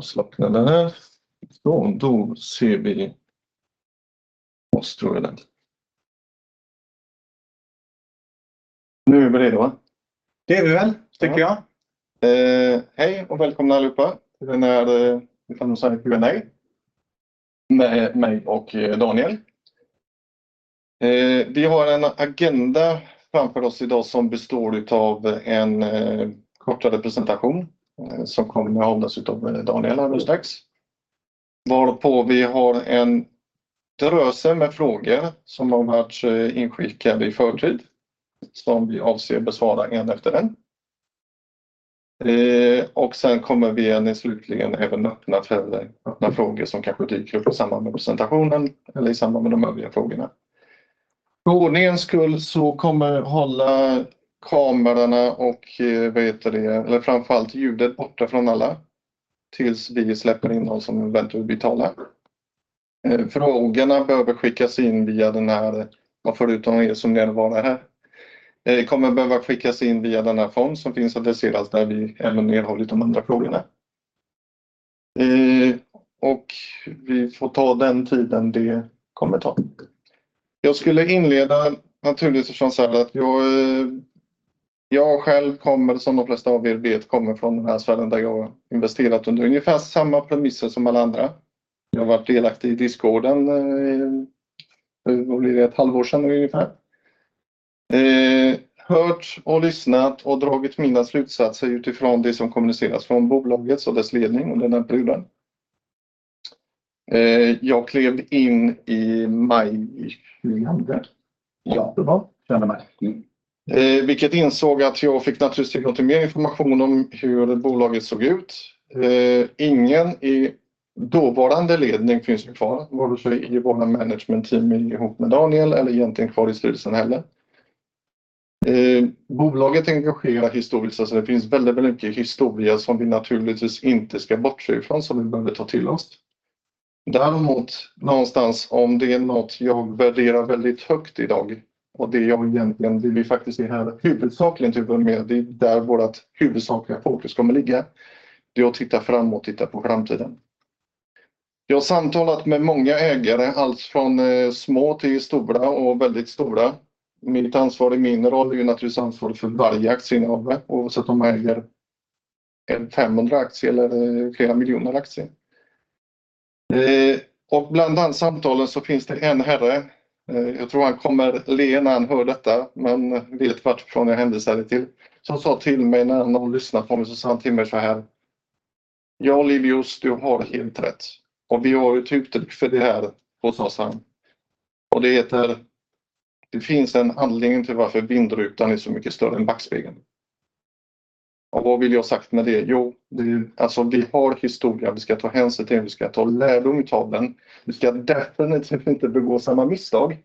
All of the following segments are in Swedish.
Nu är vi redo, va? Det är vi väl, tycker jag. Hej och välkomna allihopa! Det här är, vi kan väl säga, Q&A med mig och Daniel. Vi har en agenda framför oss i dag som består utav en kortare presentation som kommer att hållas utav Daniel här nu strax. Varpå vi har en dröse med frågor som har varit inskickade i förtid, som vi avser besvara en efter en. Sen kommer vi slutligen även öppna för frågor som kanske dyker upp i samband med presentationen eller i samband med de övriga frågorna. För ordningens skull kommer vi hålla kamerorna och framför allt ljudet borta från alla tills vi släpper in dem som eventuellt vill tala. Frågorna behöver skickas in via den här, förutom ni som är närvarande här. Det kommer behöva skickas in via den här fond som finns adresserat där vi även medhållit de andra frågorna. Vi får ta den tiden det kommer ta. Jag skulle inleda naturligtvis och framförallt att jag själv kommer, som de flesta av er vet, kommer från den här sfären där jag investerat under ungefär samma premisser som alla andra. Jag har varit delaktig i diskussionen, det är väl ett halvår sedan ungefär. Hört och lyssnat och dragit mina slutsatser utifrån det som kommuniceras från bolaget och dess ledning under den perioden. Jag klev in i januari 2020, vilket insåg att jag fick naturligtvis tillgång till mer information om hur bolaget såg ut. Ingen i dåvarande ledning finns kvar, vare sig i vår management team ihop med Daniel eller egentligen kvar i styrelsen heller. Bolaget engagerar historiskt, det finns väldigt mycket historia som vi naturligtvis inte ska bortse ifrån, som vi behöver ta till oss. Däremot, någonstans, om det är något jag värderar väldigt högt i dag och det jag egentligen, det vi faktiskt är här huvudsakligen till och med, det är där vårt huvudsakliga fokus kommer ligga. Det är att titta fram och titta på framtiden. Jag har samtalat med många ägare, allt från små till stora och väldigt stora. Mitt ansvar i min roll är naturligtvis ansvar för varje aktieinnehavare, oavsett om de äger en femhundra aktie eller flera miljoner aktier. Bland dessa samtalen så finns det en herre. Jag tror han kommer le när han hör detta, men vet vartifrån jag hänvisar det till. Som sa till mig när han lyssnade på mig, så sa han till mig såhär: "Ja, Livius, du har helt rätt och vi har ett uttryck för det här", och så sa han, "Och det heter: det finns en anledning till varför vindrutan är så mycket större än backspegeln." Vad vill jag ha sagt med det? Vi har historia. Vi ska ta hänsyn till den, vi ska ta lärdom av den. Vi ska definitivt inte begå samma misstag,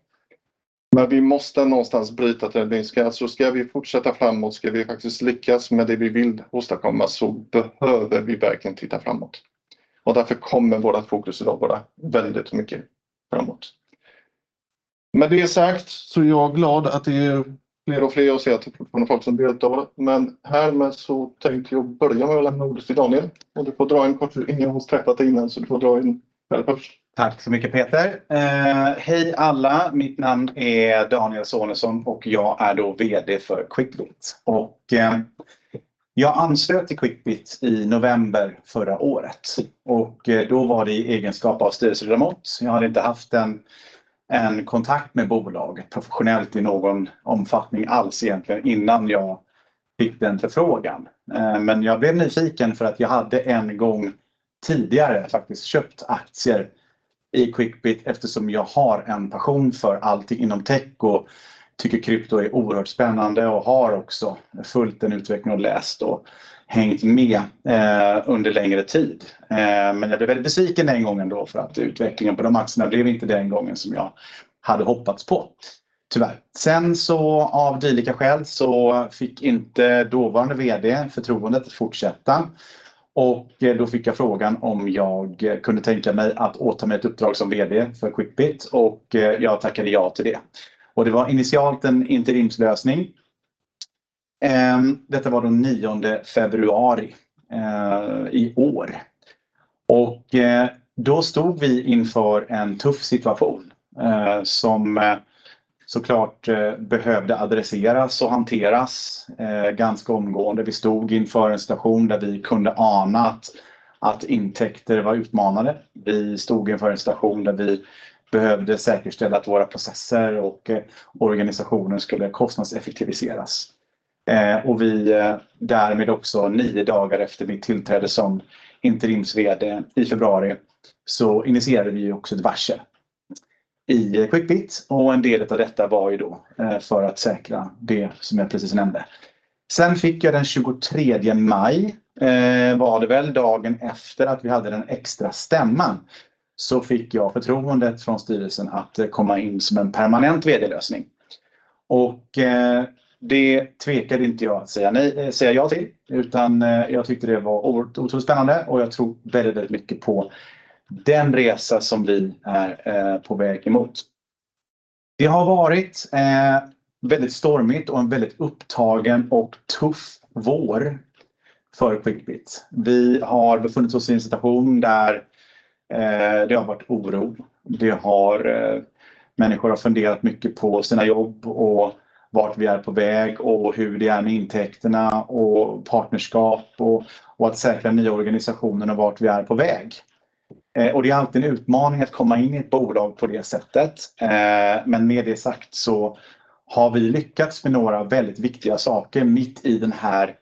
men vi måste någonstans bryta trenden. Ska vi fortsätta framåt, ska vi faktiskt lyckas med det vi vill åstadkomma, så behöver vi verkligen titta framåt. Därför kommer vårt fokus i dag vara väldigt mycket framåt. Med det sagt så är jag glad att det är fler och fler, och ser att det är folk som deltar. Med det så tänkte jag börja med att lämna ordet till Daniel, och du får dra en kort introduktion först. Tack så mycket, Peter. Hej alla, mitt namn är Daniel Sonesson och jag är VD för Quickbit. Jag anslöt till Quickbit i november förra året i egenskap av styrelseledamot. Jag hade inte haft en kontakt med bolaget professionellt i någon omfattning alls egentligen, innan jag fick den förfrågan. Men jag blev nyfiken för att jag hade en gång tidigare faktiskt köpt aktier i Quickbit, eftersom jag har en passion för allt inom tech och tycker krypto är oerhört spännande och har också följt en utveckling och läst och hängt med under längre tid. Jag blev väldigt besviken den gången för att utvecklingen på de aktierna inte blev den gången som jag hade hoppats på. Tyvärr. Av dylika skäl fick inte dåvarande VD förtroendet att fortsätta, och då fick jag frågan om jag kunde tänka mig att åta mig ett uppdrag som VD för Quickbit, och jag tackade ja till det. Detta var initialt en interimslösning. Detta var den nionde februari i år, och då stod vi inför en tuff situation som såklart behövde adresseras och hanteras ganska omgående. Vi stod inför en situation där vi kunde ana att intäkter var utmanade. Vi stod inför en situation där vi behövde säkerställa att våra processer och organisationen skulle kostnadseffektiviseras, och vi därmed också, nio dagar efter mitt tillträde som interims-VD i februari, initierade ett varsel i Quickbit, och en del av detta var ju då för att säkra det som jag precis nämnde. Den tjugotredje maj, dagen efter att vi hade den extra stämman, fick jag förtroendet från styrelsen att komma in som en permanent VD-lösning. Det tvekade jag inte att säga ja till, utan jag tyckte det var otroligt spännande och jag tror väldigt, väldigt mycket på den resa som vi är på väg emot. Det har varit väldigt stormigt och en väldigt upptagen och tuff vår för Quickbit. Vi har befunnit oss i en situation där det har varit oro. Människor har funderat mycket på sina jobb och vart vi är på väg och hur det är med intäkterna och partnerskap och att säkra den nya organisationen och vart vi är på väg. Det är alltid en utmaning att komma in i ett bolag på det sättet. Med det sagt så har vi lyckats med några väldigt viktiga saker mitt i den här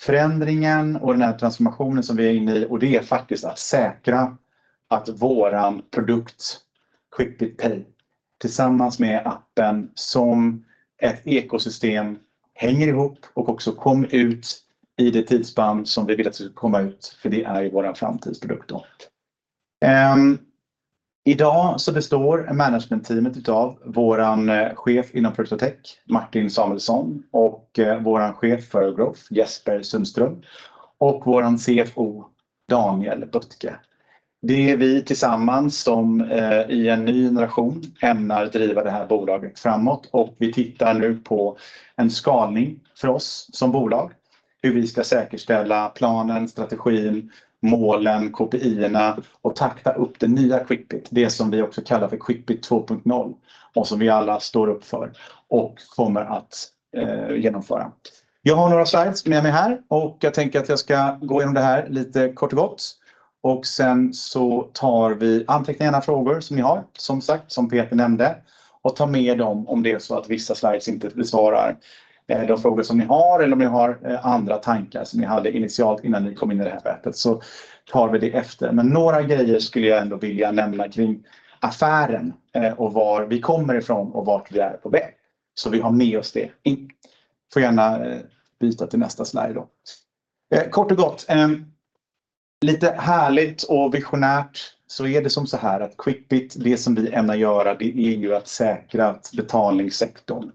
förändringen och den här transformationen som vi är inne i, och det är faktiskt att säkra att våran produkt, Quickbit Pay, tillsammans med appen som ett ekosystem hänger ihop och också kom ut i det tidsspann som vi vill att det ska komma ut, för det är ju vår framtidsprodukt då. I dag så består management-teamet utav våran chef inom Product Tech, Martin Samuelsson, och våran chef för Growth, Jesper Sundström och våran CFO, Daniel Boettge. Det är vi tillsammans som, i en ny generation, ämnar driva det här bolaget framåt och vi tittar nu på en skalning för oss som bolag. Hur vi ska säkerställa planen, strategin, målen, KPI:erna och takta upp det nya Quickbit. Det som vi också kallar för Quickbit 2.0 och som vi alla står upp för och kommer att genomföra. Jag har några slides med mig här och jag tänker att jag ska gå igenom det här lite kort och gott. Sen tar vi anteckningar och frågor som ni har, som sagt, som Peter nämnde, och ta med dem om det är så att vissa slides inte besvarar de frågor som ni har eller om ni har andra tankar som ni hade initialt innan ni kom in i det här mötet, så tar vi det efter. Men några grejer skulle jag ändå vilja nämna kring affären och var vi kommer ifrån och vart vi är på väg. Vi har med oss det in. Får gärna byta till nästa slide då. Kort och gott, lite härligt och visionärt, så är det som såhär att Quickbit, det som vi ämnar att göra, det är ju att säkra att betalningssektorn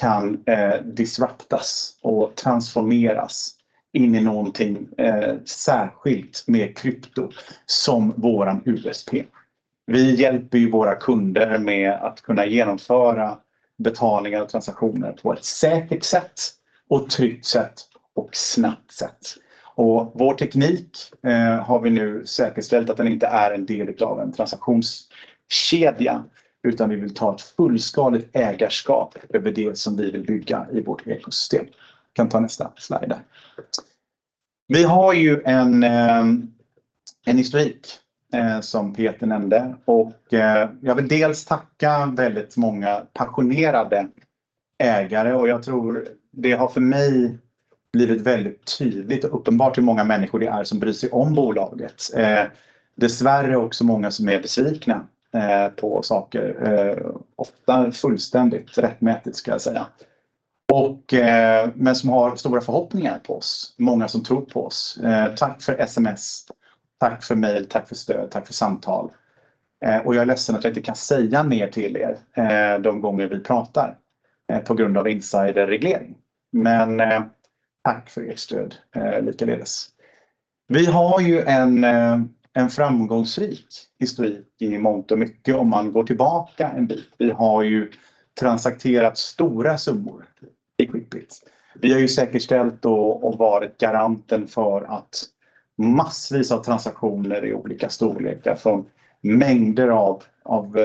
kan disruptas och transformeras in i någonting särskilt med krypto som vår USP. Vi hjälper ju våra kunder med att kunna genomföra betalningar och transaktioner på ett säkert sätt och tryggt sätt och snabbt sätt. Och vår teknik har vi nu säkerställt att den inte är en del utav en transaktionskedja, utan vi vill ta ett fullskaligt ägarskap över det som vi vill bygga i vårt ekosystem. Kan ta nästa slide där. Vi har ju en historik som Peter nämnde, och jag vill dels tacka väldigt många passionerade ägare, och jag tror det har för mig blivit väldigt tydligt och uppenbart hur många människor det är som bryr sig om bolaget. Dessvärre är det också många som är besvikna på saker, ofta fullständigt rättmätigt ska jag säga. Men som har stora förhoppningar på oss. Många som tror på oss. Tack för sms, tack för mejl, tack för stöd, tack för samtal. Jag är ledsen att jag inte kan säga mer till er de gånger vi pratar, på grund av insiderreglering. Men tack för ert stöd, likaledes. Vi har ju en framgångsrik historik i mångt och mycket om man går tillbaka en bit. Vi har ju transakterat stora summor i Quickbit. Vi har ju säkerställt och varit garanten för att massvis av transaktioner i olika storlekar, från mängder av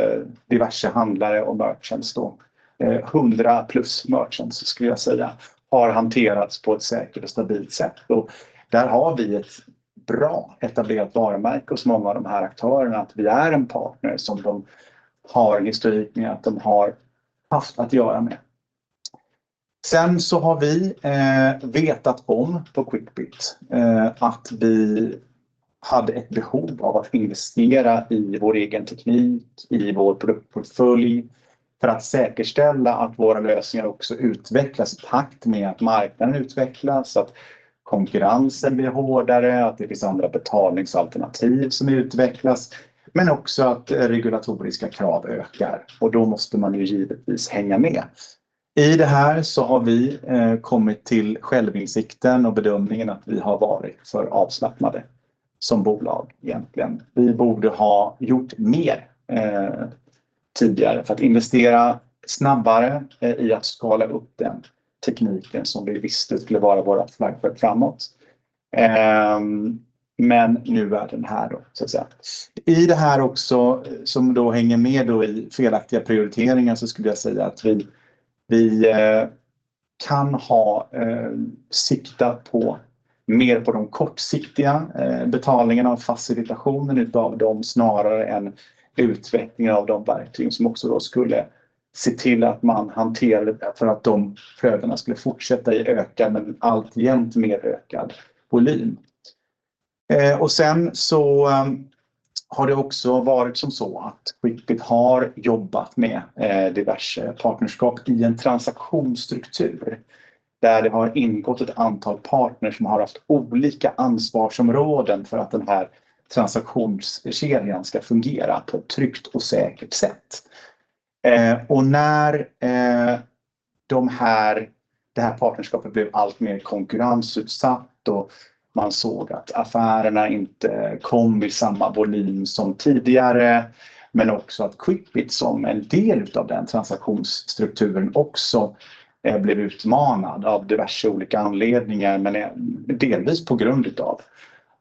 diverse handlare och merchants, hundra plus merchants skulle jag säga, har hanterats på ett säkert och stabilt sätt. Där har vi ett bra etablerat varumärke hos många av de här aktörerna, att vi är en partner som de har en historik med, att de har haft att göra med. Vi hade ett behov av att investera i vår egen teknik, i vår produktportfölj, för att säkerställa att våra lösningar också utvecklas i takt med att marknaden utvecklas, att konkurrensen blir hårdare, att det finns andra betalningsalternativ som utvecklas, men också att regulatoriska krav ökar och då måste man givetvis hänga med. I det här så har vi kommit till självinsikten och bedömningen att vi har varit för avslappnade som bolag egentligen. Vi borde ha gjort mer tidigare för att investera snabbare i att skala upp den tekniken som vi visste skulle vara vår flaggstång framåt. Nu är den här då, så att säga. I det här också, som då hänger med i felaktiga prioriteringar, skulle jag säga att vi kan ha siktat mer på de kortsiktiga betalningarna och facilitationen av dem, snarare än utvecklingen av de verktyg som också då skulle se till att man hanterade, för att de flödena skulle fortsätta att öka, men alltjämt med mer ökad volym. Sen så har det också varit så att Quickbit har jobbat med diverse partnerskap i en transaktionsstruktur, där det har ingått ett antal partner som har haft olika ansvarsområden för att den här transaktionskedjan ska fungera på ett tryggt och säkert sätt. Det här partnerskapet blev alltmer konkurrensutsatt och man såg att affärerna inte kom i samma volym som tidigare, men också att Quickbit som en del utav den transaktionsstrukturen också blev utmanad av diverse olika anledningar, men delvis på grund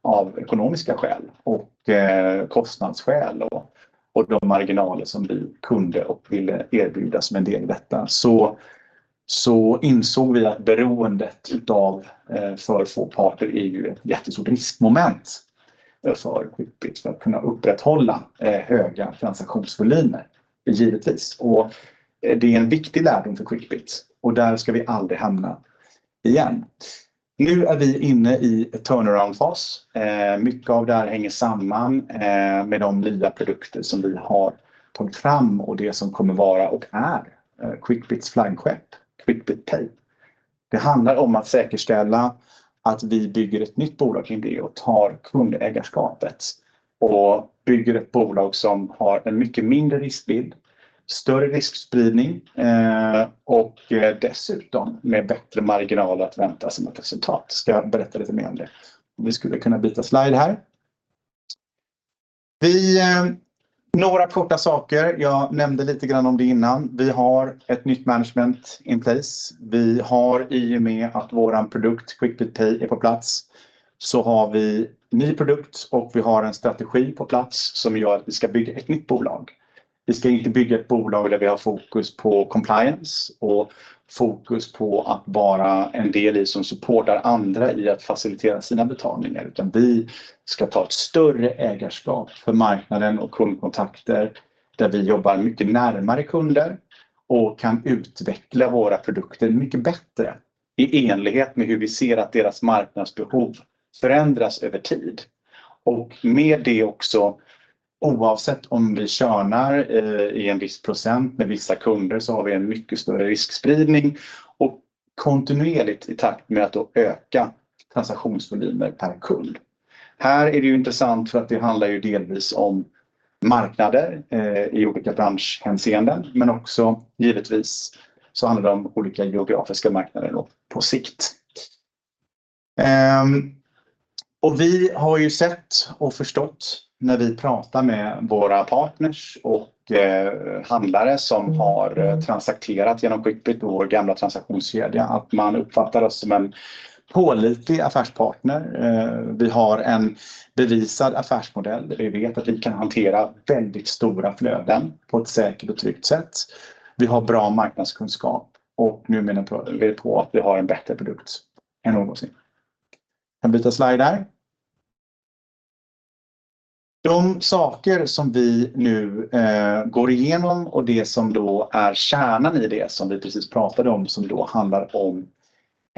utav ekonomiska skäl och kostnadsskäl och de marginaler som vi kunde och ville erbjuda som en del i detta. Så insåg vi att beroendet utav för få parter är ju ett jättestort riskmoment för Quickbit för att kunna upprätthålla höga transaktionsvolymer. Givetvis, och det är en viktig lärdom för Quickbit och där ska vi aldrig hamna igen. Nu är vi inne i en turnaround-fas. Mycket av det här hänger samman med de nya produkter som vi har tagit fram och det som kommer vara och är Quickbits flagship, Quickbit Pay. Det handlar om att säkerställa att vi bygger ett nytt bolag kring det och tar kundägarskapet och bygger ett bolag som har en mycket mindre riskbild, större riskspridning och dessutom med bättre marginal att vänta som ett resultat. Ska berätta lite mer om det. Vi, några korta saker. Jag nämnde lite grann om det innan. Vi har ett nytt management in place. Vi har, i och med att vår produkt, Quickbit Pay, är på plats, så har vi ny produkt och vi har en strategi på plats som gör att vi ska bygga ett nytt bolag. Vi ska inte bygga ett bolag där vi har fokus på compliance och fokus på att vara en del som supportar andra i att facilitera sina betalningar, utan vi ska ta ett större ägarskap för marknaden och kundkontakter, där vi jobbar mycket närmare kunder och kan utveckla våra produkter mycket bättre i enlighet med hur vi ser att deras marknadsbehov förändras över tid. Med det också, oavsett om vi tjänar en viss % med vissa kunder, så har vi en mycket större riskspridning och kontinuerligt i takt med att öka transaktionsvolymer per kund. Här är det intressant för att det handlar delvis om marknader i olika branschhänseenden, men också givetvis handlar det om olika geografiska marknader på sikt. Vi har sett och förstått, när vi pratar med våra partners och handlare som har transakterat igenom Quickbit och vår gamla transaktionskedja, att man uppfattar oss som en pålitlig affärspartner. Vi har en bevisad affärsmodell där vi vet att vi kan hantera väldigt stora flöden på ett säkert och tryggt sätt. Vi har bra marknadskunskap och nu med den produkten vi är på, att vi har en bättre produkt än någonsin. Kan byta slide där. De saker som vi nu går igenom, och det som då är kärnan i det som vi precis pratade om, som då handlar om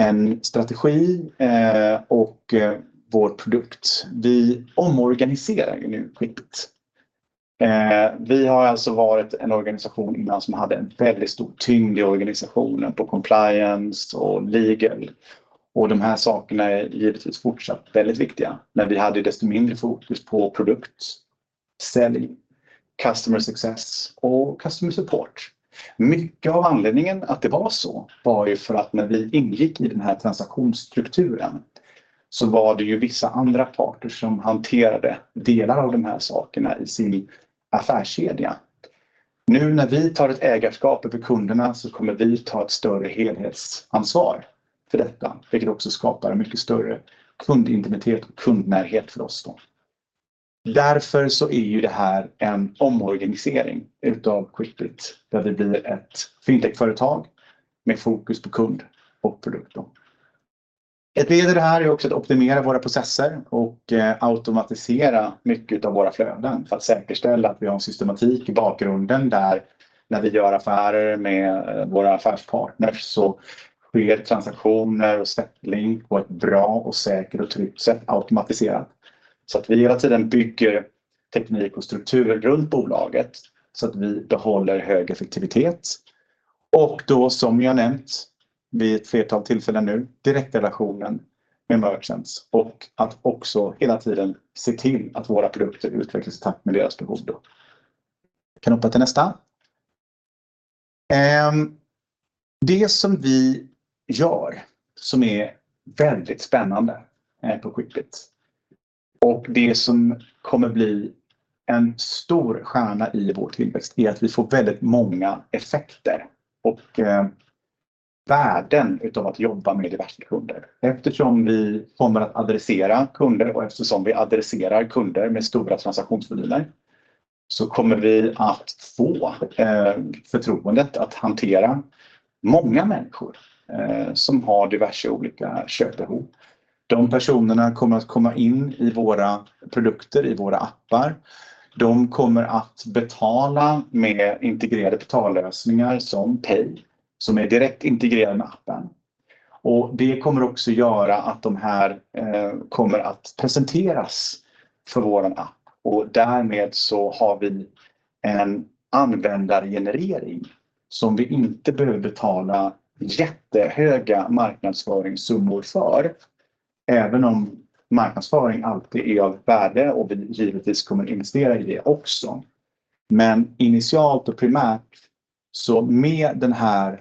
en strategi och vår produkt. Vi omorganiserar nu Quickbit. Vi har alltså varit en organisation innan som hade en väldigt stor tyngd i organisationen på compliance och legal. Och de här sakerna är givetvis fortsatt väldigt viktiga, men vi hade desto mindre fokus på produkt, selling, customer success och customer support. Mycket av anledningen att det var så, var ju för att när vi ingick i den här transaktionsstrukturen, så var det ju vissa andra parter som hanterade delar av de här sakerna i sin affärskedja. Nu när vi tar ett ägarskap över kunderna så kommer vi ta ett större helhetsansvar för detta, vilket också skapar en mycket större kundintimitet och kundnärhet för oss då. Därför så är ju det här en omorganisering utav Quickbit, där det blir ett fintechföretag med fokus på kund och produkt då. Ett led i det här är också att optimera våra processer och automatisera mycket utav våra flöden för att säkerställa att vi har en systematik i bakgrunden där när vi gör affärer med våra affärspartners så sker transaktioner och settlement på ett bra och säkert och tryggt sätt, automatiserat. Vi bygger hela tiden teknik och struktur runt bolaget så att vi behåller hög effektivitet. Som jag nämnt vid ett flertal tillfällen nu, direktrelationen med merchants och att också hela tiden se till att våra produkter utvecklas i takt med deras behov. Det som vi gör, som är väldigt spännande, på Quickbit och det som kommer bli en stor stjärna i vår tillväxt, är att vi får väldigt många effekter och värden utav att jobba med diverse kunder. Eftersom vi kommer att adressera kunder och eftersom vi adresserar kunder med stora transaktionsvolymer, så kommer vi att få förtroendet att hantera många människor som har diverse olika köpbehov. De personerna kommer att komma in i våra produkter, i våra appar. De kommer att betala med integrerade betallösningar som Pay, som är direkt integrerad med appen. Och det kommer också göra att de här kommer att presenteras för våran app och därmed så har vi en användargenerering som vi inte behöver betala jättehöga marknadsföringssummor för. Även om marknadsföring alltid är av värde och vi givetvis kommer investera i det också. Men initialt och primärt, så med det här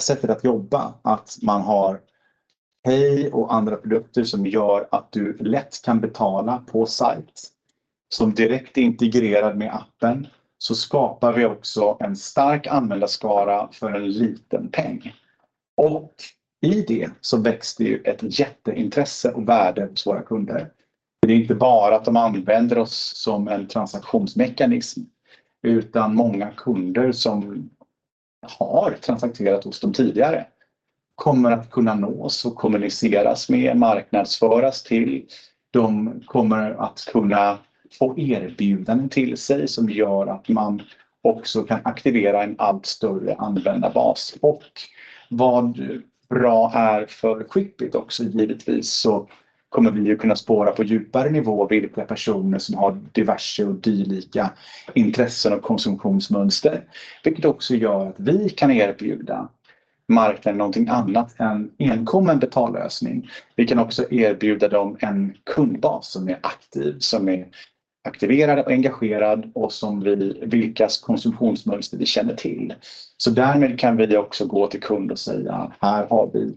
sättet att jobba, att man har Pay och andra produkter som gör att du lätt kan betala på sajt, som direkt är integrerad med appen, så skapar vi också en stark användarskara för en liten peng. I det väcks det ett jätteintresse och värde hos våra kunder. Det är inte bara att de använder oss som en transaktionsmekanism, utan många kunder som har transaktionerat hos dem tidigare kommer att kunna nås och kommuniceras med, marknadsföras till. De kommer att kunna få erbjudanden till sig som gör att man också kan aktivera en allt större användarbas. Vad bra är för Skippit också, givetvis, så kommer vi ju kunna spåra på djupare nivå vilka personer som har diverse och dylika intressen och konsumtionsmönster, vilket också gör att vi kan erbjuda marknaden någonting annat än enkom en betallösning. Vi kan också erbjuda dem en kundbas som är aktiv, som är aktiverad och engagerad och vilkas konsumtionsmönster vi känner till. Därmed kan vi också gå till kund och säga: Här har vi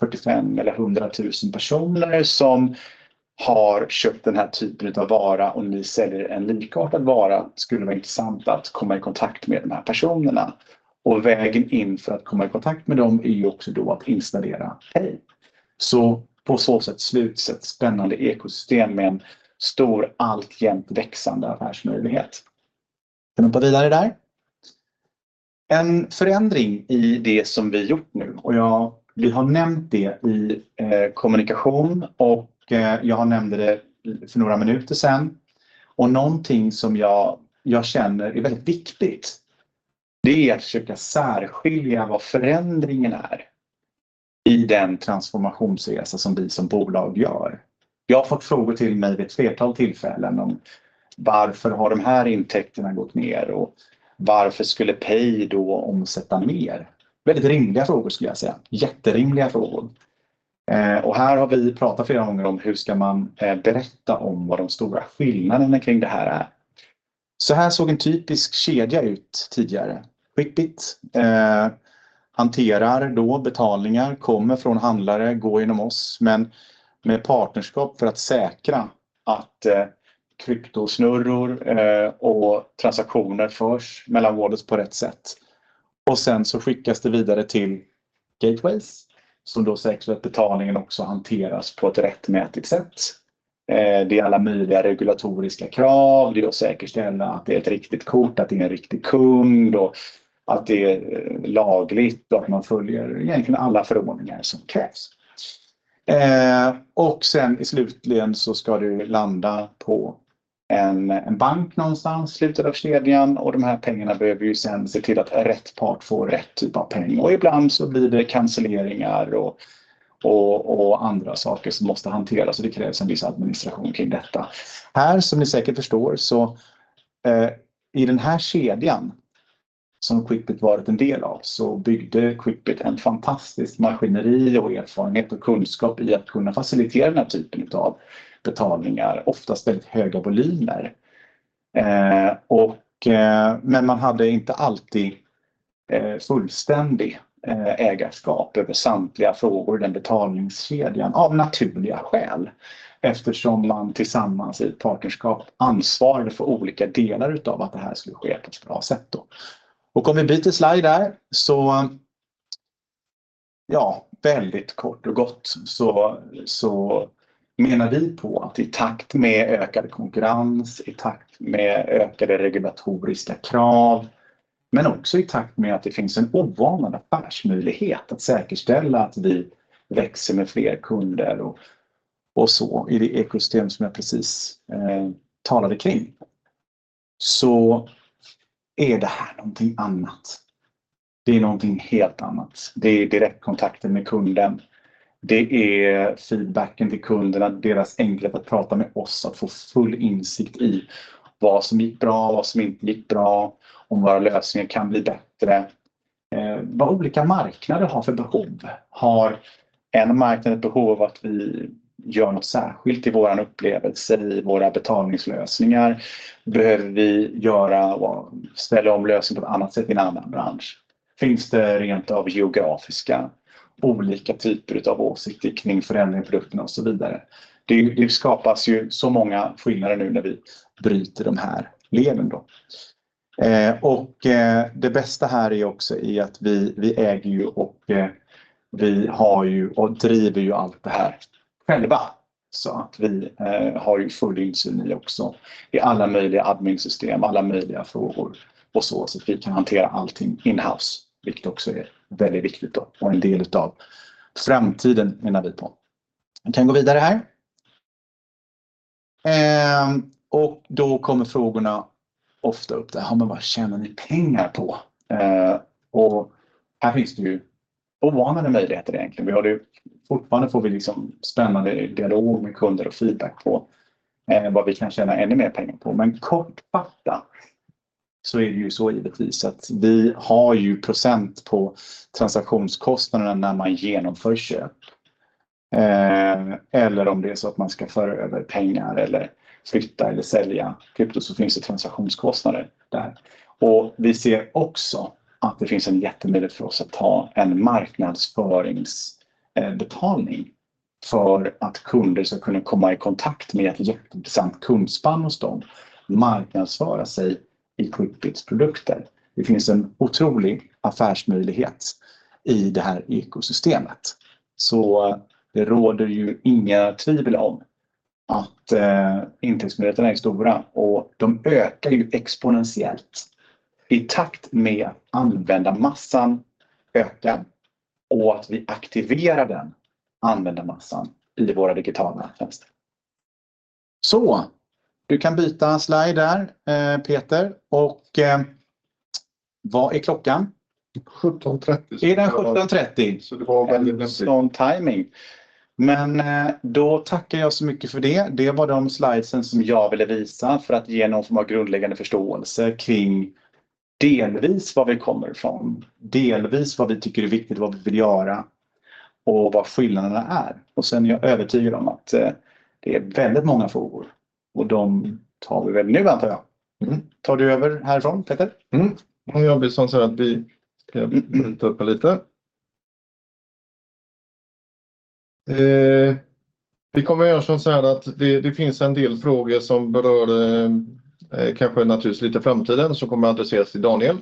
fyrtiofem eller hundratusen personer som har köpt den här typen av vara och ni säljer en likartad vara. Skulle det vara intressant att komma i kontakt med de här personerna? Vägen in för att komma i kontakt med dem är också att installera Pay. På så sätt sluts ett spännande ekosystem med en stor, alltjämt växande affärsmöjlighet. Kan du hoppa vidare där? En förändring i det som vi gjort nu, och vi har nämnt det i kommunikation och jag nämnde det för några minuter sedan. Någonting som jag känner är väldigt viktigt är att försöka särskilja vad förändringen är i den transformationsresa som vi som bolag gör. Jag har fått frågor till mig vid ett flertal tillfällen om varför har de här intäkterna gått ner och varför skulle Pay då omsätta mer? Väldigt rimliga frågor skulle jag säga. Jätterimliga frågor. Och här har vi pratat flera gånger om hur ska man berätta om vad de stora skillnaderna kring det här är. Så här såg en typisk kedja ut tidigare. Skippit hanterar då betalningar, kommer från handlare, går igenom oss, men med partnerskap för att säkra att kryptosnurror och transaktioner förs mellan wallets på rätt sätt. Sen så skickas det vidare till gateways, som då säkert betalningen också hanteras på ett rättmätigt sätt. Det är alla möjliga regulatoriska krav, det är att säkerställa att det är ett riktigt kort, att det är en riktig kund och att det är lagligt och att man följer egentligen alla förordningar som krävs. Sedan ska det landa på en bank någonstans, i slutet av kedjan, och de här pengarna behöver sedan se till att rätt part får rätt typ av peng. Ibland blir det canceleringar och andra saker som måste hanteras. Det krävs en viss administration kring detta. I den här kedjan som Skippit varit en del av byggde Skippit ett fantastiskt maskineri och erfarenhet och kunskap i att kunna facilitera den här typen av betalningar, oftast väldigt höga volymer. Man hade inte alltid fullständigt ägarskap över samtliga frågor i den betalningskedjan, av naturliga skäl, eftersom man tillsammans i partnerskap ansvarade för olika delar av att det här skulle ske på ett bra sätt. Om vi byter slide där, så menar vi på att i takt med ökad konkurrens, i takt med ökade regulatoriska krav, men också i takt med att det finns en ovanad affärsmöjlighet att säkerställa att vi växer med fler kunder och i det ekosystem som jag precis talade kring, så är det här någonting annat. Det är någonting helt annat. Det är direktkontakten med kunden. Det är feedbacken till kunderna, deras enklare att prata med oss, att få full insikt i vad som gick bra, vad som inte gick bra, om våra lösningar kan bli bättre, vad olika marknader har för behov. Har en marknad ett behov av att vi gör något särskilt i vår upplevelse, i våra betalningslösningar? Behöver vi göra, ställa om lösning på ett annat sätt i en annan bransch? Finns det rent av geografiska, olika typer av åsikt kring förändring i produkterna och så vidare. Det skapas ju så många skillnader nu när vi bryter de här leden. Det bästa här är också att vi äger, har och driver ju allt det här själva. Vi har ju full insyn i alla möjliga adminsystem, alla möjliga frågor och så, så vi kan hantera allting in house, vilket också är väldigt viktigt och en del av framtiden menar vi på. Du kan gå vidare här. Och då kommer frågorna ofta upp, ja, men vad tjänar ni pengar på? Här finns det ju ovanliga möjligheter egentligen. Vi har det, fortfarande får vi spännande dialog med kunder och feedback på vad vi kan tjäna ännu mer pengar på. Kortfattat är det ju så givetvis att vi har % på transaktionskostnaderna när man genomför köp, eller om det är så att man ska föra över pengar eller flytta eller sälja krypto, så finns det transaktionskostnader där. Vi ser också att det finns en jättemöjlighet för oss att ta en marknadsföringsbetalning för att kunder ska kunna komma i kontakt med ett jätteintressant kundspann hos dem, marknadsföra sig i Quickbits produkter. Det finns en otrolig affärsmöjlighet i det här ekosystemet. Det råder ju inga tvivel om att intäktsmöjligheterna är stora och de ökar ju exponentiellt i takt med att användarmassan ökar och att vi aktiverar den användarmassan i våra digitala tjänster. Du kan byta slide där, Peter, och vad är klockan? 17:30. Är den 17:30? Så det var väl någon timing. Men då tackar jag så mycket för det. Det var de slidesen som jag ville visa för att ge någon form av grundläggande förståelse kring delvis vad vi kommer från, delvis vad vi tycker är viktigt, vad vi vill göra och vad skillnaderna är. Sedan är jag övertygad om att det är väldigt många frågor och de tar vi väl nu antar jag. Tar du över härifrån, Peter? Då gör vi som så att vi ska byta upp det lite. Vi kommer att göra som såhär att det finns en del frågor som berör kanske naturligt lite framtiden som kommer att adresseras till Daniel.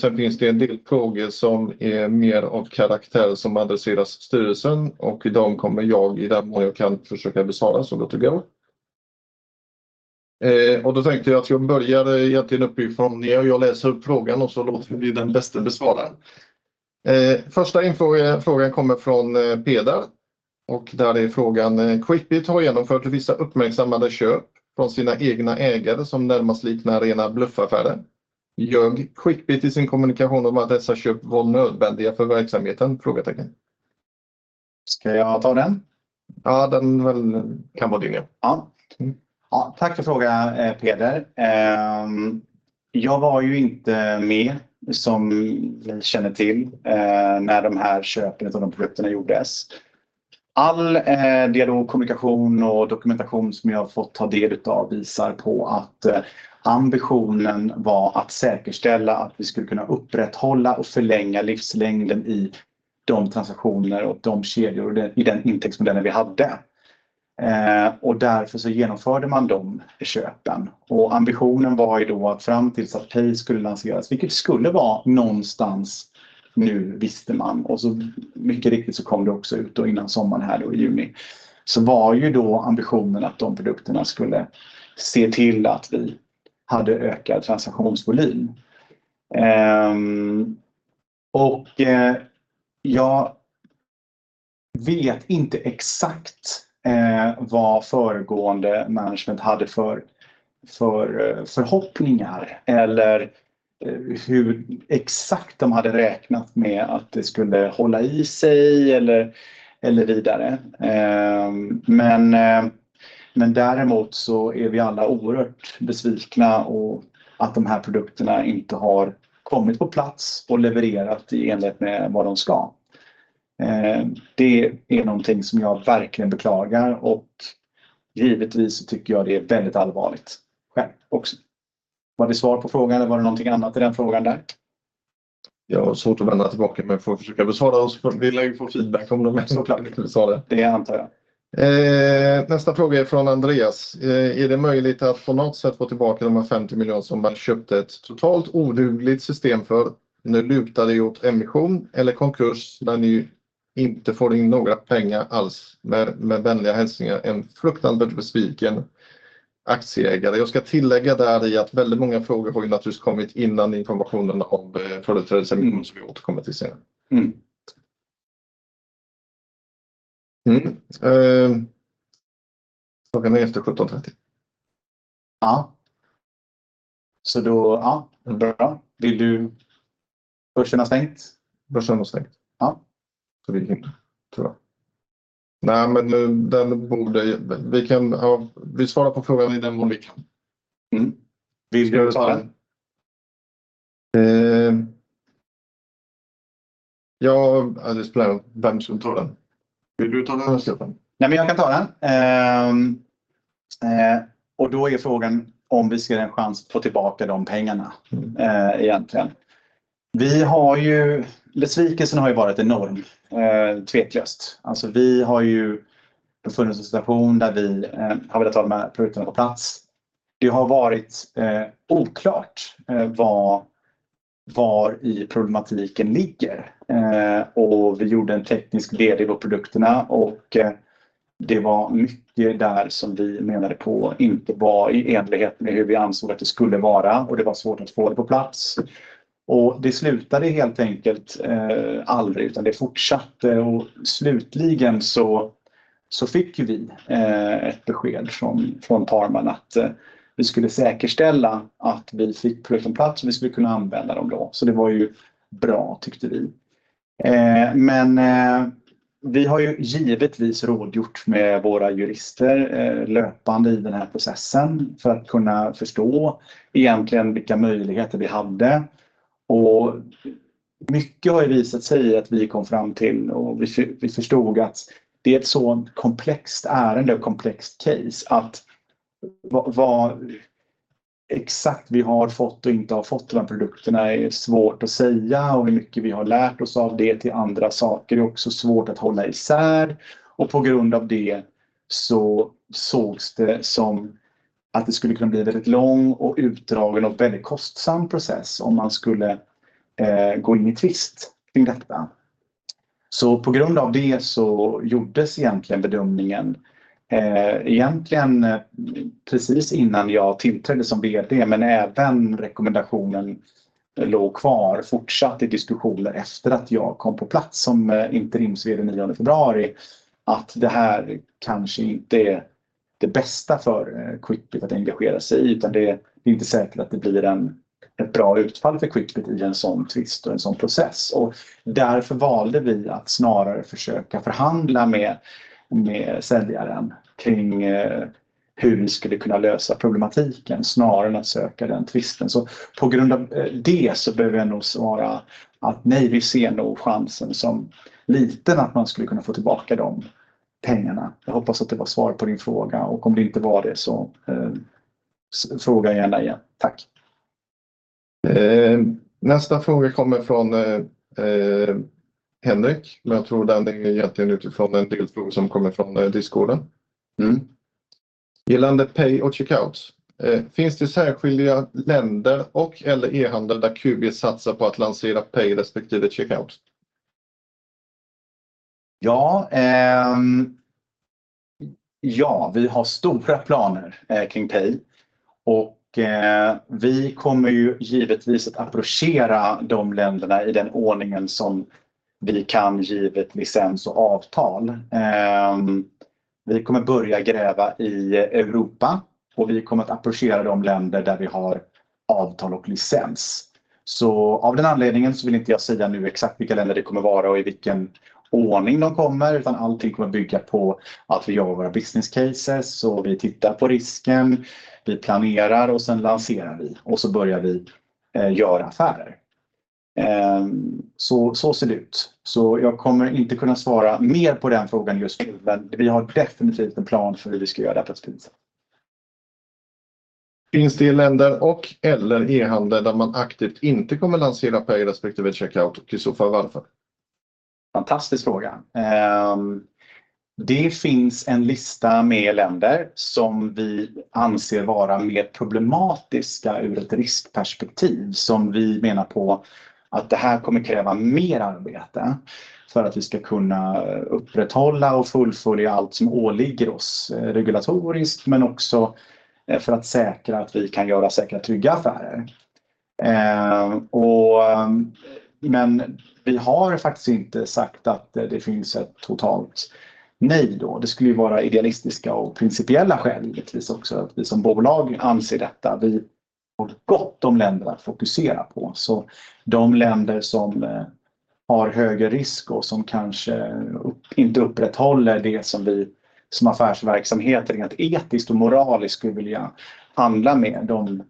Sen finns det en del frågor som är mer av karaktär som adresseras styrelsen och i dag kommer jag i den mån jag kan försöka besvara så gott det går. Då tänkte jag att jag börjar egentligen uppe ifrån ner och jag läser upp frågan och så låter vi den bäste besvara. Första frågan kommer från Peder och där är frågan: Quickbit har genomfört vissa uppmärksammade köp från sina egna ägare som närmast liknar rena bluffaffärer. Ljög Quickbit i sin kommunikation om att dessa köp var nödvändiga för verksamheten? Ska jag ta den? Ja, den väl kan vara din ja. Tack för frågan, Peder. Jag var ju inte med, som jag känner till, när de här köpen av de produkterna gjordes. All dialog, kommunikation och dokumentation som jag har fått ta del av visar på att ambitionen var att säkerställa att vi skulle kunna upprätthålla och förlänga livslängden i de transaktionerna och de kedjor i den intäktsmodellen vi hade. Därför genomförde man de köpen. Ambitionen var ju då att fram tills att Pay skulle lanseras, vilket skulle vara någonstans nu, visste man. Så mycket riktigt så kom det också ut innan sommaren här då i juni. Ambitionen var att de produkterna skulle se till att vi hade ökad transaktionsvolym. Jag vet inte exakt vad föregående management hade för förhoppningar eller hur exakt de hade räknat med att det skulle hålla i sig eller vidare. Vi är alla oerhört besvikna över att de här produkterna inte har kommit på plats och levererat i enlighet med vad de ska. Det är någonting som jag verkligen beklagar och givetvis tycker jag det är väldigt allvarligt själv också. Var det svar på frågan? Var det någonting annat i den frågan där? Jag har svårt att vända tillbaka, men får försöka besvara och så vi får feedback om de är så klara. Det antar jag. Nästa fråga är från Andreas: Är det möjligt att på något sätt få tillbaka de här SEK 50 miljoner som man köpte ett totalt odugligt system för? Nu lutar det åt emission eller konkurs, där ni inte får in några pengar alls. Med vänliga hälsningar, en fruktansvärt besviken aktieägare. Jag ska tillägga att väldigt många frågor har ju naturligt kommit innan informationen om produktrecession, som vi återkommer till senare. Klockan är efter 17:30. Börsen har stängt. Börsen har stängt. Det är inget, tror jag. Nej, men den borde... Vi kan, ja, vi svarar på frågan i den mån vi kan. Vill du ta den? Det är sådär, vem som tar den? Vill du ta den, Stefan? Besvikelsen har ju varit enorm, tveklöst. Vi har ju befunnit oss i en situation där vi har velat ha de här produkterna på plats. Det har varit oklart var i problematiken ligger. Vi gjorde en teknisk genomgång av produkterna och det var mycket där som vi menade inte var i enlighet med hur vi ansåg att det skulle vara, och det var svårt att få det på plats. Det slutade helt enkelt aldrig, utan det fortsatte, och slutligen fick vi ett besked från tarmen att vi skulle säkerställa att vi fick produkten på plats och att vi skulle kunna använda dem. Det var ju bra, tyckte vi. Vi har ju givetvis rådgjort med våra jurister löpande i den här processen för att kunna förstå egentligen vilka möjligheter vi hade. Mycket har ju visat sig i att vi kom fram till och vi förstod att det är ett så komplext ärende och komplext case att vad exakt vi har fått och inte har fått av de produkterna är svårt att säga, och hur mycket vi har lärt oss av det till andra saker är också svårt att hålla isär. På grund av det sågs det som att det skulle kunna bli en väldigt lång och utdragen och väldigt kostsam process om man skulle gå in i tvist kring detta. På grund av det gjordes egentligen bedömningen precis innan jag tillträdde som VD, men även rekommendationen låg kvar och fortsatte i diskussioner efter att jag kom på plats som interims-VD den nionde februari, att det här kanske inte är det bästa för Quibi att engagera sig i, utan det är inte säkert att det blir ett bra utfall för Quibi i en sådan tvist och en sådan process. Därför valde vi att snarare försöka förhandla med säljaren kring hur vi skulle kunna lösa problematiken, snarare än att söka den tvisten. På grund av det behöver jag nog svara att nej, vi ser nog chansen som liten att man skulle kunna få tillbaka de pengarna. Jag hoppas att det var svar på din fråga, och om det inte var det, fråga gärna igen. Tack! Nästa fråga kommer från Henrik, men jag tror den är egentligen utifrån en del frågor som kommer från Discorden. Mm. Gällande Pay och Checkout: finns det särskilda länder och/eller e-handel där Quickbutik satsar på att lansera Pay respektive Checkout? Vi har stora planer kring Pay och vi kommer givetvis att approchera de länderna i den ordningen som vi kan, givet licens och avtal. Vi kommer börja gräva i Europa och vi kommer att approchera de länder där vi har avtal och licens. Av den anledningen vill inte jag säga nu exakt vilka länder det kommer vara och i vilken ordning de kommer, utan allting kommer bygga på att vi jobbar med våra business cases och vi tittar på risken, vi planerar och sedan lanserar vi och så börjar vi göra affärer. Så ser det ut. Jag kommer inte kunna svara mer på den frågan just nu, men vi har definitivt en plan för hur vi ska göra det på sikt. Finns det länder och/eller e-handel där man aktivt inte kommer lansera Pay respektive Checkout? I så fall, varför? Fantastisk fråga! Det finns en lista med länder som vi anser vara mer problematiska ur ett riskperspektiv, som vi menar på att det här kommer kräva mer arbete för att vi ska kunna upprätthålla och fullfölja allt som åligger oss regulatoriskt, men också för att säkra att vi kan göra säkra, trygga affärer. Vi har faktiskt inte sagt att det finns ett totalt nej då. Det skulle ju vara idealistiska och principiella skäl, givetvis också, att vi som bolag anser detta. Vi har gott om länder att fokusera på. De länder som har högre risk och som kanske inte upprätthåller det som vi som affärsverksamhet, rent etiskt och moraliskt, skulle vilja handla med, de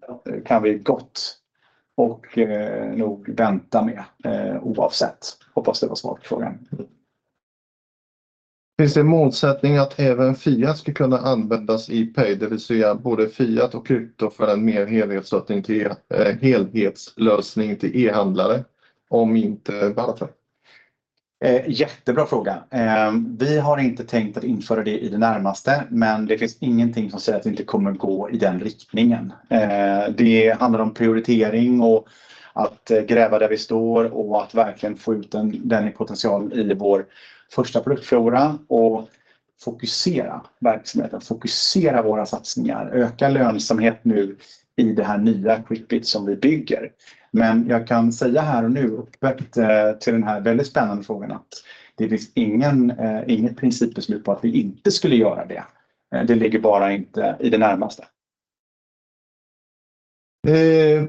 kan vi gott och nog vänta med, oavsett. Hoppas det var svar på frågan. Finns det en motsättning att även Fiat skulle kunna användas i Pay, det vill säga både Fiat och krypto för en mer helhetslösning till e-handlare? Om inte, varför? Jättebra fråga. Vi har inte tänkt att införa det i det närmaste, men det finns ingenting som säger att vi inte kommer gå i den riktningen. Det handlar om prioritering och att gräva där vi står och att verkligen få ut den potentialen i vår första produktflora och fokusera verksamheten, fokusera våra satsningar, öka lönsamhet nu i det här nya Quibit som vi bygger. Men jag kan säga här och nu öppet till den här väldigt spännande frågan att det finns inget principbeslut på att vi inte skulle göra det. Det ligger bara inte i det närmaste.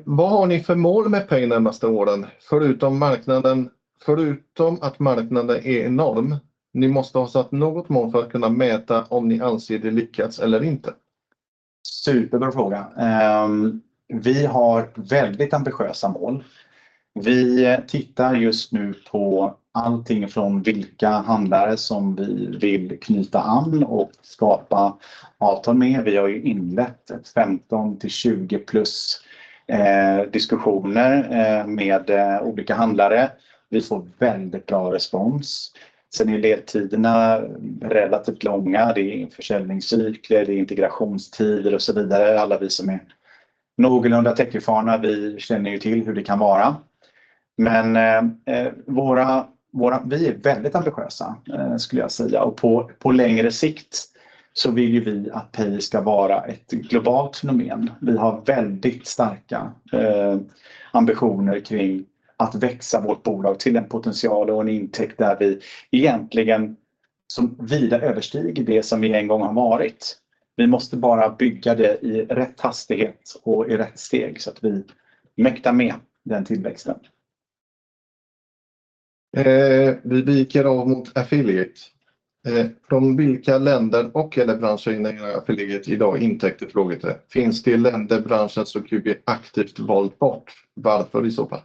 Vad har ni för mål med Pay de närmaste åren? Förutom marknaden, förutom att marknaden är enorm. Ni måste ha satt något mål för att kunna mäta om ni anser det lyckats eller inte. Superbra fråga. Vi har väldigt ambitiösa mål. Vi tittar just nu på allting från vilka handlare som vi vill knyta an och skapa avtal med. Vi har ju inlett femton till tjugo plus diskussioner med olika handlare. Vi får väldigt bra respons. Sen är ju ledtiderna relativt långa, det är försäljningscykler, det är integrationstider och så vidare. Alla vi som är någorlunda techfarna känner ju till hur det kan vara. Vi är väldigt ambitiösa, skulle jag säga, och på längre sikt så vill ju vi att Pay ska vara ett globalt fenomen. Vi har väldigt starka ambitioner kring att växa vårt bolag till en potential och en intäkt som vida överstiger det som vi en gång har varit. Vi måste bara bygga det i rätt hastighet och i rätt steg så att vi mäktar med den tillväxten. Vi viker av mot affiliate. Från vilka länder och eller branscher genererar affiliate i dag intäkter? Finns det länder branscher som Qlipp aktivt valt bort? Varför i så fall?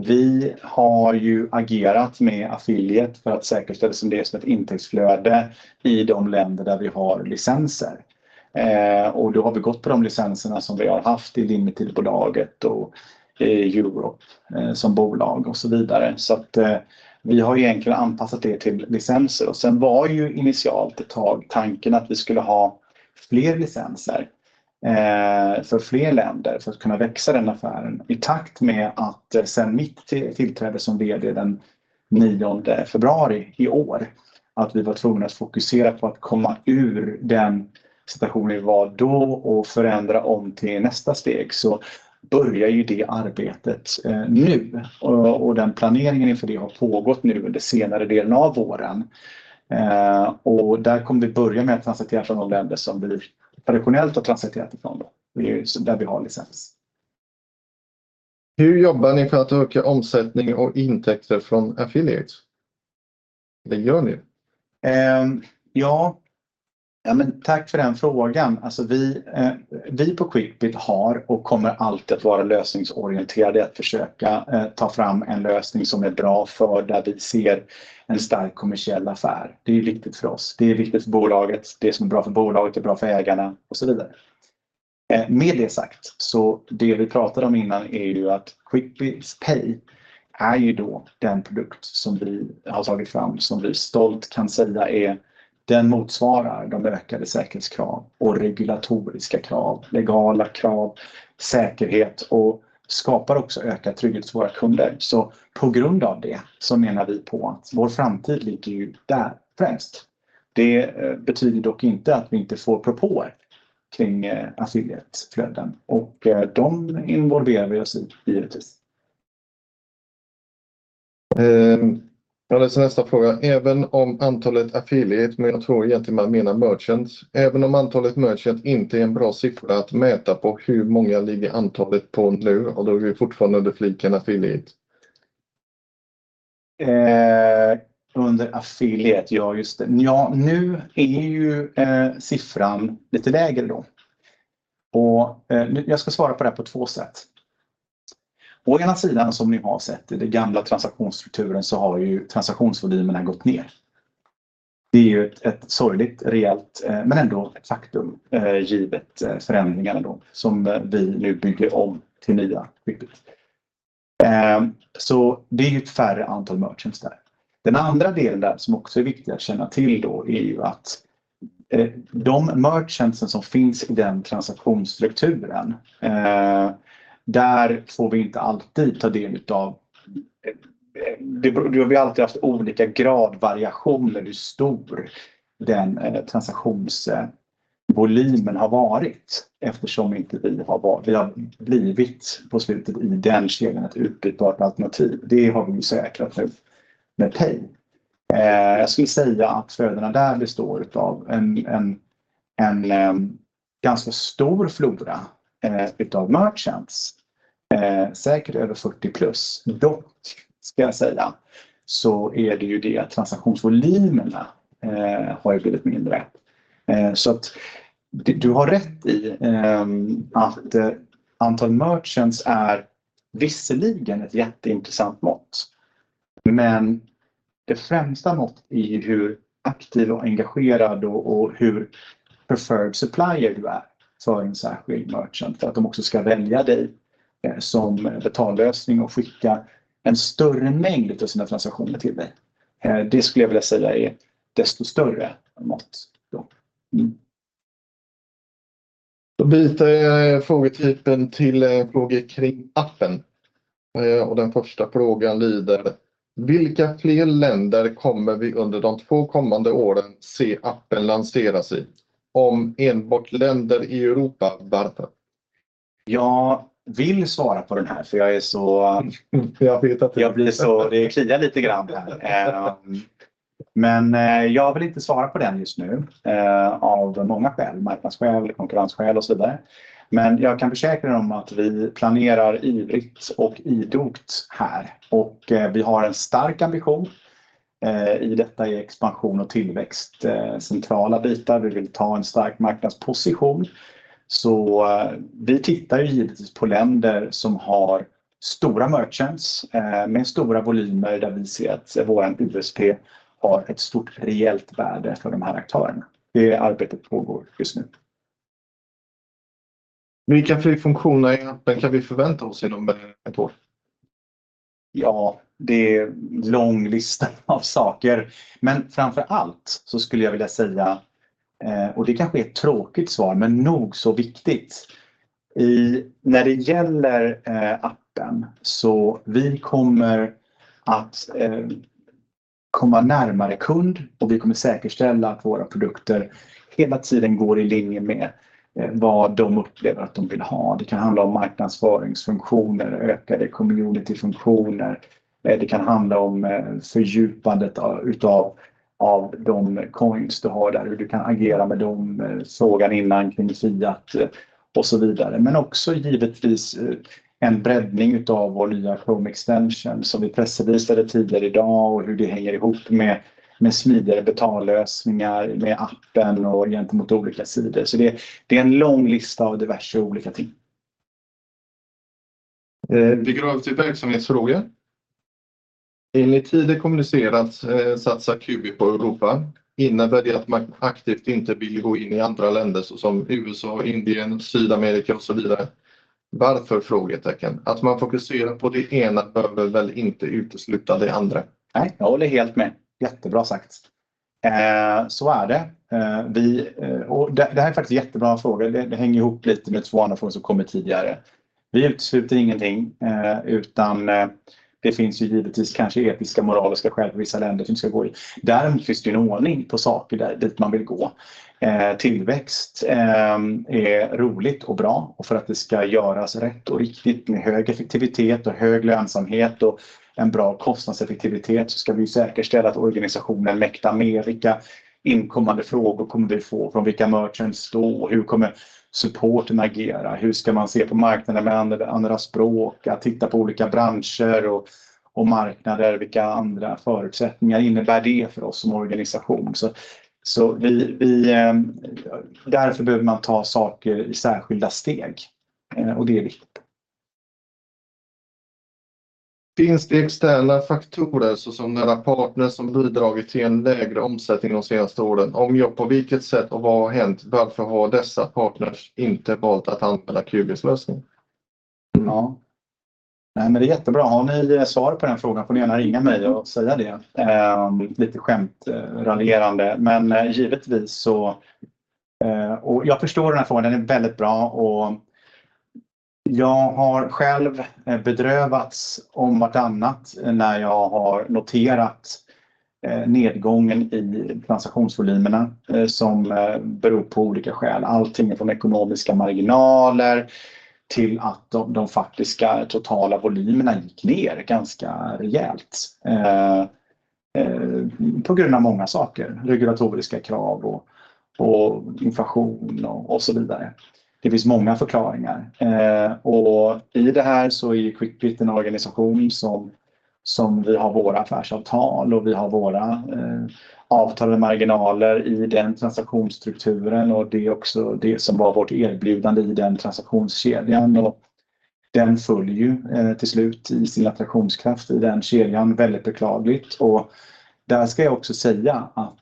Vi har agerat med affiliate för att säkerställa det som ett intäktsflöde i de länder där vi har licenser. Vi har gått på de licenserna som vi har haft i Limitilbolaget och i Europe som bolag och så vidare. Vi har egentligen anpassat det till licenser. Initialt var ett tag tanken att vi skulle ha fler licenser för fler länder för att kunna växa den affären. I takt med att sedan mitt tillträde som VD den nionde februari i år, att vi var tvungna att fokusera på att komma ur den situationen vi var då och förändra om till nästa steg, så börjar det arbetet nu. Den planeringen inför det har pågått nu under senare delen av våren. Där kommer vi börja med att transittera från de länder som vi traditionellt har transitterat ifrån. Det är ju där vi har licens. Hur jobbar ni för att öka omsättning och intäkter från affiliates? Det gör ni. Ja, tack för den frågan. Vi på Qlippit har och kommer alltid att vara lösningsorienterade i att försöka ta fram en lösning som är bra för där vi ser en stark kommersiell affär. Det är viktigt för oss, det är viktigt för bolaget. Det som är bra för bolaget är bra för ägarna och så vidare. Med det sagt, det vi pratade om innan är ju att Qlippits Pay är ju den produkt som vi har tagit fram, som vi stolt kan säga är den som motsvarar de ökade säkerhetskrav och regulatoriska krav, legala krav, säkerhet och skapar också ökad trygghet för våra kunder. På grund av det menar vi på att vår framtid ligger ju där främst. Det betyder dock inte att vi inte får propåer kring affiliateflöden och de involverar vi oss i, i det viset. Jag läser nästa fråga. Även om antalet affiliate, men jag tror egentligen att man menar merchants. Även om antalet merchant inte är en bra siffra att mäta på, hur många ligger antalet på nu? Då är vi fortfarande under fliken affiliate. Under affiliate, ja, just det. Nu är ju siffran lite lägre då. Jag ska svara på det på två sätt. Å ena sidan, som ni har sett i det gamla transaktionsstrukturen, så har ju transaktionsvolymerna gått ner. Det är ju ett sorgligt, rejält, men ändå ett faktum, givet förändringarna då som vi nu bygger om till nya Qlippit. Det är ju ett färre antal merchants där. Den andra delen där som också är viktig att känna till då är ju att de merchants som finns i den transaktionsstrukturen, där får vi inte alltid ta del utav... Det har vi alltid haft olika gradvariationer, hur stor den transaktionsvolymen har varit. Eftersom inte vi har varit, vi har blivit på slutet i den kedjan, ett utbytbart alternativ. Det har vi ju säkrat med Pay. Jag skulle säga att flödena där består utav en ganska stor flora utav merchants, säkert över fyrtio plus. Dock ska jag säga att transaktionsvolymerna har blivit mindre. Du har rätt i att antal merchants visserligen är ett jätteintressant mått, men det främsta mått i hur aktiv och engagerad och hur preferred supplier du är för en särskild merchant, för att de också ska välja dig som betallösning och skicka en större mängd utav sina transaktioner till dig, det skulle jag vilja säga är desto större mått då. Då byter jag frågetypen till frågor kring appen. Den första frågan lyder: Vilka fler länder kommer vi under de två kommande åren se appen lanseras i? Om enbart länder i Europa, var det. Jag vill svara på den här för jag är så- Jag vet att... Det kliar lite grann här, men jag vill inte svara på den just nu, av många skäl, marknadsskäl, konkurrensskäl och så vidare. Jag kan försäkra om att vi planerar ivrigt och idogt här och vi har en stark ambition. I detta är expansion och tillväxt centrala bitar. Vi vill ta en stark marknadsposition. Vi tittar givetvis på länder som har stora merchants med stora volymmöjligheter. Vi ser att vår USP har ett stort, reellt värde för de här aktörerna. Det arbetet pågår just nu. Vilka frifunktioner i appen kan vi förvänta oss inom ett år? Ja, det är en lång lista av saker, men framför allt så skulle jag vilja säga, och det kanske är ett tråkigt svar, men nog så viktigt. När det gäller appen så kommer vi att komma närmare kund och vi kommer att säkerställa att våra produkter hela tiden går i linje med vad de upplever att de vill ha. Det kan handla om marknadsföringsfunktioner, ökade communityfunktioner. Det kan handla om fördjupandet av de coins du har där, hur du kan agera med dem, som han nämnde innan kring Fiat och så vidare. Men också givetvis en breddning av vår nya Chrome Extension som vi pressvisade tidigare i dag och hur det hänger ihop med smidigare betallösningar, med appen och gentemot olika sidor. Det är en lång lista av diverse olika ting. Vi går över till verksamhetsfrågor. Enligt tidigare kommunicerats satsar Qubit på Europa. Innebär det att man aktivt inte vill gå in i andra länder såsom USA, Indien, Sydamerika och så vidare? Att man fokuserar på det ena behöver väl inte utesluta det andra. Nej, jag håller helt med. Jättebra sagt. Så är det. Det här är faktiskt en jättebra fråga. Det hänger ihop lite med två andra frågor som kommit tidigare. Vi utesluter ingenting, utan det finns givetvis kanske etiska, moraliska skäl i vissa länder som vi ska gå in i. Däremot finns det en ordning på saker där dit man vill gå. Tillväxt är roligt och bra, och för att det ska göras rätt och riktigt med hög effektivitet och hög lönsamhet och en bra kostnadseffektivitet, så ska vi säkerställa att organisationen mäktar med. Vilka inkommande frågor kommer vi få? Från vilka merchants då? Hur kommer supporten agera? Hur ska man se på marknaden med andra språk, att titta på olika branscher och marknader? Vilka andra förutsättningar innebär det för oss som organisation? Vi behöver ta saker i särskilda steg och det är viktigt. Finns det externa faktorer, såsom nära partner, som bidragit till en lägre omsättning de senaste åren? Om ja, på vilket sätt och vad har hänt? Varför har dessa partners inte valt att använda Qubits lösning? Nej, men det är jättebra. Har ni svar på den frågan får ni gärna ringa mig och säga det. Lite skämtsamt raljerande, men givetvis så... Och jag förstår den här frågan, den är väldigt bra och jag har själv bedrövats om vartannat när jag har noterat nedgången i transaktionsvolymerna som beror på olika skäl. Allting från ekonomiska marginaler till att de faktiska totala volymerna gick ner ganska rejält, på grund av många saker, regulatoriska krav och inflation och så vidare. Det finns många förklaringar. I det här så är Quickbit en organisation som vi har våra affärsavtal med och vi har våra avtal med marginaler i den transaktionsstrukturen, och det är också det som var vårt erbjudande i den transaktionskedjan. Den föll till slut i sin attraktionskraft i den kedjan. Väldigt beklagligt. Och där ska jag också säga att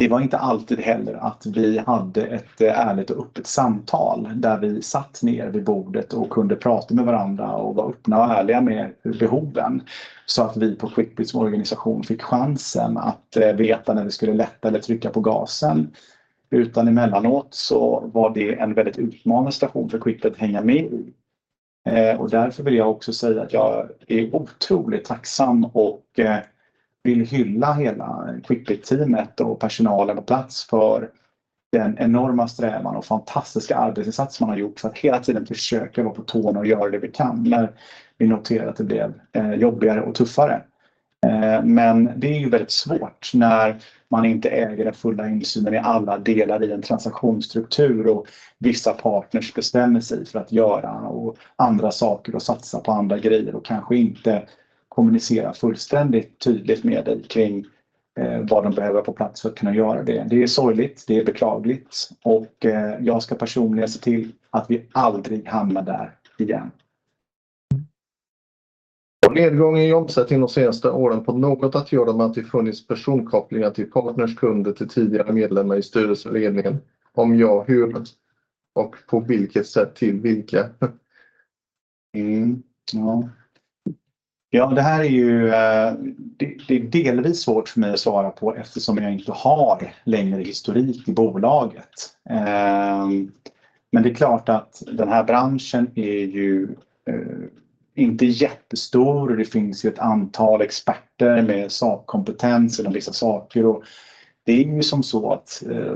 det var inte alltid heller att vi hade ett ärligt och öppet samtal, där vi satt ner vid bordet och kunde prata med varandra och vara öppna och ärliga med behoven. Så att vi på Quickbit som organisation fick chansen att veta när vi skulle lätta eller trycka på gasen. Utan emellanåt så var det en väldigt utmanande station för Quickbit att hänga med i. Därför vill jag också säga att jag är otroligt tacksam och vill hylla hela Quickbit-teamet och personalen på plats för den enorma strävan och fantastiska arbetsinsats man har gjort för att hela tiden försöka vara på tårna och göra det vi kan när vi noterade att det blev jobbigare och tuffare. Det är väldigt svårt när man inte äger den fulla insynen i alla delar i en transaktionsstruktur och vissa partners bestämmer sig för att göra andra saker och satsa på andra grejer och kanske inte kommunicera fullständigt tydligt med dig kring vad de behöver på plats för att kunna göra det. Det är sorgligt, det är beklagligt och jag ska personligen se till att vi aldrig hamnar där igen. Och nedgången i omsättning de senaste åren har något att göra med att det funnits personkopplingar till partners, kunder, till tidigare medlemmar i styrelse och ledningen? Om ja, hur och på vilket sätt till vilka? Det här är delvis svårt för mig att svara på eftersom jag inte har längre historik i bolaget. Den här branschen är ju inte jättestor och det finns ett antal experter med sakkompetens inom vissa saker.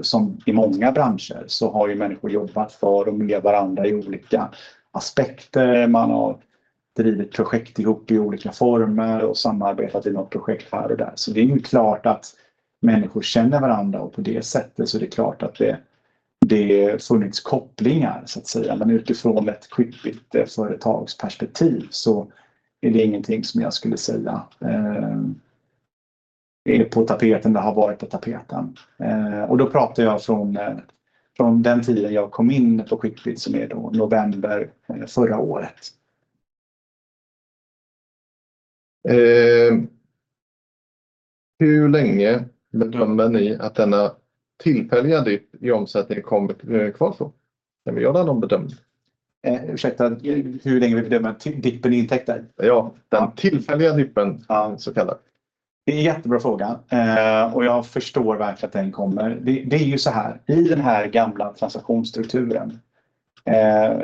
Som i många branscher så har ju människor jobbat för och med varandra i olika aspekter. Man har drivit projekt ihop i olika former och samarbetat i något projekt här och där. Det är ju klart att människor känner varandra och på det sättet är det klart att det funnits kopplingar så att säga. Men utifrån ett Quickbit företagsperspektiv så är det ingenting som jag skulle säga är på tapeten eller har varit på tapeten. Och då pratar jag från den tiden jag kom in på Quickbit, som är då november förra året. Hur länge bedömer ni att denna tillfälliga dipp i omsättning kommer att vara kvar? Kan vi göra någon bedömning? Ursäkta, hur länge bedömer vi dippen i intäkter? Ja, den tillfälliga dippen, så kallad. Det är en jättebra fråga, och jag förstår verkligen att den kommer. I den här gamla transaktionsstrukturen,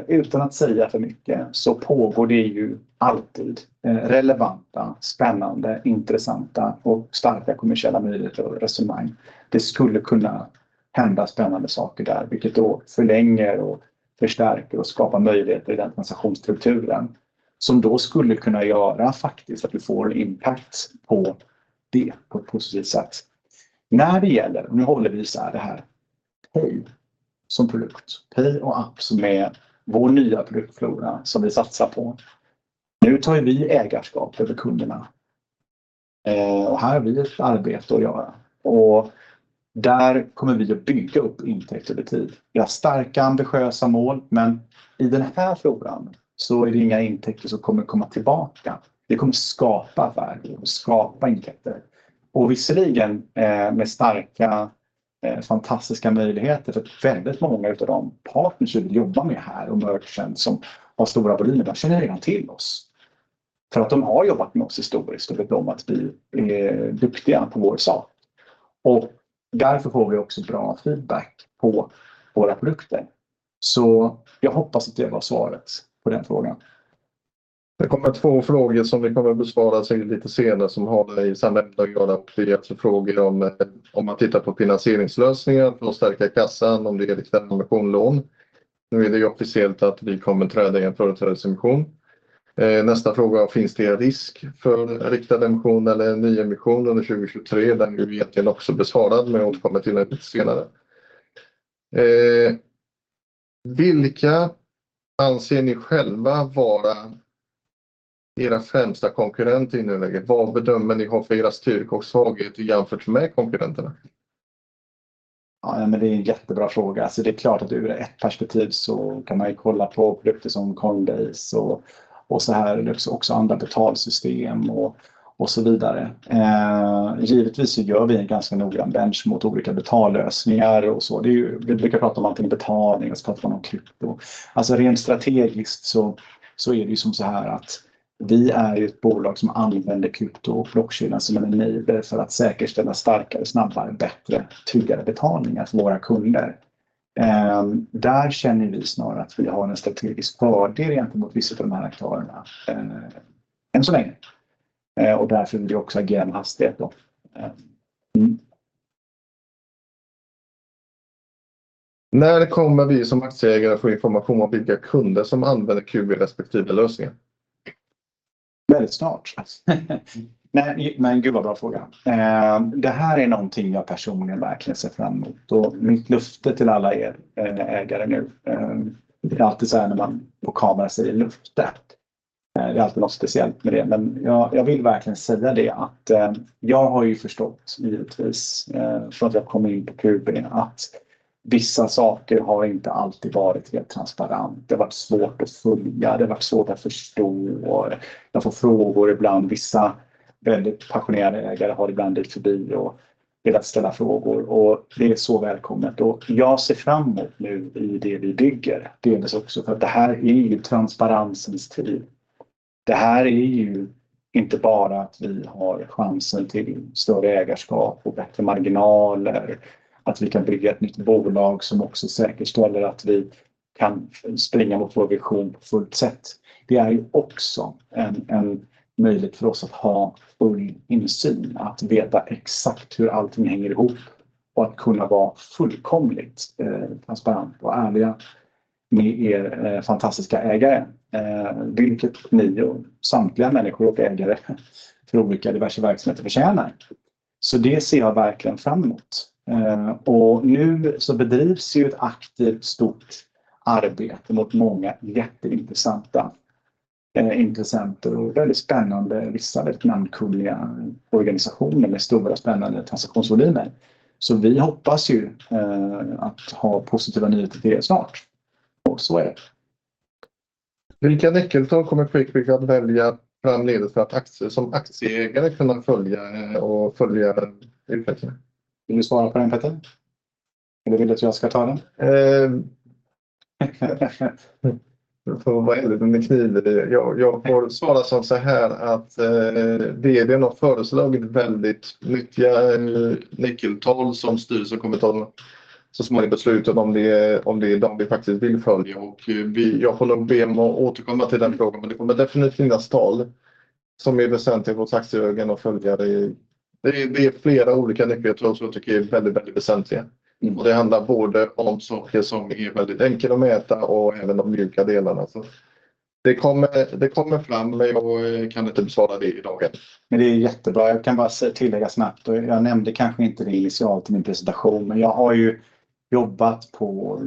utan att säga för mycket, pågår det alltid relevanta, spännande, intressanta och starka kommersiella möjligheter och resonemang. Det skulle kunna hända spännande saker där, vilket förlänger och förstärker och skapar möjligheter i den transaktionsstrukturen, som då skulle kunna göra att vi faktiskt får en positiv impact på det. När det gäller Pay som produkt, Pay och app som är vår nya produktflora som vi satsar på, tar vi nu ägarskapet för kunderna. Här har vi ett arbete att göra och där kommer vi att bygga upp intäkter över tid. Vi har starka, ambitiösa mål, men i den här floran är det inga intäkter som inte kommer att komma tillbaka. Det kommer att skapa affärer och skapa intäkter. Och visserligen med starka, fantastiska möjligheter för väldigt många utav de partners vi jobbar med här och merchants som har stora volymer, känner redan till oss. För att de har jobbat med oss historiskt och vet om att vi är duktiga på vår sak och därför får vi också bra feedback på våra produkter. Jag hoppas att det var svaret på den frågan. Det kommer två frågor som besvaras lite senare, som har med samma ämne att göra. Det är frågor om, om man tittar på finansieringslösningar för att stärka kassan, om det är emission eller lån. Nu är det ju officiellt att vi kommer träda in för en emission. Nästa fråga: Finns det risk för en riktad emission eller ny emission under 2023? Den är ju egentligen också besvarad, men jag återkommer till den lite senare. Vilka anser ni själva vara era främsta konkurrenter i nuläget? Vad bedömer ni för era styrkor och svagheter jämfört med konkurrenterna? Det är en jättebra fråga. Det är klart att ur ett perspektiv så kan man ju kolla på produkter som Condase och andra betalsystem och så vidare. Givetvis så gör vi en ganska noggrann benchmark mot olika betallösningar. Vi brukar prata om allting betalning och så pratar man om krypto. Rent strategiskt så är det ju som såhär att vi är ett bolag som använder krypto och blockkedjorna som en enabler för att säkerställa starkare, snabbare, bättre, tydligare betalningar för våra kunder. Där känner vi snarare att vi har en strategisk fördel gentemot vissa av de här aktörerna. Än så länge, och därför vill vi också ge en hastighet då. När kommer vi som aktieägare att få information om vilka kunder som använder Qlipp i respektive lösningar? Väldigt snart. Gud, vad bra fråga! Det här är någonting jag personligen verkligen ser fram emot, och mitt löfte till alla er ägare nu. Det är alltid såhär när man på kamera säger löfte. Det är alltid något speciellt med det, men jag vill verkligen säga det att jag har förstått, givetvis, för att jag kommer in på Qlipp, att vissa saker har inte alltid varit helt transparenta. Det har varit svårt att följa, det har varit svårt att förstå. Jag får frågor ibland. Vissa väldigt passionerade ägare har ibland dykt förbi och velat ställa frågor, och det är så välkommet. Jag ser fram emot nu i det vi bygger, delvis också för att det här är ju transparensens tid. Det här är ju inte bara att vi har chansen till större ägarskap och bättre marginaler, att vi kan bygga ett nytt bolag som också säkerställer att vi kan springa mot vår vision på fullt sätt. Det är ju också en möjlighet för oss att ha full insyn, att veta exakt hur allting hänger ihop och att kunna vara fullkomligt transparent och ärliga med er fantastiska ägare. Vilket ni och samtliga människor och ägare för olika diverse verksamheter förtjänar. Så det ser jag verkligen fram emot. Och nu så bedrivs ju ett aktivt, stort arbete mot många jätteintressanta intressenter och väldigt spännande, vissa väldigt namnkunniga organisationer med stora spännande transaktionsvolymer. Vi hoppas ju att ha positiva nyheter till er snart och så är det. Vilka nyckeltal kommer Quix att välja framöver för att aktieägare ska kunna följa och följa utvecklingen? Vill du svara på den, Petter? Eller vill du att jag ska ta den? Vad är det under kniven? Jag får svara som så här att det är något föreslagit väldigt nyttiga nyckeltal som styrelsen kommer att ta så småningom beslut om, om det är de vi faktiskt vill följa. Jag håller med om att återkomma till den frågan, men det kommer definitivt finnas tal som är väsentliga för aktieägare att följa. Det är flera olika nyckeltal som jag tycker är väldigt väsentliga. Det handlar både om saker som är väldigt enkla att mäta och även de mjuka delarna. Det kommer fram, men jag kan inte besvara det i dag. Det är jättebra. Jag kan bara tillägga snabbt att jag nämnde kanske inte det initialt i min presentation, men jag har jobbat på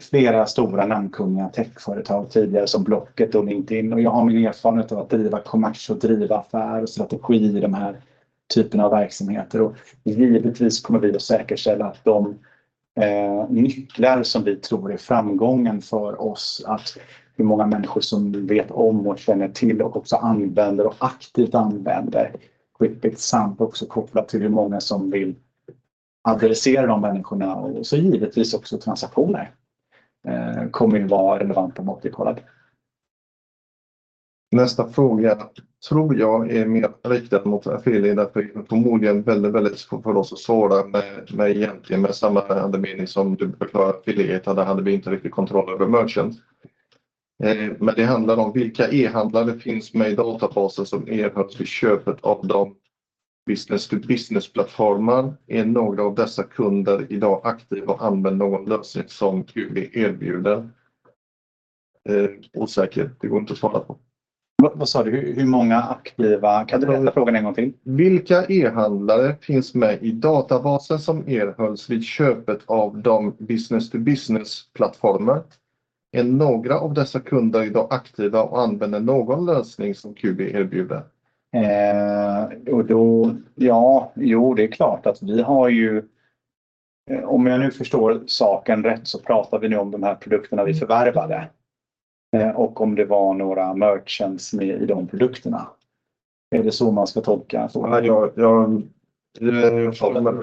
flera stora namnkunniga techföretag tidigare, som Blocket och LinkedIn, och jag har min erfarenhet av att driva kommers och driva affärer och strategi i de här typerna av verksamheter. Givetvis kommer vi att säkerställa att de nycklar som vi tror är framgången för oss, att hur många människor som vet om och känner till och också använder och aktivt använder Quix, samt också kopplat till hur många som vill adressera de människorna och givetvis också transaktioner, kommer vara relevant och kollat. Nästa fråga tror jag är mer riktad mot Afeli, därför att det förmodligen är väldigt, väldigt svårt för oss att svara med samma förädling som du förklarat för det. Där hade vi inte riktigt kontroll över merchant. Men det handlar om vilka e-handlare finns med i databasen som erhölls vid köpet av de business to business-plattformar? Är några av dessa kunder i dag aktiva och använder någon lösning som Quickbutik erbjuder? Osäker, det går inte att svara på. Vad sa du? Hur många aktiva? Kan du ställa frågan en gång till? Vilka e-handlare finns med i databasen som erhölls vid köpet av de business-to-business-plattformar? Är några av dessa kunder i dag aktiva och använder någon lösning som Quickbutik erbjuder? Om jag nu förstår saken rätt så pratar vi nu om de här produkterna vi förvärvade. Och om det var några merchants med i de produkterna. Är det så man ska tolka frågan? Ja. Det har inte kommit med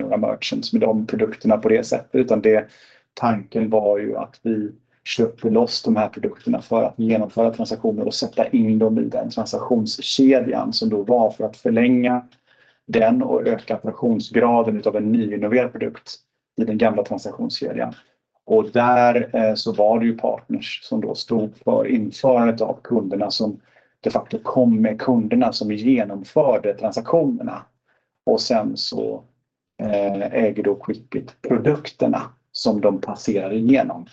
några merchants med de produkterna på det sätt, utan tanken var att vi köpte loss de här produkterna för att genomföra transaktioner och sätta in dem i den transaktionskedjan, som då var för att förlänga den och öka operationsgraden utav en nyinnoverad produkt i den gamla transaktionskedjan. Där var det partners som då stod för införandet av kunderna, som de facto kom med kunderna som genomförde transaktionerna. Äger då Shippit produkterna som de passerade igenom.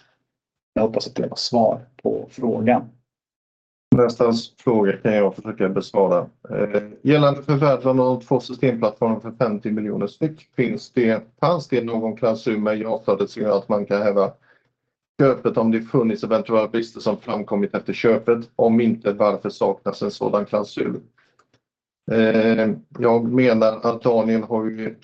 Jag hoppas att det var svar på frågan. Nästa fråga kan jag försöka besvara. Gällande förvärven av två systemplattformar för 50 miljoner styck, finns det, fanns det någon klausul med i avtalet så att man kan häva köpet om det funnits eventuella brister som framkommit efter köpet? Om inte, varför saknas en sådan klausul? Antonio har ju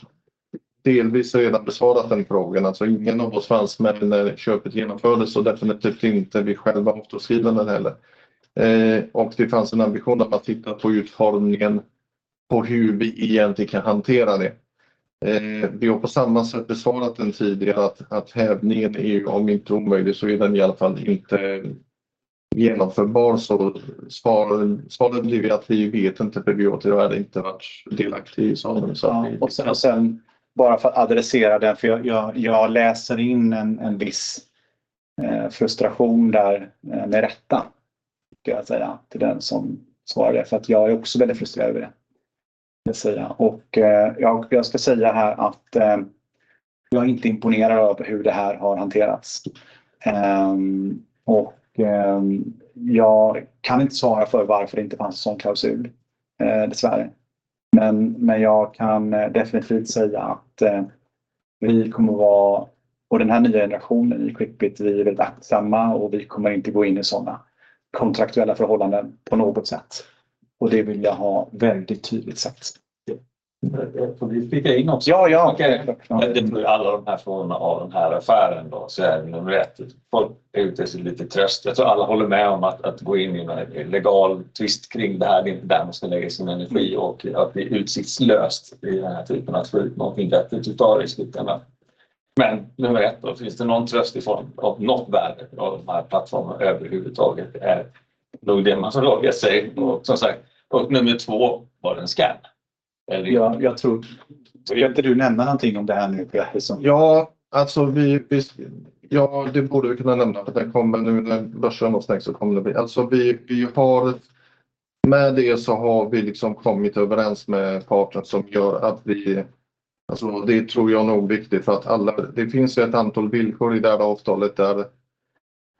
delvis redan besvarat den frågan. Ingen av oss fanns med när köpet genomfördes och definitivt inte vi själva var med och skrev den heller. Det fanns en ambition att titta på utformningen på hur vi egentligen kan hantera det. Vi har på samma sätt besvarat den tidigare att hävningen är, om inte omöjlig, så är den i alla fall inte genomförbar. Svaret blir att vi vet inte, för vi har inte varit delaktig i det. Och sen, bara för att adressera det, för jag läser in en viss frustration där, med rätta, skulle jag säga, till den som svarar det, för att jag är också väldigt frustrerad över det, skulle jag säga. Jag ska säga här att jag är inte imponerad över hur det här har hanterats. Och jag kan inte svara för varför det inte fanns en sådan klausul, dessvärre. Men jag kan definitivt säga att vi kommer att vara, och den här nya generationen i Shippit, vi är väldigt aktsamma och vi kommer inte gå in i sådana kontraktuella förhållanden på något sätt. Och det vill jag ha väldigt tydligt sagt. Får vi pipa in också? Ja, ja, okej. Alla de här frågorna av den här affären då, nummer ett: folk är ute efter lite tröst. Jag tror alla håller med om att gå in i en legal tvist kring det här, det är inte där man ska lägga sin energi och att det är utsiktslöst i den här typen av slut. Något inte att ta riskerna. Nummer ett, finns det någon tröst i form av något värde av de här plattformarna överhuvudtaget? Det är nog det man frågar sig. Nummer två, var det en scam? Ja, jag tror... Skulle inte du nämna någonting om det här nu, Pettersson? Det borde vi kunna nämna. Det kommer nu när börsen och snäck, så kommer det bli. Vi har med det, så har vi kommit överens med partnern, som gör att, det tror jag nog är viktigt för att alla, det finns ett antal villkor i det här avtalet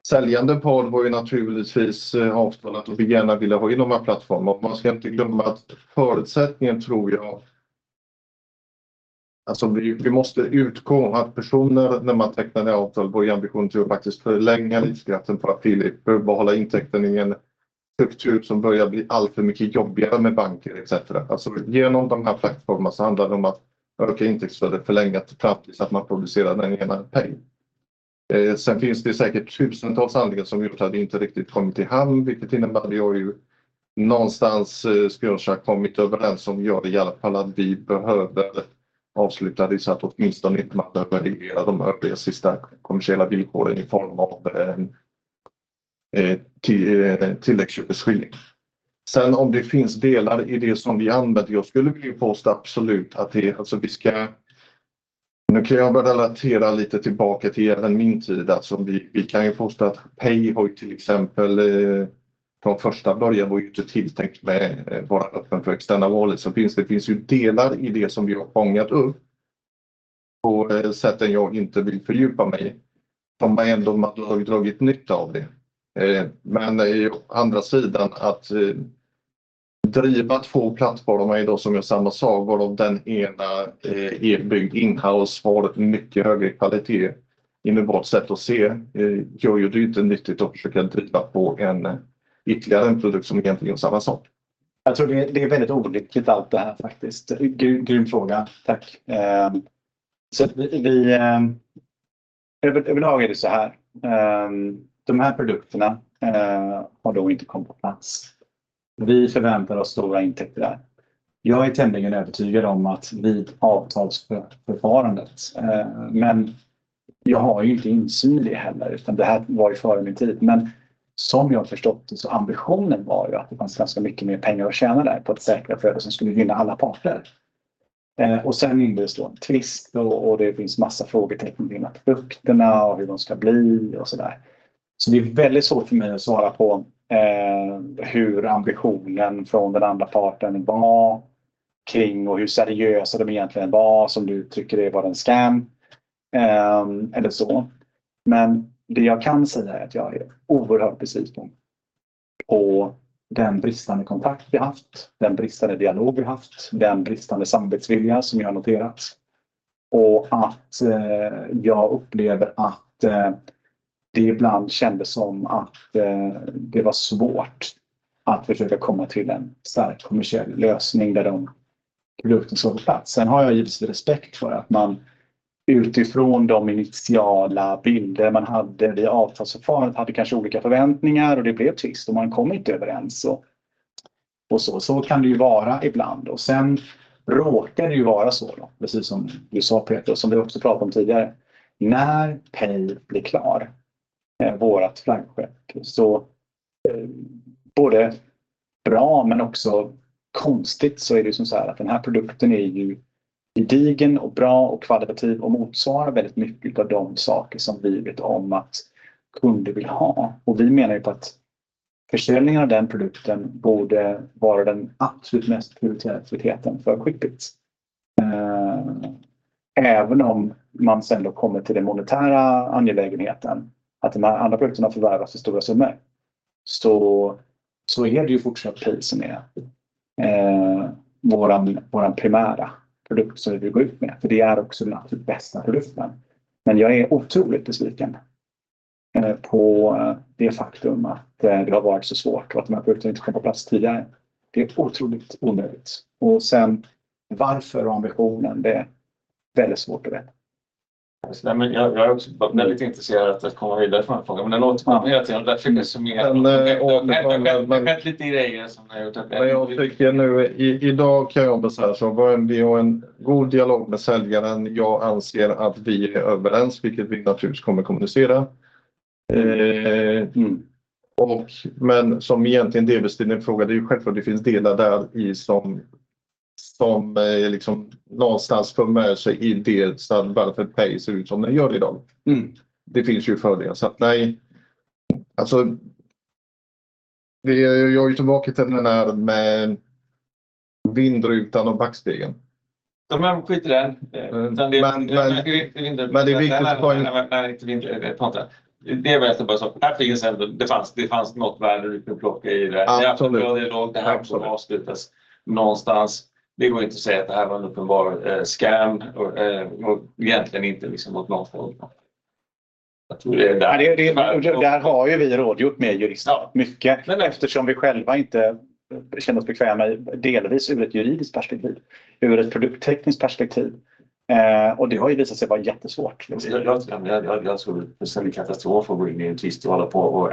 där säljande part var naturligtvis avtalet och vi gärna ville ha in de här plattformarna. Man ska inte glömma att förutsättningen tror jag... Vi måste utgå att personer, när man tecknar det avtal, vår ambition till att faktiskt förlänga livskraften för att behålla intäkten i en struktur som börjar bli alltför mycket jobbigare med banker et cetera. Igenom de här plattformarna handlar det om att öka intäktsflöde, förlänga till framtid, så att man producerar den ena peng. Sedan finns det säkert tusentals anledningar som gjort att det inte riktigt kommit i hamn, vilket innebär att det ju någonstans, skulle jag säga, kommit överens om att göra i alla fall, att vi behöver avsluta det så att man åtminstone inte behöver reglera de sista kommersiella villkoren i form av tilläggsbeskrivning. Om det finns delar i det som vi använder, skulle jag vilja påstå absolut att det, alltså, vi ska... Nu kan jag börja relatera lite tillbaka till även min tid. Vi kan ju påstå att Payboy, till exempel, från första början var ju inte tilltänkt med vår öppning för externa valet. Det finns ju delar i det som vi har fångat upp på sätt än jag inte vill fördjupa mig i, om man ändå har dragit nytta av det. Att driva två plattformar som är samma sak, och den ena är byggd inhouse, var det mycket högre kvalitet i vårt sätt att se. Det gör ju det inte nyttigt att försöka driva på ytterligare en produkt som egentligen gör samma sak. Jag tror det är väldigt olyckligt, allt det här faktiskt. Grym, grym fråga. Tack! Överlag är det såhär. De här produkterna har då inte kommit på plats. Vi förväntar oss stora intäkter där. Jag är tämligen övertygad om att vid avtalsförfarandet, men jag har ju inte insyn i det heller, utan det här var ju före min tid. Men som jag förstått det, så var ambitionen ju att det fanns ganska mycket mer pengar att tjäna där på ett säkrare sätt som skulle gynna alla parter. Och sen inne det så tvist och det finns massa frågetecken kring produkterna och hur de ska bli och sådär. Det är väldigt svårt för mig att svara på hur ambitionen från den andra parten var och hur seriösa de egentligen var, som du uttrycker det, var en scam eller så. Det jag kan säga är att jag är oerhört besviken på den bristande kontakt vi haft, den bristande dialog vi haft, den bristande samarbetsvilja som jag har noterat och att jag upplever att det ibland kändes som att det var svårt att försöka komma till en stark kommersiell lösning där produkten såg på plats. Sen har jag givetvis respekt för att man utifrån de initiala bilder man hade vid avtalsförfarandet hade kanske olika förväntningar och det blev tvist och man kom inte överens, och så kan det ju vara ibland. Det råkar ju vara så, precis som du sa, Peter, som vi också pratat om tidigare. När Pay blir klar, vårt flaggskepp, både bra men också konstigt, är det ju som så här, att den här produkten är ju gedigen och bra och kvalitativ och motsvarar väldigt mycket av de saker som vi vet om att kunder vill ha. Vi menar ju på att försäljningen av den produkten borde vara den absolut mest prioriteten för Skippet. Även om man sedan då kommer till den monetära angelägenheten, att de här andra produkterna förvärvas i stora summor, är det ju fortsatt Pay som är vår primära produkt som vi vill gå ut med, för det är också den absolut bästa produkten. Men jag är otroligt besviken på det faktum att det har varit så svårt och att de här produkterna inte kom på plats tidigare. Det är otroligt onödigt. Och sen, varför ambitionen? Det är väldigt svårt att veta. Men jag är också väldigt intresserad att komma vidare med den här frågan, men det låter mig att jag försöker summera. Men jag tycker nu, i dag kan jag väl säga så, bör vi ha en god dialog med säljaren. Jag anser att vi är överens, vilket vi naturligtvis kommer att kommunicera. Men som egentligen delvis till din fråga, det är ju självklart, det finns delar där i som är liksom någonstans för med sig i det varför Pay ser ut som det gör i dag. Det finns ju fördelar. Nej, alltså, jag är ju tillbaka till den där med vindrutan och backspegeln. Nej, men skit i det. Det är viktigt, det fanns något värde du kunde plocka i det. Det här måste avslutas någonstans. Det går inte att säga att det här var en uppenbar scam och egentligen inte liksom något. Där har vi rådgjort med juristen mycket, eftersom vi själva inte känner oss bekväma delvis ur ett juridiskt perspektiv, ur ett produkttekniskt perspektiv. Det har visat sig vara jättesvårt. Jag tror det skulle vara en katastrof att gå in i en tvist och hålla på och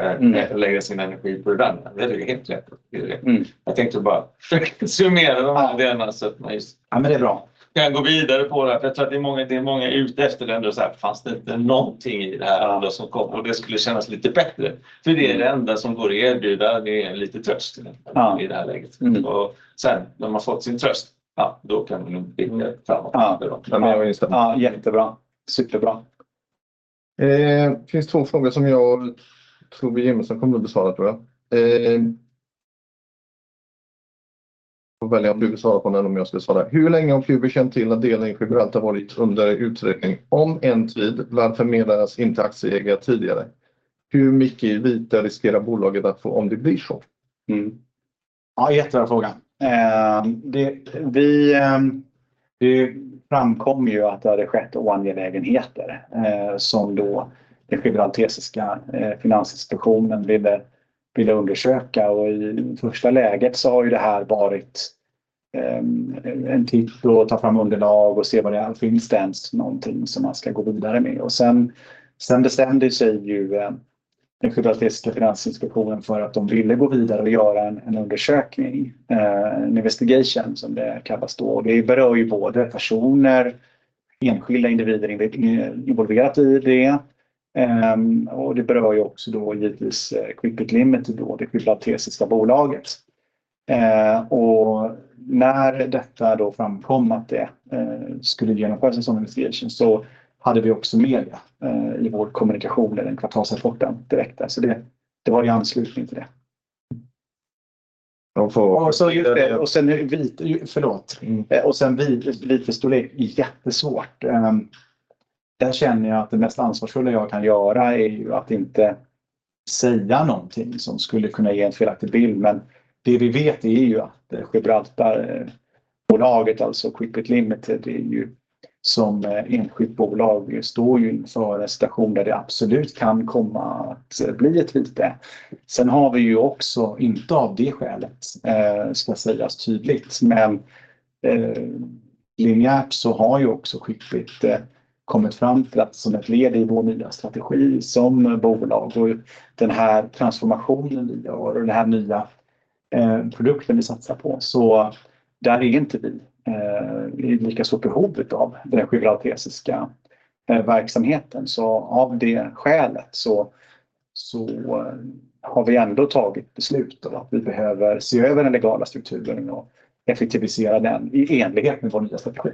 lägga sin energi på den. Det är ju helt rätt. Jag tänkte bara summera de här delarna så att man just- Ja, men det är bra. Jag kan gå vidare på det, för jag tror att det är många som är utefter det ändå. Fanns det inte någonting i det här som kom? Det skulle kännas lite bättre, för det är det enda som går att erbjuda. Det är lite tröst i det här läget. Sen, när man fått sin tröst, ja, då kan man bygga framåt. Ja, jättebra. Superbra! Det finns två frågor som jag tror Jimmy kommer att besvara. Du får välja om du besvarar den om jag skulle svara. Hur länge har Qubi känt till att delning i Gibraltar har varit under utredning? Om en tid, varför meddelas inte aktieägare tidigare? Hur mycket vite riskerar bolaget att få om det blir så? Det framkom att det hade skett oangelägenheter, som den Gibraltariska finansinstitutionen ville undersöka. I första läget har det här varit en titt för att ta fram underlag och se vad det finns för någonting som man ska gå vidare med. Sen bestämde sig den Gibraltariska finansinstitutionen för att de ville gå vidare och göra en undersökning, en investigation, som det kallas. Det berör både personer, enskilda individer involverade i det. Det berör också givetvis Quippet Limited, det Gibraltariska bolaget. När detta framkom, att det skulle genomföras en sådan investigation, så hade vi också media i vår kommunikation eller den kvartalsrapporten direkt. Det var i anslutning till det. Och sen är vite förstår det jättesvårt. Där känner jag att det mest ansvarsfulla jag kan göra är ju att inte säga någonting som skulle kunna ge en felaktig bild. Det vi vet är ju att Gibraltarbolaget, alltså Quippet Limited, är ju som enskilt bolag, står ju inför en situation där det absolut kan komma att bli ett vite. Sen har vi ju också, inte av det skälet, ska sägas tydligt, men- Linjärt så har också skickligt kommit fram till att som ett led i vår nya strategi som bolag och den här transformationen vi har och den här nya produkten vi satsar på, så är inte vi i lika stort behov utav den gibraltariska verksamheten. Av det skälet har vi ändå tagit beslut om att vi behöver se över den legala strukturen och effektivisera den i enlighet med vår nya strategi.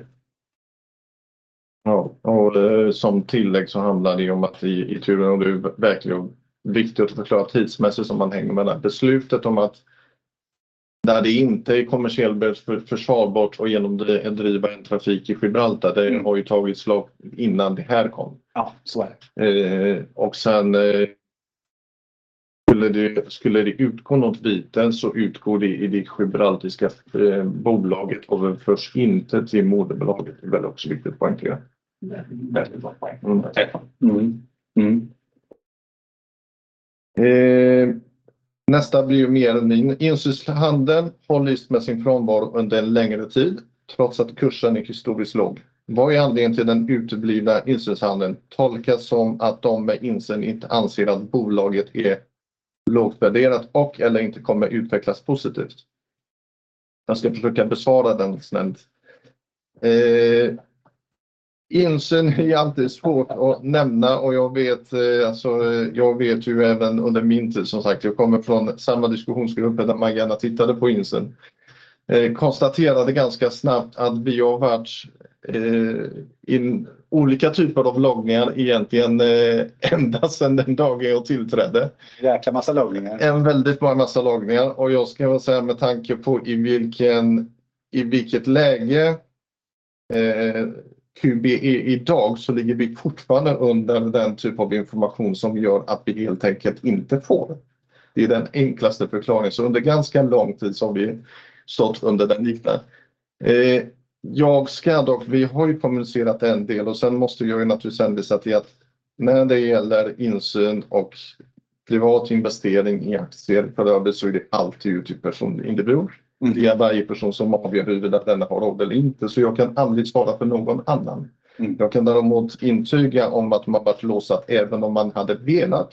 Ja, och som tillägg så handlar det om att i tur och ordning, och det är verkligen viktigt att förklara tidsmässigt så att man hänger med. Beslutet om när det inte är kommersiellt försvarbart att genomdriva en trafik i Gibraltar, det har ju tagits innan det här kom. Ja, så är det. Om det skulle utgå något vite, utgår det i det Gibraltariska bolaget och förs inte till moderbolaget. Det är väl också viktigt att poängtera. Väldigt bra poäng. Nästa blir mer insynshandel. Har lyst med sin frånvaro under en längre tid, trots att kursen är historiskt låg. Vad är anledningen till den uteblivna insynshandeln? Tolkas som att de med insyn inte anser att bolaget är lågt värderat och eller inte kommer utvecklas positivt. Jag ska försöka besvara den snällt. Insyn är alltid svårt att nämna och jag vet, alltså, jag vet ju även under min tid, som sagt, jag kommer från samma diskussionsgrupp där Magana tittade på insyn. Konstaterade ganska snabbt att vi har varit in i olika typer av logningar egentligen, ända sedan den dagen jag tillträdde. Jäkla massa logningar. En väldigt bra massa logningar och jag ska väl säga, med tanke på i vilket läge Quickbutik är i dag, så ligger vi fortfarande under den typ av information som gör att vi helt enkelt inte får det. Det är den enklaste förklaringen. Under ganska lång tid har vi stått under den liknande. Vi har ju kommunicerat en del och sen måste jag naturligtvis hänvisa till att när det gäller insyn och privat investering i aktier för övrigt, så är det alltid upp till personlig individ. Det är varje person som avgör huruvida denna har roll eller inte, så jag kan aldrig svara för någon annan. Jag kan däremot intyga om att man varit låst, att även om man hade velat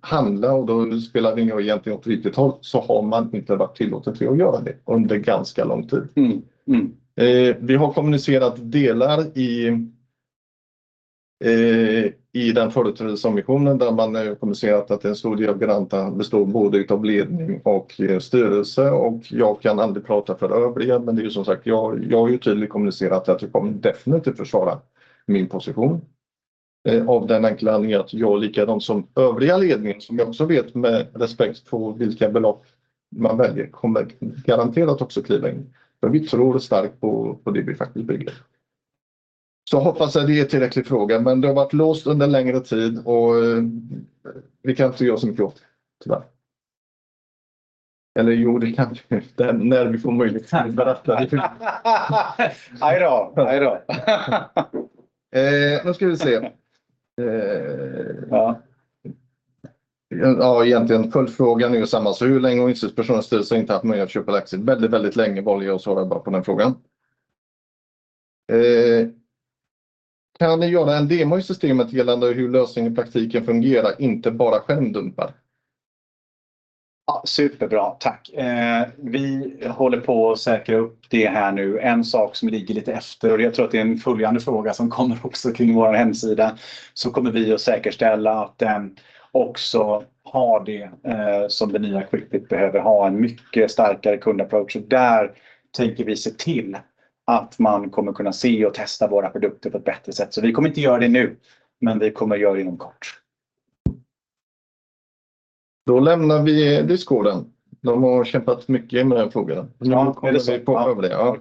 handla, och då spelar det ingen roll egentligen åt vilket håll, så har man inte varit tillåten att göra det under ganska lång tid. Mm, mm. Vi har kommunicerat delar i företrädesemissionen, där man har kommunicerat att en stor del av Granta består både utav ledning och styrelse, och jag kan aldrig prata för övriga. Men det är som sagt, jag har ju tydligt kommunicerat att jag kommer definitivt försvara min position. Av den enkla anledningen att jag, lika de som övriga ledningen, som jag också vet med respekt på vilka belopp man väljer, kommer garanterat också kliva in. För vi tror starkt på det vi faktiskt bygger. Hoppas jag det ger tillräckligt svar, men det har varit låst under längre tid och vi kan inte göra så mycket åt det, tyvärr. Jo, det kan vi, när vi får möjlighet att berätta. Aj då, aj då! Nu ska vi se. Ja. Ja, egentligen är följdfrågan ju densamma. Hur länge har insynspersoner och styrelse inte haft möjlighet att köpa aktier? Väldigt, väldigt länge, var det jag svarar, bara på den frågan. Kan ni göra en demo i systemet gällande hur lösningen i praktiken fungerar? Inte bara skärmdumpar. Ja, superbra, tack! Vi håller på att säkra upp det här nu. En sak som ligger lite efter, och jag tror att det är en följande fråga som kommer också kring vår hemsida, så kommer vi att säkerställa att den också har det som det nya skicket behöver ha: en mycket starkare kundapproach. Och där tänker vi se till att man kommer kunna se och testa våra produkter på ett bättre sätt. Så vi kommer inte göra det nu, men vi kommer att göra det inom kort. Då lämnar vi Discorden. De har kämpat mycket med den frågan. Vi får höra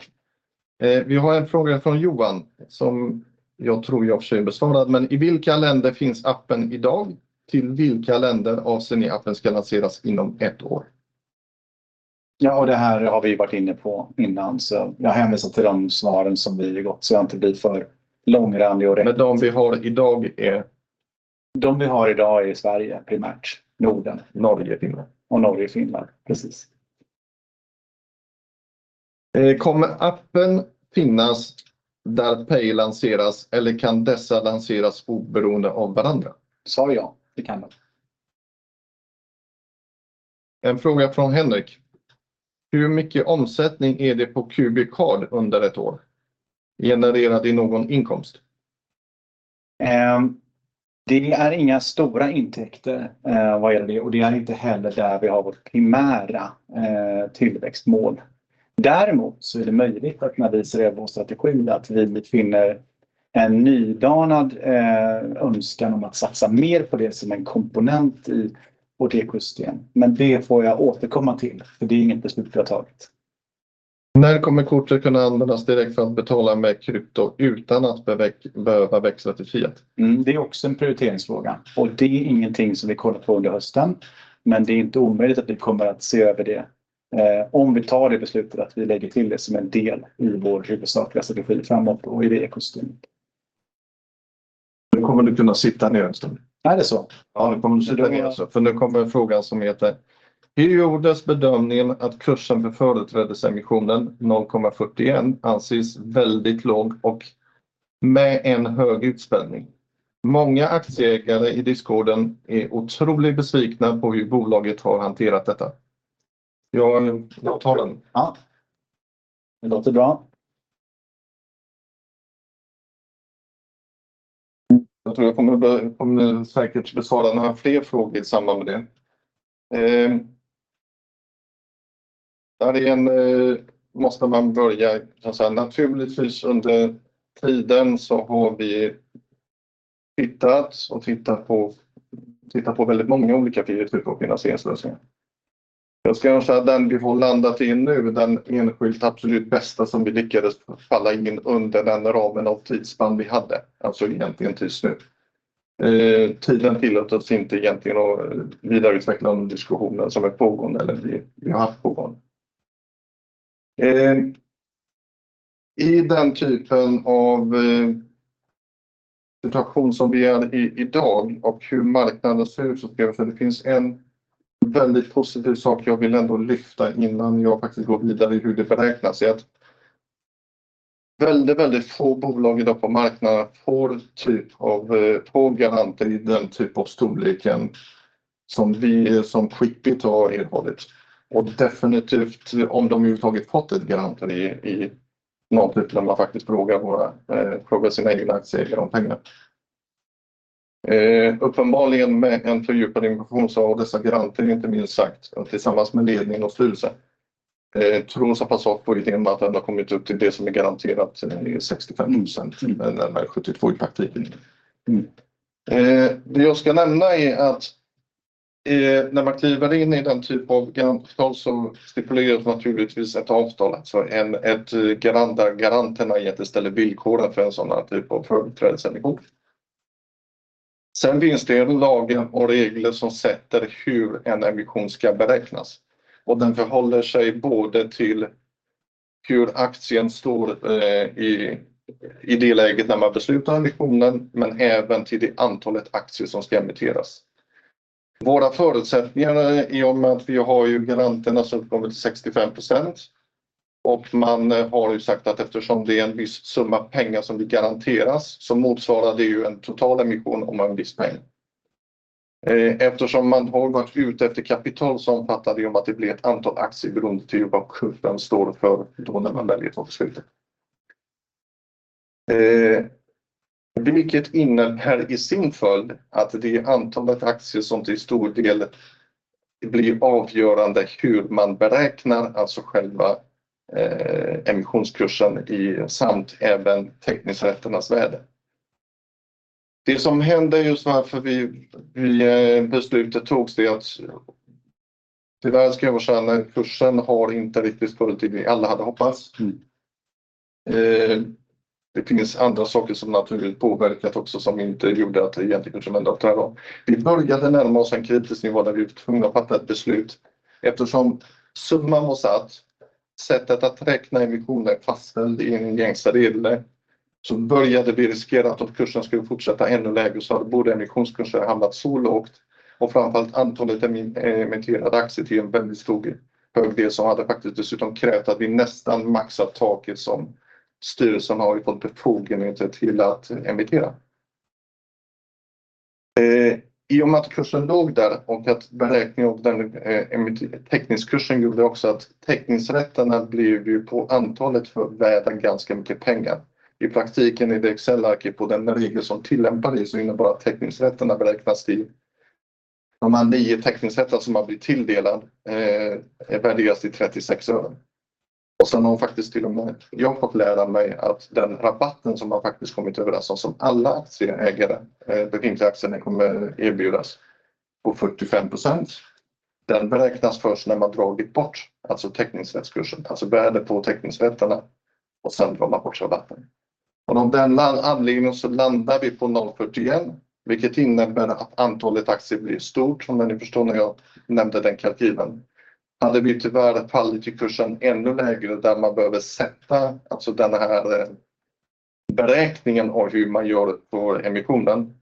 det. Vi har en fråga från Johan, som jag tror jag i och för sig besvarad, men i vilka länder finns appen i dag? Till vilka länder avser ni att appen ska lanseras inom ett år? Ja, och det här har vi varit inne på innan, så jag hänvisar till de svaren som vi gått igenom så jag inte blir för långrandig. Menyn vi har i dag är? De vi har i dag är i Sverige, primärt. Norden, Norge, Finland och Norge, Finland. Precis. Kommer appen finnas där pay lanseras, eller kan dessa lanseras oberoende av varandra? Det sa vi ja, det kan den. En fråga från Henrik: Hur mycket omsättning är det på Quickbit Card under ett år? Genererar det någon inkomst? Det är inga stora intäkter vad gäller det, och det är inte heller där vi har vårt primära tillväxtmål. Däremot är det möjligt att när vi ser över vår strategi, att vi befinner en nydanad önskan om att satsa mer på det som en komponent i vårt ekosystem. Men det får jag återkomma till, för det är inget beslut vi har tagit. När kommer kortet kunna användas direkt för att betala med krypto utan att behöva växla till fiat? Det är också en prioriteringsfråga och det är ingenting som vi kollar på under hösten, men det är inte omöjligt att vi kommer att se över det om vi tar det beslutet att vi lägger till det som en del i vår huvudsakliga strategi framåt och i det ekosystemet. Nu kommer du kunna sitta ner en stund. Är det så? Nu kommer du sitta ner, för nu kommer en fråga som heter: Hur gjordes bedömningen att kursen för företrädesemissionen, 0,41, anses väldigt låg och med en hög utspädning? Många aktieägare i Discorden är otroligt besvikna på hur bolaget har hanterat detta. Jag kan ta den. Ja, det låter bra. Jag tror jag kommer att besvara några fler frågor i samband med det. Ja, det är en, man måste börja med att säga naturligtvis, under tiden så har vi tittat på väldigt många olika typer av finansieringslösningar. Jag ska kanske säga att den vi har landat i nu är den enskilt absolut bästa som vi lyckades finna under den ramen och det tidsspann vi hade, alltså egentligen tills nu. Tiden tillät oss inte egentligen att vidareutveckla de diskussioner som är pågående eller som vi har haft pågående. I den typen av situation som vi är i idag och hur marknaden ser ut, så finns det en väldigt positiv sak jag ändå vill lyfta innan jag faktiskt går vidare i hur det beräknas. Väldigt, väldigt få bolag i dag på marknaden får den typ av garanter i den storleken som Shiptor har erhållit. Och definitivt, om de överhuvudtaget fått garanter i någon typ där man faktiskt vågar fråga sina egna aktieägare om pengar. Uppenbarligen, med en fördjupad emission, tror dessa garanter, inte minst sagt tillsammans med ledningen och styrelsen, och passar på att det som är garanterat har kommit upp till 65%, men 72% i praktiken. Det jag ska nämna är att när man kliver in i den typ av garantavtal så stipuleras naturligtvis ett avtal. Garanterna ställer villkoren för en sådan här typ av företrädesemission. Sedan finns det lagar och regler som sätter hur en emission ska beräknas, och den förhåller sig både till hur aktien står i det läget när man beslutar emissionen, men även till det antalet aktier som ska emitteras. Våra förutsättningar, i och med att vi har garanterna som uppgår till 65%, och man har ju sagt att eftersom det är en viss summa pengar som vi garanteras så motsvarar det ju en totalemission om en viss peng. Eftersom man har varit ute efter kapital så omfattar det att det blir ett antal aktier beroende på vad sjuan står för då när man väljer att ta slutet. Det innebär i sin följd att det är antalet aktier som till stor del blir avgörande hur man beräknar själva emissionskursen, samt även teckningsrätternas värde. Det som hände, och varför beslutet togs, det är att tyvärr, ska jag vara ärlig, kursen har inte riktigt varit på det vi alla hade hoppats. Det finns andra saker som naturligt påverkats också, som inte gjorde att det egentligen kunde hända då. Vi började närma oss en kritisk nivå där vi var tvungna att fatta ett beslut. Eftersom sättet att räkna emissioner är fastställt i en gängse regel, så började vi riskera att om kursen skulle fortsätta ännu lägre, så hade både emissionskursen hamnat så lågt och framför allt antalet emitterade aktier till en väldigt stor, hög del, som faktiskt dessutom hade krävt att vi nästan maxat taket som styrelsen har fått befogenhet till att emittera. I och med att kursen låg där och att beräkningen av teckningskursen gjorde också att teckningsrätterna blev på antalet ganska mycket värda pengar. I praktiken, i det Excel-arket på den regel som tillämpades, innebär det att teckningsrätterna beräknas till de här nio teckningsrätter som man blir tilldelad, värderas till SEK 0,36. Sedan har faktiskt till och med jag fått lära mig att den rabatten som man faktiskt kommit överens om, som alla aktieägare, befintliga aktieägare kommer att erbjudas på 45%. Den beräknas först när man dragit bort teckningsrättskursen, alltså värdet på teckningsrätterna, och sedan drar man bort rabatten. Av denna anledning landar vi på SEK 0,41, vilket innebär att antalet aktier blir stort, som ni förstår när jag nämnde den kalkylen. Hade vi tyvärr fallit i kursen ännu lägre, där man behöver sätta, alltså, denna beräkning av hur man gör på emissionen,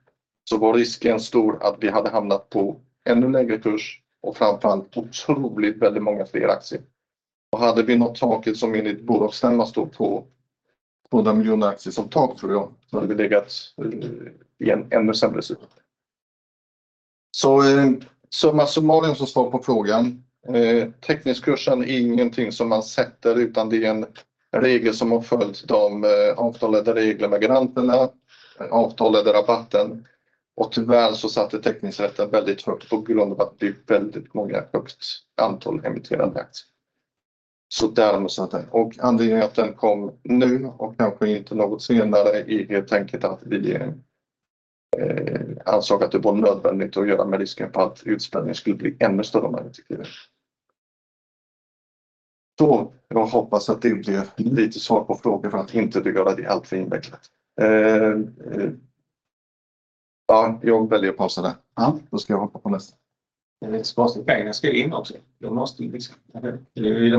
så var risken stor att vi hade hamnat på ännu lägre kurs och framför allt otroligt många fler aktier. Och hade vi nått taket som enligt bolagsstämman står på två miljoner aktier som tak, hade vi legat i en ännu sämre situation. Summa summarum, som svar på frågan: teckningskursen är ingenting som man sätter, utan det är en regel som har följt de avtalade reglerna med garanterna, avtalade rabatten. Tyvärr så satte teckningsrätten väldigt högt på grund av att det är väldigt många, högt antal emitterade aktier. Anledningen att den kom nu och kanske inte något senare är helt enkelt att vi ansåg att det var nödvändigt att göra med risken för att utspädningen skulle bli ännu större om man inte skriver. Jag hoppas att det blev lite svar på frågor för att inte göra det alltför invecklat. Ja, jag väljer att pausa där. Då ska jag hoppa på nästa. Det är en sparpengar ska ju in också. Det måste ju liksom. Det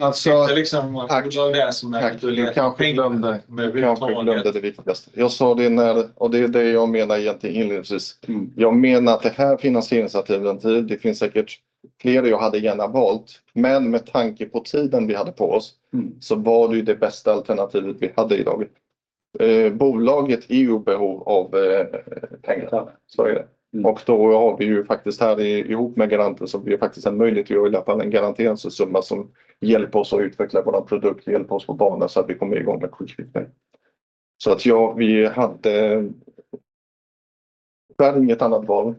kanske glömde, kanske glömde det viktigaste. Jag sa det när, och det är det jag menar egentligen inledningsvis. Jag menar att det här finansieringsalternativ, det finns säkert fler jag hade gärna valt, men med tanke på tiden vi hade på oss, så var det ju det bästa alternativet vi hade i dag. Bolaget är ju i behov av pengar. Så är det. Och då har vi ju faktiskt här ihop med garanter, så vi har faktiskt en möjlighet att göra i alla fall en garanteringssumma som hjälper oss att utveckla vår produkt, hjälper oss på banan så att vi kommer i gång med Quicklit med. Ja, vi hade tyvärr inget annat val.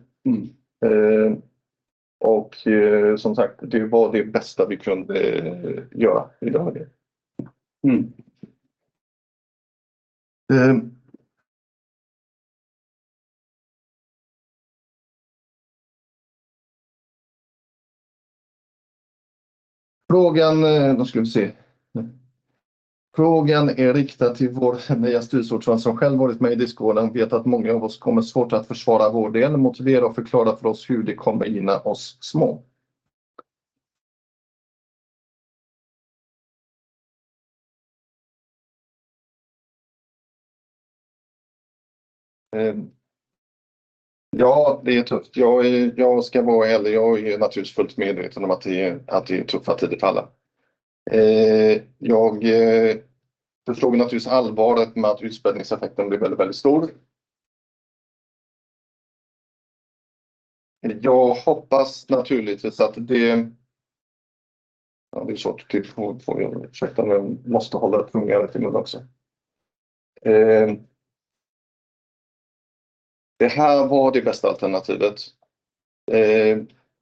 Och som sagt, det var det bästa vi kunde göra i dag. Frågan, då ska vi se. Frågan är riktad till vår nya styrelseordförande som själv varit med i diskussionen, vet att många av oss kommer svårt att försvara vår del, motivera och förklara för oss hur det kommer gynna oss små. Ja, det är tufft. Jag ska vara ärlig, jag är naturligtvis fullt medveten om att det är tuffa tider för alla. Jag förstår naturligtvis allvaret med att utspädningseffekten blir väldigt, väldigt stor. Jag hoppas naturligtvis att det... Ja, det är svårt, får jag ursäkta, men jag måste hålla tungan rätt i mun också. Det här var det bästa alternativet.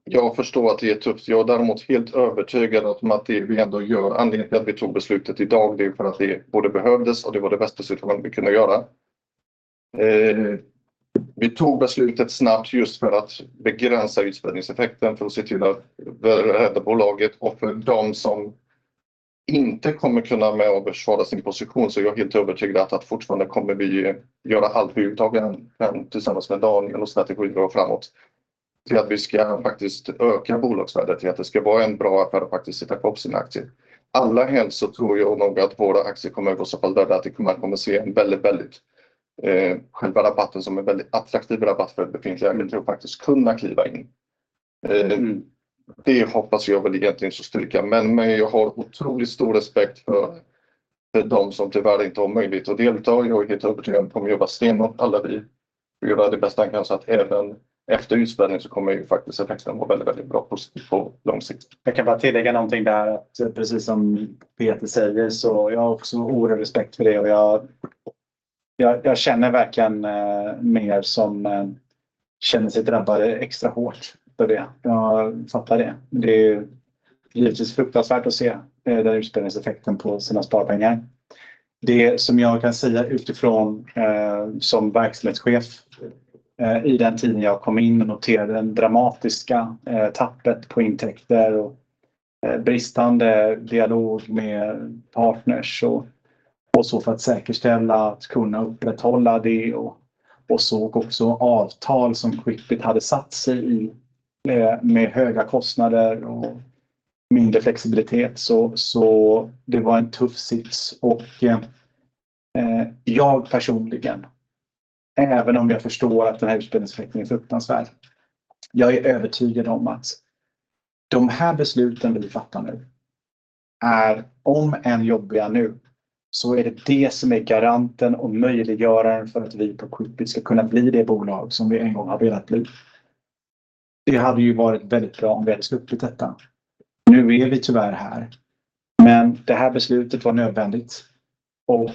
Jag förstår att det är tufft. Jag är däremot helt övertygad om att det vi ändå gör, anledningen till att vi tog beslutet i dag, det är för att det både behövdes och det var det bästa beslut man kunde göra. Vi tog beslutet snabbt just för att begränsa utspädningseffekten, för att se till att rädda bolaget och för de som inte kommer kunna med och försvara sin position. Jag är helt övertygad att vi fortfarande kommer göra allt för att, tillsammans med Daniel och strategier, gå framåt, till att vi ska faktiskt öka bolagsvärdet, till att det ska vara en bra affär att faktiskt sitta på sin aktie. Allt hänt så tror jag nog att våra aktier kommer gå så pass bra att man kommer att se en väldigt, väldigt attraktiv rabatt för befintliga, jag tror faktiskt kunna kliva in. Det hoppas jag väl egentligen så styrka, men jag har otroligt stor respekt för de som tyvärr inte har möjlighet att delta. Jag är helt övertygad, kommer att jobba stenhårt, alla vi, för att göra det bästa kanske, att även efter utspädning så kommer ju faktiskt effekten vara väldigt, väldigt bra på lång sikt. Jag kan bara tillägga någonting där, precis som Peter säger, så jag har också oerhörd respekt för det och jag känner verkligen med er som känner sig drabbade extra hårt av det. Jag fattar det. Det är givetvis fruktansvärt att se den utspädningseffekten på sina sparpengar. Det som jag kan säga utifrån, som Verksamhetschef, i den tiden jag kom in och noterade den dramatiska tappet på intäkter och bristande dialog med partners och så, för att säkerställa att kunna upprätthålla det, och också avtal som Quickbit hade satt sig i med höga kostnader och mindre flexibilitet. Det var en tuff sits och jag personligen, även om jag förstår att den här utspädningseffekten är fruktansvärd, är jag övertygad om att de här besluten vi fattar nu är, om än jobbiga nu, det som är garanten och möjliggöraren för att vi på Quickbit ska kunna bli det bolag som vi en gång har velat bli. Det hade ju varit väldigt bra om vi hade sluppit detta. Nu är vi tyvärr här, men det här beslutet var nödvändigt och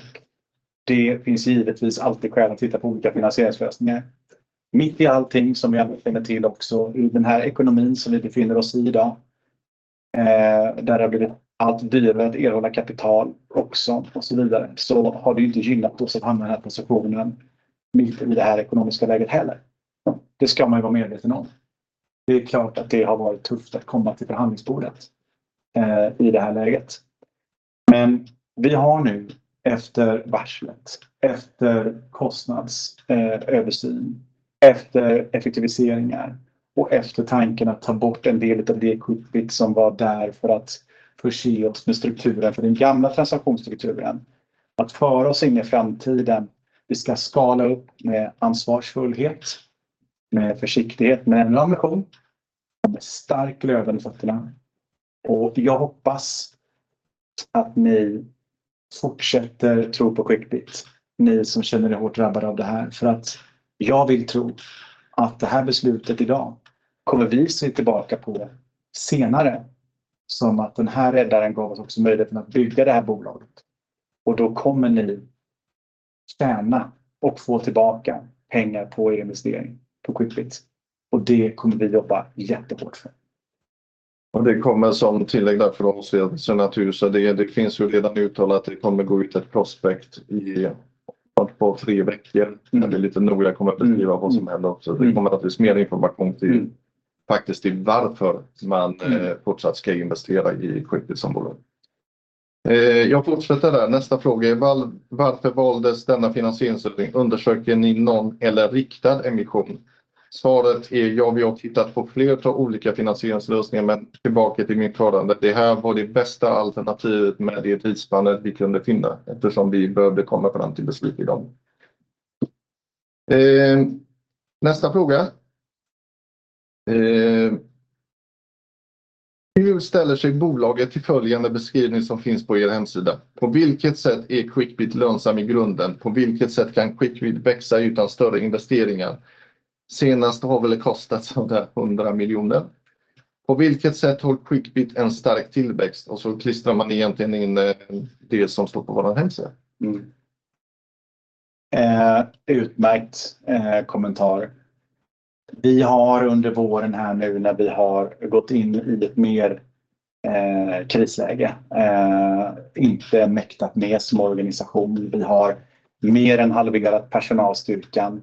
det finns givetvis alltid skäl att titta på olika finansieringslösningar. Mitt i allting, som jag känner till också, i den här ekonomin som vi befinner oss i i dag, där det har blivit allt dyrare att erhålla kapital också och så vidare, så har det inte gynnat oss att hamna i den här positionen, mitt i det här ekonomiska läget heller. Det ska man vara medveten om. Det är klart att det har varit tufft att komma till förhandlingsbordet i det här läget. Men vi har nu, efter varslet, efter kostnadsöversyn, efter effektiviseringar och efter tanken att ta bort en del av det Quickbit som var där för att förse oss med strukturen för den gamla transaktionsstrukturen. Att föra oss in i framtiden, vi ska skala upp med ansvarsfullhet, med försiktighet, med en ambition och med stark lönsamhet. Och jag hoppas att ni fortsätter tro på Quickbit, ni som känner er hårt drabbade av det här. För att jag vill tro att det här beslutet i dag kommer vi se tillbaka på senare, som att den här räddaren gav oss också möjligheten att bygga det här bolaget. Och då kommer ni tjäna och få tillbaka pengar på er investering på Quickbit. Och det kommer vi jobba jättehårt för. Det kommer som tillägg där för oss så naturligt, så det finns ju redan uttalat att det kommer gå ut ett prospekt i ett par, tre veckor. När det är lite noga kommer att beskriva vad som händer. Det kommer naturligtvis mer information till, faktiskt till varför man fortsatt ska investera i Quickbit som bolag. Nästa fråga är varför valdes denna finansieringslösning? Undersöker ni någon eller riktad emission? Svaret är ja, vi har tittat på flera olika finansieringslösningar, men tillbaka till mitt förande. Det här var det bästa alternativet med det tidsspannet vi kunde finna, eftersom vi behövde komma fram till beslut i dag. Nästa fråga. Hur ställer sig bolaget till följande beskrivning som finns på er hemsida? På vilket sätt är Quickbit lönsam i grunden? På vilket sätt kan Quickbit växa utan större investeringar? Senast har det väl kostat sådär 100 miljoner. På vilket sätt håller Quickbit en stark tillväxt? Och så klistrar man egentligen in det som står på vår hemsida. Vi har under våren här nu, när vi har gått in i ett mer krisläge, inte mäktat med som organisation. Vi har mer än halverat personalstyrkan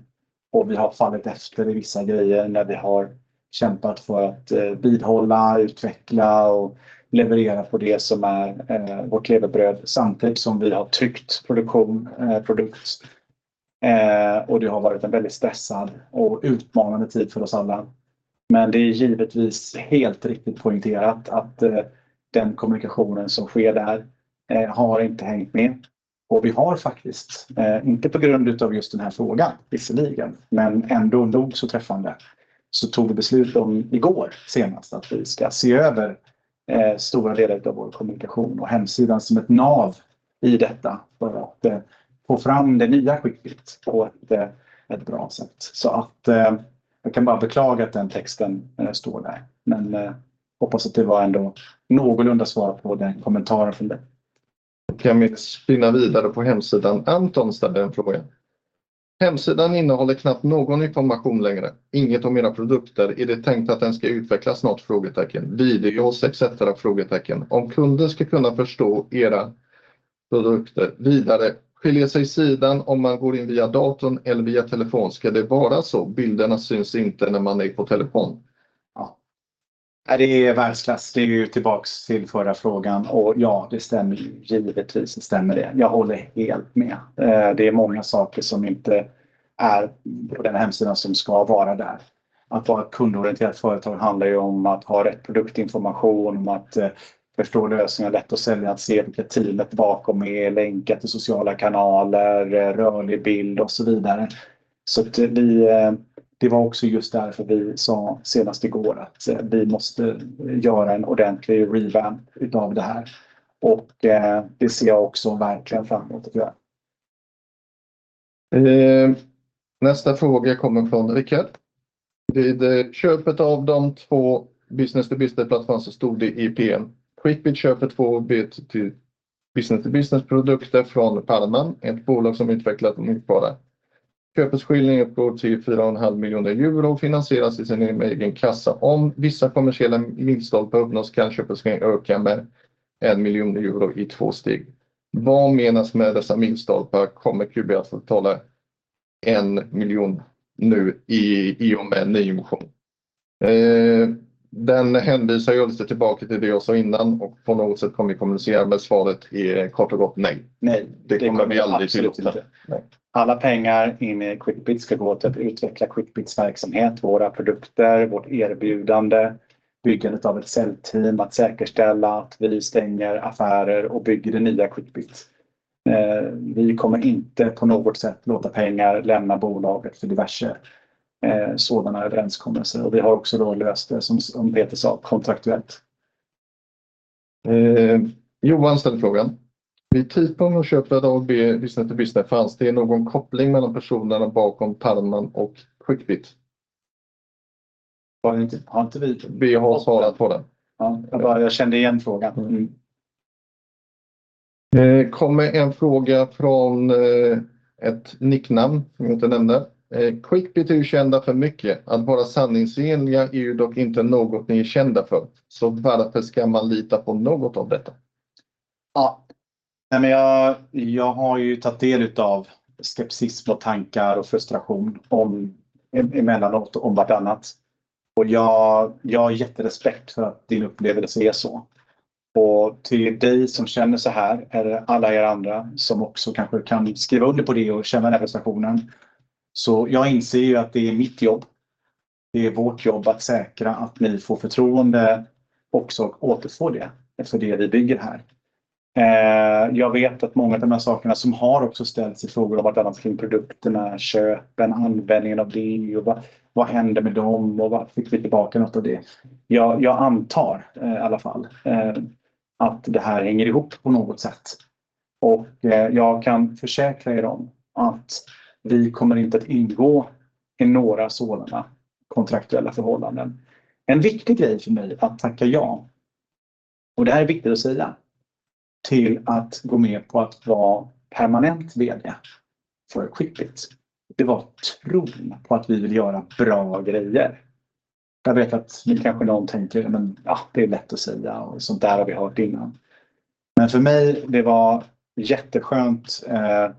och vi har fallit efter i vissa grejer när vi har kämpat för att vidhålla, utveckla och leverera på det som är vårt levebröd, samtidigt som vi har tryckt produktion, produkt. Det har varit en väldigt stressad och utmanande tid för oss alla. Men det är givetvis helt riktigt poängterat att den kommunikationen som sker där har inte hängt med. Vi har faktiskt, inte på grund av just den här frågan, visserligen, men ändå så träffande, tog vi beslut om i går senast att vi ska se över stora delar utav vår kommunikation och hemsidan som ett nav i detta för att få fram det nya Quickbit på ett bra sätt. Jag kan bara beklaga att den texten står där, men hoppas att det var ändå någorlunda svar på den kommentaren från dig. Då kan vi spinna vidare på hemsidan. Anton ställde en fråga: Hemsidan innehåller knappt någon information längre. Inget om era produkter. Är det tänkt att den ska utvecklas snart? Videos, etcetera? Om kunden ska kunna förstå era produkter vidare, skiljer sig sidan om man går in via datorn eller via telefon. Ska det vara så? Bilderna syns inte när man är på telefon. Ja, det är världsklass. Det är ju tillbaks till förra frågan och ja, det stämmer ju, givetvis stämmer det. Jag håller helt med. Det är många saker som inte är på den hemsidan som ska vara där. Att vara ett kundorienterat företag handlar ju om att ha rätt produktinformation, om att förstå lösningar, lätt att sälja, att se teamet bakom er, länka till sociala kanaler, rörlig bild och så vidare. Vi sa senast i går att vi måste göra en ordentlig revamp utav det här och det ser jag också verkligen fram emot att göra. Nästa fråga kommer från Rickard. Vid köpet av de två business-to-business-plattformar så stod det i PM: Quickbit köper två business-to-business-produkter från Palman, ett bolag som utvecklat och marknadsfört dessa. Köpeskillingen uppgår till €4,5 miljoner och finansieras i sin helhet med egen kassa. Om vissa kommersiella milstolpar uppnås kan köpeskillingen öka med €1 miljon i två steg. Vad menas med dessa milstolpar? Kommer QBS att betala €1 miljon nu i och med ny emission? Den hänvisar ju lite tillbaka till det jag sa innan, och på något sätt kommer vi kommunicera med svaret, i korthet: nej. Nej, det kommer vi aldrig. Alla pengar in i Quickbit ska gå till att utveckla Quickbits verksamhet, våra produkter, vårt erbjudande, byggandet av ett säljteam, att säkerställa att vi stänger affärer och bygger det nya Quickbit. Vi kommer inte på något sätt låta pengar lämna bolaget för diverse sådana överenskommelser och vi har också då löst det, som Peter sa, kontraktuellt. Johan ställde frågan: Vid typen av köp av B2B i Frankrike, finns det någon koppling mellan personerna bakom Palman och Quickbit? Har inte vi- Vi har svarat på den. Ja, jag kände igen frågan. Det kom en fråga från ett nicknamn som jag inte nämnder. Quickbit, du kända för mycket. Att vara sanningsenliga är ju dock inte något ni är kända för. Så varför ska man lita på något av detta? Ja, nej, men jag har ju tagit del av skepsis och tankar och frustration, emellanåt, om vartannat. Jag har jätterespekt för att din upplevelse är så. Och till dig som känner så här, eller alla er andra som också kanske kan skriva under på det och känna den här frustrationen, så inser jag ju att det är mitt jobb. Det är vårt jobb att säkra att ni får förtroende, också återfå det, eftersom det är det vi bygger här. Jag vet att många av de här sakerna som också har ställts i frågor och vartannat kring produkterna, köpen, användningen av det och vad som hände med dem och var fick vi tillbaka något av det? Jag antar i alla fall att det här hänger ihop på något sätt, och jag kan försäkra er om att vi inte kommer att ingå i några sådana kontraktuella förhållanden. En viktig grej för mig att tacka ja till, och det här är viktigt att säga, var att gå med på att vara permanent VD för Quickbit. Det var tron på att vi vill göra bra grejer. Jag vet att ni kanske tänker att det är lätt att säga, och sånt där har vi hört innan. Men för mig var det jätteskönt med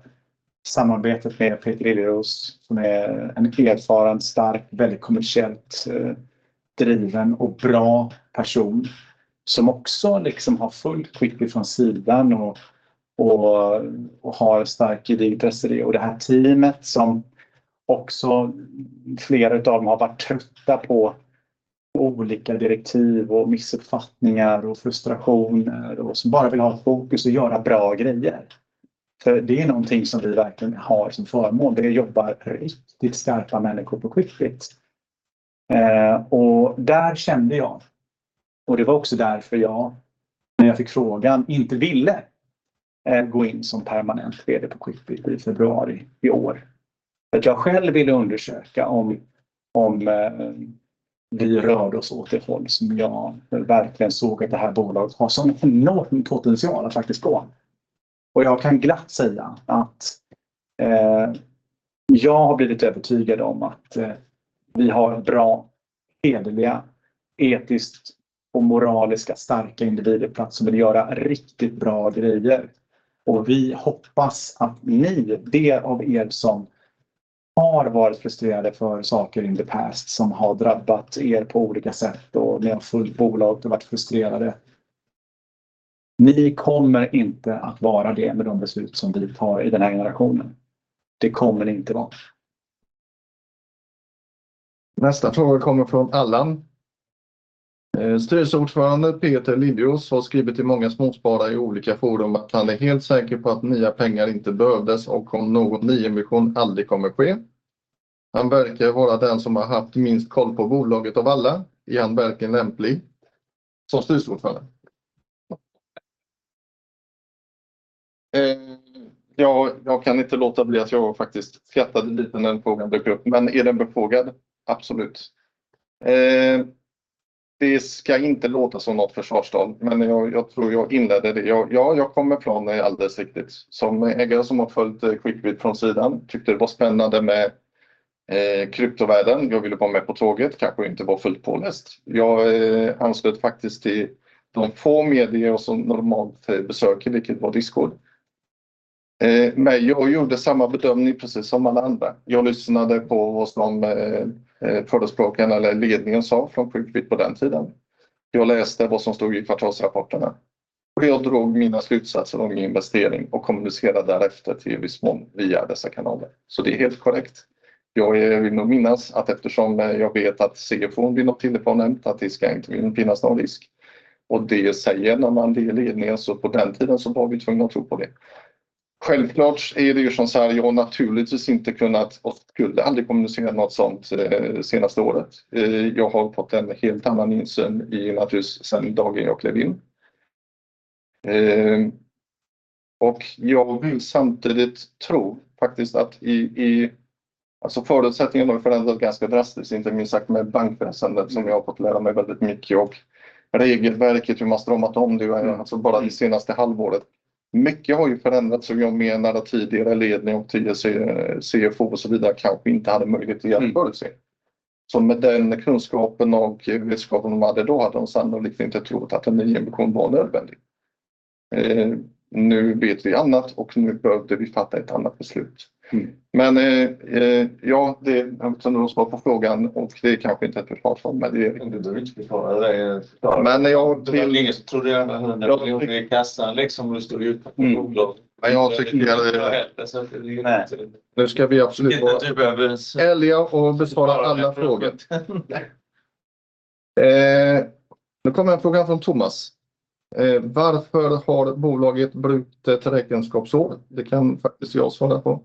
samarbetet med Peter Liljeros, som är en erfaren, stark, väldigt kommersiellt driven och bra person som också liksom har fullt stöd från sidan och starkt intresse i det. Det här teamet, där flera av dem också har varit trötta på olika direktiv och missuppfattningar och frustrationer, vill bara ha ett fokus och göra bra grejer. Det är någonting som vi verkligen har som förmån – det jobbar riktigt skarpa människor på Shipt. Där kände jag, och det var också därför jag, när jag fick frågan, inte ville gå in som permanent CD på Shipt i februari i år. Jag själv ville undersöka om vi rörde oss åt det håll som jag verkligen såg att det här bolaget har som enorm potential att faktiskt gå. Jag kan glatt säga att jag har blivit övertygad om att vi har bra, hederliga, etiskt och moraliskt starka individer på plats som vill göra riktigt bra grejer. Och vi hoppas att ni, det av er som har varit frustrerade för saker in the past, som har drabbat er på olika sätt och ni har fullt bolag och varit frustrerade, inte kommer att vara det med de beslut som vi tar i den här generationen. Det kommer ni inte vara. Nästa fråga kommer från Allan. Styrelseordförande Peter Liljeroos har skrivit i många småsparare i olika forum att han är helt säker på att nya pengar inte behövdes och om någon ny emission aldrig kommer ske. Han verkar vara den som har haft minst koll på bolaget av alla. Är han verkligen lämplig som styrelseordförande? Ja, jag kan inte låta bli att jag faktiskt skrattade lite när den frågan dök upp, men är den befogad? Absolut. Det ska inte låta som något försvarstal, men jag tror jag inledde det. Ja, jag kommer från det alldeles riktigt. Som ägare som har följt Shipt från sidan, tyckte det var spännande med kryptovärlden. Jag ville vara med på tåget, kanske inte vara fullt påläst. Jag anslöt faktiskt till de få medier som normalt besöker, vilket var Discord. Men jag gjorde samma bedömning precis som alla andra. Jag lyssnade på vad förespråkaren eller ledningen sa från Shipt på den tiden. Jag läste vad som stod i kvartalsrapporterna och jag drog mina slutsatser om min investering och kommunicerade därefter till viss mån via dessa kanaler. Det är helt korrekt. Jag vill nog minnas att, eftersom jag vet att CFO:n blir något till det som nämnts, att det inte ska finnas någon risk. När det är ledningen som säger det, så på den tiden var vi tvungna att tro på det. Självklart, som sagt, har jag naturligtvis inte kunnat och skulle aldrig kommunicera något sådant det senaste året. Jag har fått en helt annan insyn naturligt sedan dagen jag klev in. Jag vill samtidigt tro att förutsättningarna har förändrats ganska drastiskt, inte minst med bankväsendet, som jag har fått lära mig väldigt mycket om, och regelverket, hur man stramat åt det. Bara det senaste halvåret har mycket förändrats, och jag menar att tidigare ledning och CFO och så vidare kanske inte hade möjlighet att jämföra sig så. Med den kunskapen och vetskapen de hade då, hade de sannolikt inte trott att en ny emission var nödvändig. Nu vet vi annat och nu behövde vi fatta ett annat beslut. Det är för att svara på frågan, och det är kanske inte ett försvarstal, men det- Du behöver inte försvara dig. Men jag- Tror gärna hunden i kassan, liksom du står utanför. Nu ska vi absolut vara ärliga och besvara alla frågor. Nu kommer en fråga från Thomas: Varför har bolaget brutet räkenskapsår? Det kan faktiskt jag svara på.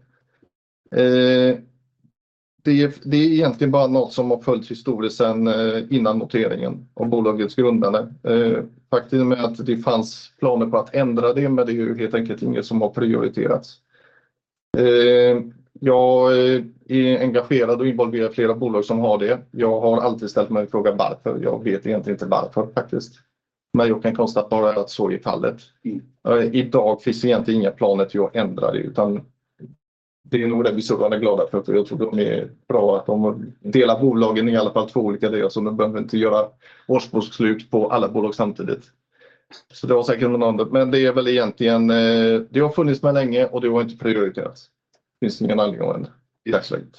Det är egentligen bara något som har följts historiskt sedan innan noteringen och bolagets grundande. Faktum är att det fanns planer på att ändra det, men det är ju helt enkelt inget som har prioriterats. Jag är engagerad och involverar flera bolag som har det. Jag har alltid ställt mig en fråga varför. Jag vet egentligen inte varför, faktiskt, men jag kan konstatera att så är fallet. Idag finns egentligen inga planer att ändra det, utan det är nog det vi är glada för. Jag tror det är bra att det delar bolagen i alla fall i två olika delar, så man behöver inte göra årsbokslut på alla bolag samtidigt. Det var säkert något annat, men det har funnits med länge och det har inte prioriterats. Finns det ingen anledning att ändra i dagsläget.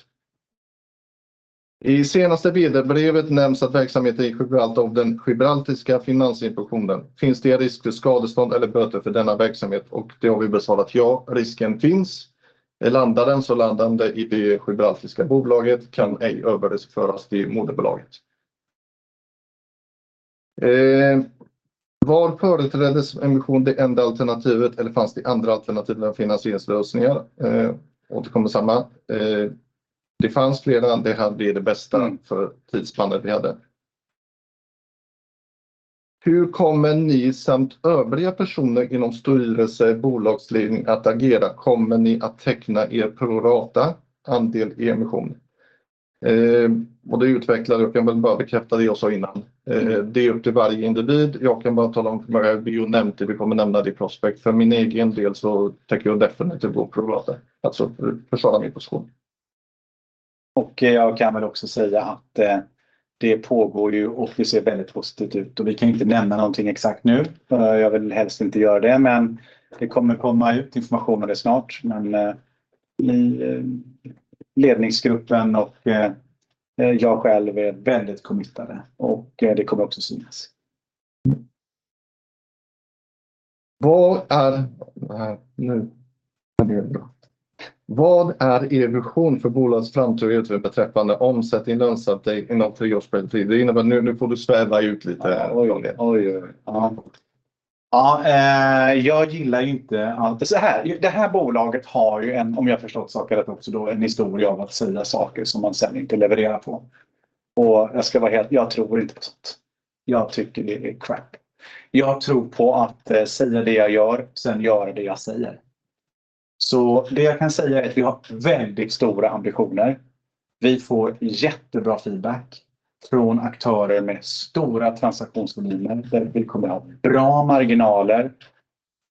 I senaste videobrevet nämns verksamheten i Gibraltar och den Gibraltarska Finansinspektionen. Finns det risk för skadestånd eller böter för denna verksamhet? Det har vi besvarat ja, risken finns. Landar den så landar den i det Gibraltariska bolaget och kan ej överföras till moderbolaget. Var företrädesemissionen det enda alternativet eller fanns det andra alternativ än finansieringslösningar? Återkommer samma. Det fanns flera, det här blir det bästa för tidsplanen vi hade. Hur kommer ni samt övriga personer inom styrelse och bolagsledning att agera? Kommer ni att teckna er pro rata-andel i emissionen? Det är utvecklat och kan väl bara bekräfta det jag sa innan. Det är upp till varje individ. Jag kan bara tala om vad jag nämnt. Vi kommer nämna det i prospekt. För min egen del tänker jag definitivt gå pro rata, alltså försvara min position. Jag kan också säga att det pågår och det ser väldigt positivt ut och vi kan inte nämna någonting exakt nu. Jag vill helst inte göra det, men det kommer komma ut information om det snart. I ledningsgruppen och jag själv är väldigt committad och det kommer också synas. Vad är er vision för bolagets framtid beträffande omsättning och lönsamhet inom tre års tid? Nu får du sväva ut lite. Jag gillar inte att det här bolaget har en, om jag förstått saken rätt, historia av att säga saker som man sedan inte levererar på. Jag ska vara helt ärlig: jag tror inte på sånt. Jag tycker det är crap. Jag tror på att säga det jag gör, sedan göra det jag säger. Det jag kan säga är att vi har väldigt stora ambitioner. Vi får jättebra feedback från aktörer med stora transaktionsvolymer där vi kommer att ha bra marginaler.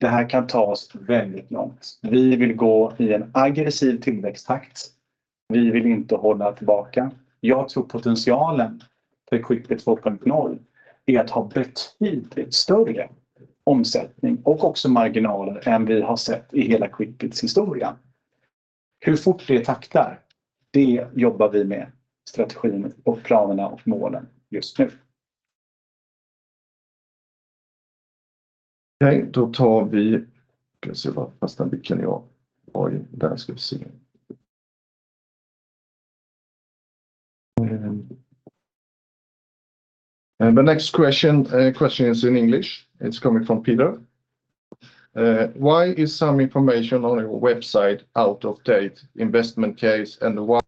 Det här kan ta oss väldigt långt. Vi vill gå i en aggressiv tillväxttakt. Vi vill inte hålla tillbaka. Jag tror potentialen för Quickbit 2.0 är att ha betydligt större omsättning och också marginaler än vi har sett i hela Quickbits historia. Hur fort vi taktar? Det jobbar vi med strategin och planerna och målen just nu. Okej, då tar vi... Ska vi se var fastna micken jag. The next question is in English. It's coming from Peter. Why is some information on your website out of date, investment case and why?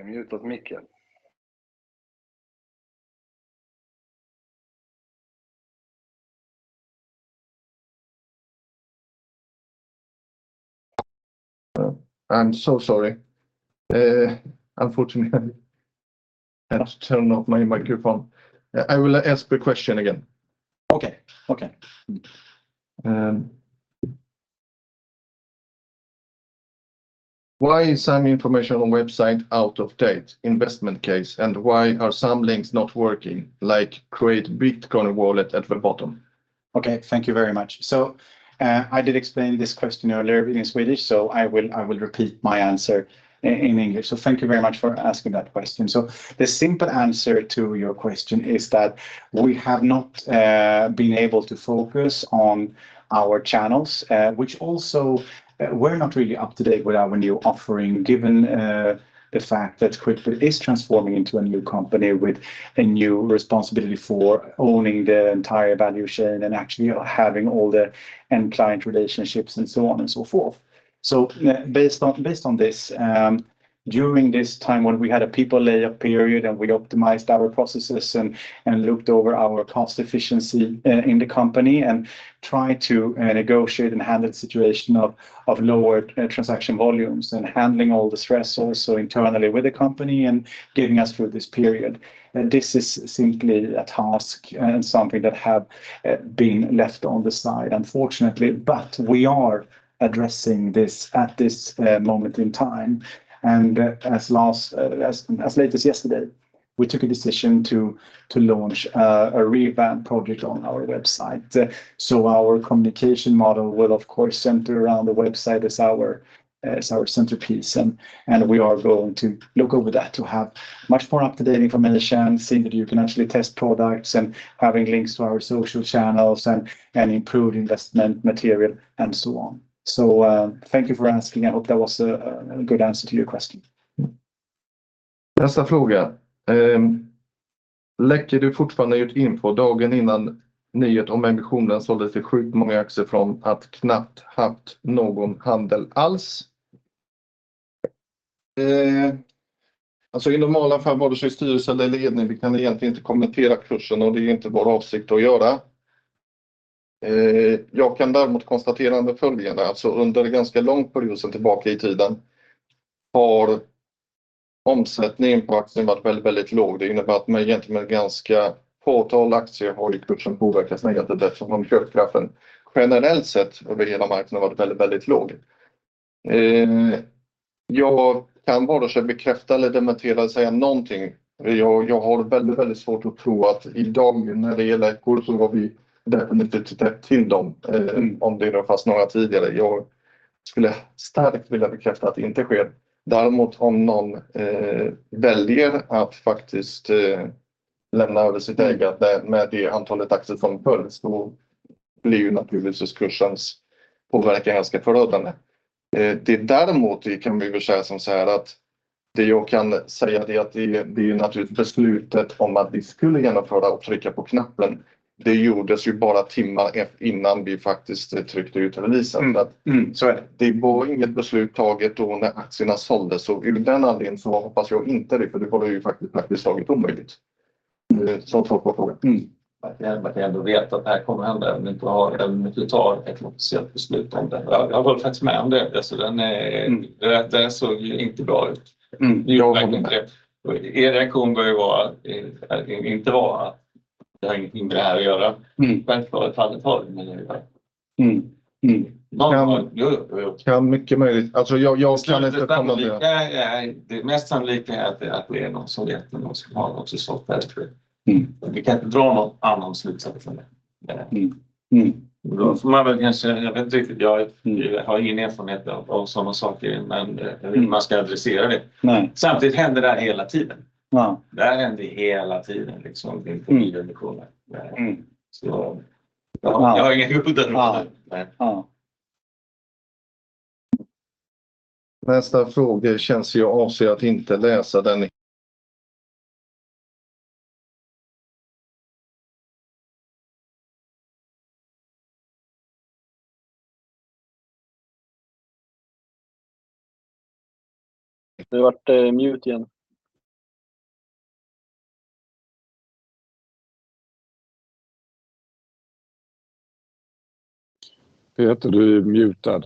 Du har mjutat micken. I'm so sorry. Unfortunately, I had to turn off my microphone. I will ask the question again. Okej, okej. Why is some information on the website out of date, investment case, and why are some links not working, like "Create Bitcoin Wallet" at the bottom? Thank you very much. I did explain this question earlier in Swedish, so I will repeat my answer in English. Thank you very much for asking that question. The simple answer to your question is that we have not been able to focus on our channels, which also we're not really up to date with our new offering, given the fact that Quickbit is transforming into a new company with a new responsibility for owning the entire value chain and actually having all the end client relationships and so on and so forth. Based on this, during this time when we had a people layup period and we optimized our processes and looked over our cost efficiency in the company and tried to negotiate and handle the situation of lower transaction volumes and handling all the stress also internally with the company and getting us through this period. This is simply a task and something that have been left on the side, unfortunately, but we are addressing this at this moment in time. As late as yesterday, we took a decision to launch a revamped project on our website. Our communication model will, of course, center around the website as our centerpiece, and we are going to look over that to have much more up to date information, seeing that you can actually test products and having links to our social channels and improve investment material and so on. Thank you for asking. I hope that was a good answer to your question. Nästa fråga. Läcker du fortfarande ut info dagen innan nyhet om ambitionen sålde till sjukt många aktier från att knappt haft någon handel alls? Alltså, i normala fall, vare sig styrelsen eller ledning, vi kan egentligen inte kommentera kursen och det är inte vår avsikt att göra. Jag kan däremot konstatera det följande. Alltså, under ganska lång period sen tillbaka i tiden har omsättningen på aktien varit väldigt, väldigt låg. Det innebär att man egentligen med ganska fåtal aktier har i kursen påverkas negativt eftersom köpkraften generellt sett över hela marknaden varit väldigt, väldigt låg. Jag kan vare sig bekräfta eller dementera eller säga någonting. Jag har väldigt, väldigt svårt att tro att i dag, när det är läckor, så var vi definitivt till dem. Om det rör fast några tidigare, skulle jag starkt vilja bekräfta att det inte sker. Däremot, om någon väljer att faktiskt lämna över sitt ägande med det antalet aktier som köps, då blir ju naturligtvis kursens påverkan ganska förödande. Det är däremot, det kan vi väl säga såhär, att det jag kan säga det, att det är naturligtvis beslutet om att vi skulle genomföra och trycka på knappen. Det gjordes ju bara timmar innan vi faktiskt tryckte ut releasen. Så det var inget beslut taget då när aktierna såldes. Så ur den anledningen så hoppas jag inte det, för det vore ju faktiskt praktiskt taget omöjligt. Man kan ändå veta att det här kommer hända, men inte har, ni tar ett officiellt beslut om det. Jag håller faktiskt med om det, alltså den är, det såg inte bra ut. Er reaktion bör ju vara, inte vara att det har ingenting med det här att göra. Men fallet har det. Kan, mycket möjligt. Jag kan inte komma det. Det mest sannolika är att det är någon som vet något som också har sålt det. Vi kan inte dra någon annan slutsats av det. Mm. Då får man väl kanske, jag vet inte riktigt, jag har ingen erfarenhet av sådana saker, men man ska adressera det. Nej. Samtidigt händer det här hela tiden. Ja. Det här händer hela tiden. Information. Mm. Jag har ingen god där. Ja. Nästa fråga känns ju av sig att inte läsa den. Du har varit mute igen. Peter, du är mutad.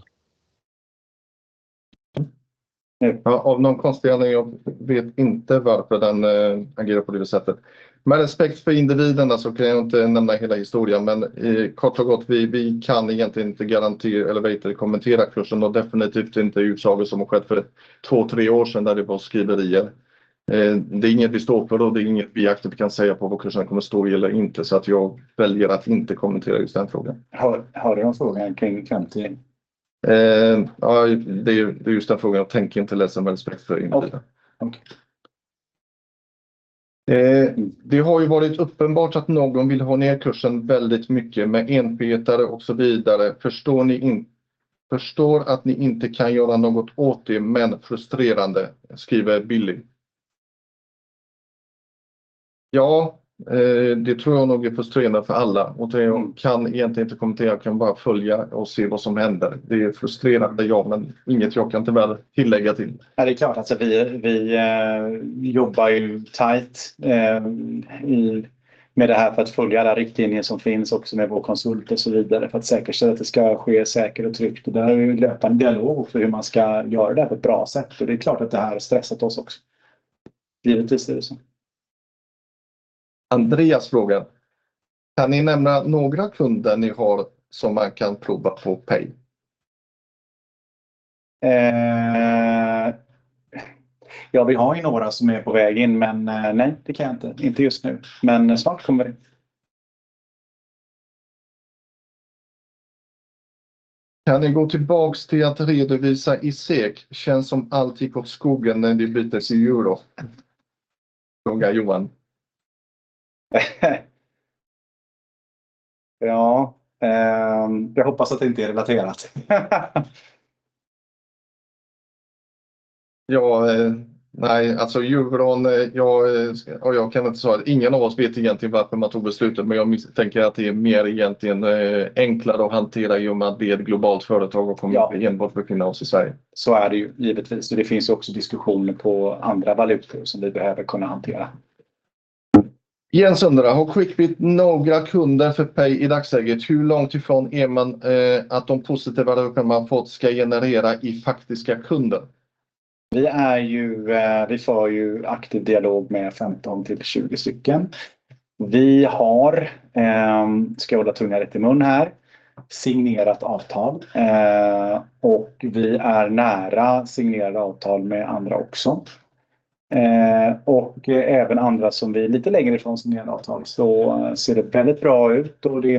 Ja, av någon konstig anledning, jag vet inte varför den agerar på det sättet. Med respekt för individen kan jag inte nämna hela historien, men kort och gott, vi kan egentligen inte garantera eller vidare kommentera kursen och definitivt inte händelser som har skett för två, tre år sedan där det var skriverier. Det är inget vi står för och det är inget vi aktivt kan säga på vad kursen kommer att stå eller inte, så jag väljer att inte kommentera just den frågan. Har jag någon fråga kring Kanting? Ja, det är just den frågan. Jag tänker inte läsa med respekt för individen. Okej. Det har ju varit uppenbart att någon vill ha ner kursen väldigt mycket med enheter och så vidare. Förstår ni in, förstår att ni inte kan göra något åt det, men frustrerande, skriver Billy. Ja, det tror jag nog är frustrerande för alla och det kan egentligen inte kommentera. Jag kan bara följa och se vad som händer. Det är frustrerande ja, men inget jag kan tillägga till. Det är klart att vi jobbar tight med det här för att följa alla riktlinjer som finns och som är vår konsult och så vidare, för att säkerställa att det ska ske säkert och tryggt. Det där är löpande dialog för hur man ska göra det här på ett bra sätt. Det är klart att det här har stressat oss också. Givetvis är det så. Andreas frågar: Kan ni nämna några kunder ni har som man kan prova på Pay? Vi har några som är på väg in, men det kan jag inte, inte just nu. Men snart kommer det. Kan ni gå tillbaka till att redovisa i SEK? Känns som allt gick åt skogen när vi bytte till euro. Frågar Johan. Ja, jag hoppas att det inte är relaterat. Euron, ingen av oss vet egentligen varför man tog beslutet, men jag tänker att det är mer egentligen enklare att hantera i och med att det är ett globalt företag och kommer inte enbart verka oss i Sverige. Det finns givetvis diskussioner på andra valutor som vi behöver kunna hantera. Jens undrar: Har Quickbit några kunder för Pay i dagsläget? Hur långt ifrån är man att de positiva rörelser man fått ska generera faktiska kunder? Vi får aktiv dialog med femton till tjugo stycken. Nu ska jag hålla tungan rätt i mun här: vi har signerat avtal och vi är nära signerade avtal med andra också. Även andra som vi är lite längre ifrån signerade avtal, så ser det väldigt bra ut och det är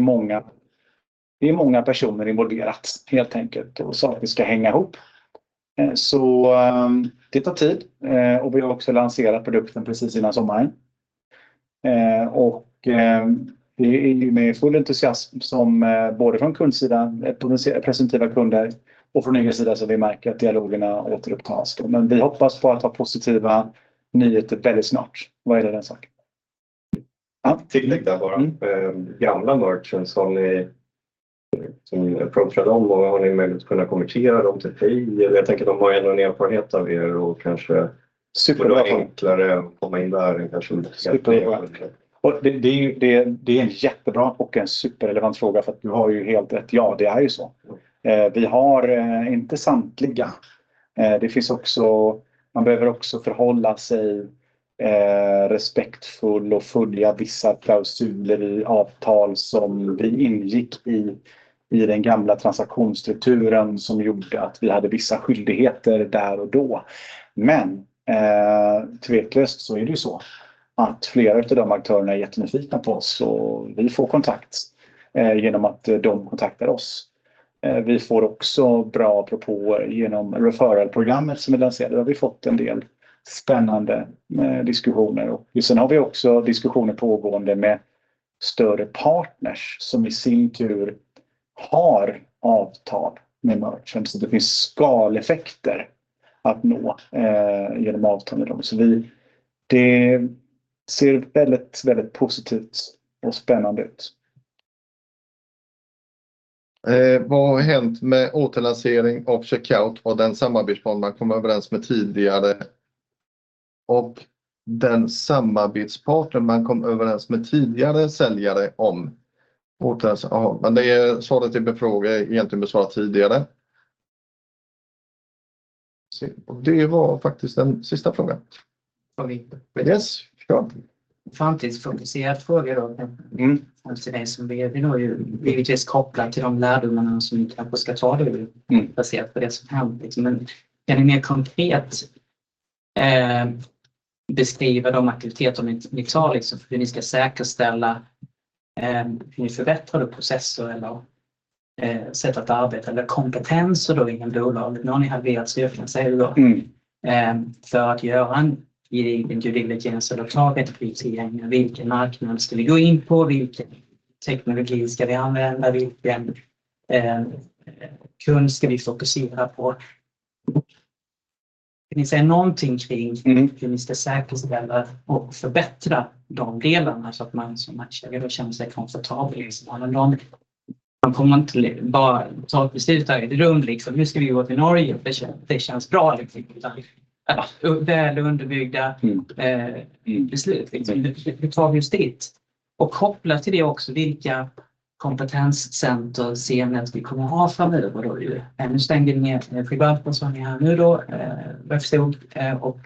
många personer involverade, helt enkelt, och saker vi ska hänga ihop. Det tar tid och vi har också lanserat produkten precis innan sommaren. Vi är med i full entusiasm, både från kundsidan, representativa kunder och från säljarsidan, så vi märker att dialogerna återupptas. Vi hoppas på att ha positiva nyheter väldigt snart. Tillägga bara, gamla merchants som ni approachade och har ni möjlighet att kunna konvertera dem till Pay? Jag tänker att de har en erfarenhet av er och kanske... Superbra! Enklare att komma in där. Det är en jättebra och en superrelevant fråga, för du har helt rätt. Det är ju så att vi inte har samtliga. Man behöver också förhålla sig respektfull och följa vissa klausuler i avtal som vi ingick i den gamla transaktionsstrukturen, som gjorde att vi hade vissa skyldigheter där och då. Men tveklöst är det så att flera av de aktörerna är jättenyfikna på oss och vi får kontakt genom att de kontaktar oss. Vi får också bra apropå genom det referral-program som är lanserat, och då har vi fått en del spännande diskussioner. Sen har vi också diskussioner pågående med större partners som i sin tur har avtal med merchants, så det finns skaleffekter att nå igenom avtal med dem. Det ser väldigt, väldigt positivt och spännande ut. Vad har hänt med återlansering och checkout och den samarbetspartner man kom överens med tidigare? Svaret till min fråga är egentligen besvarat tidigare, och det var faktiskt den sista frågan. Framtidsfokuserad fråga då. Det är som ledning då ju, givetvis kopplat till de lärdomarna som ni kanske ska ta nu, baserat på det som hänt. Men kan ni mer konkret beskriva de aktiviteter som ni tar för hur ni ska säkerställa hur ni förbättrar processer eller sätt att arbeta eller kompetenser inom bolaget? Nu har ni reat styrelsesed för att göra en due diligence av företaget, tillgängliga, vilken marknad skulle vi gå in på? Vilken teknologi ska vi använda? Vilken kund ska vi fokusera på? Kan ni säga någonting kring hur ni ska säkerställa och förbättra de delarna så att man som aktieägare känner sig komfortabel? Man kommer inte bara ta ett beslut här i ett rum, nu ska vi gå till Norge, och det känns bra, utan väl underbyggda beslut. Du tar just ditt och kopplar till det också, vilka kompetenscenter ser ni att ni kommer att ha framöver? Nu stänger ni ner privatpersoner, vad jag förstod, och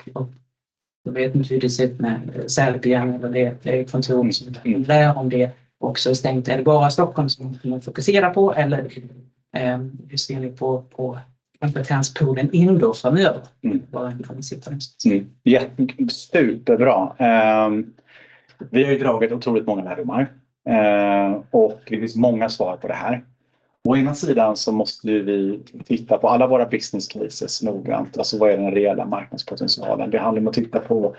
jag vet inte hur det ser ut med Sverige, det är en funktion där, om det också är stängt. Är det bara Stockholm som ni fokuserar på, hur ser ni på kompetenspoolen framöver? Snyggt, jättebra, superbra! Vi har dragit otroligt många lärdomar, och det finns många svar på det här. Å ena sidan måste vi titta på alla våra business cases noggrant. Vad är den reella marknadspotentialen? Det handlar om att titta på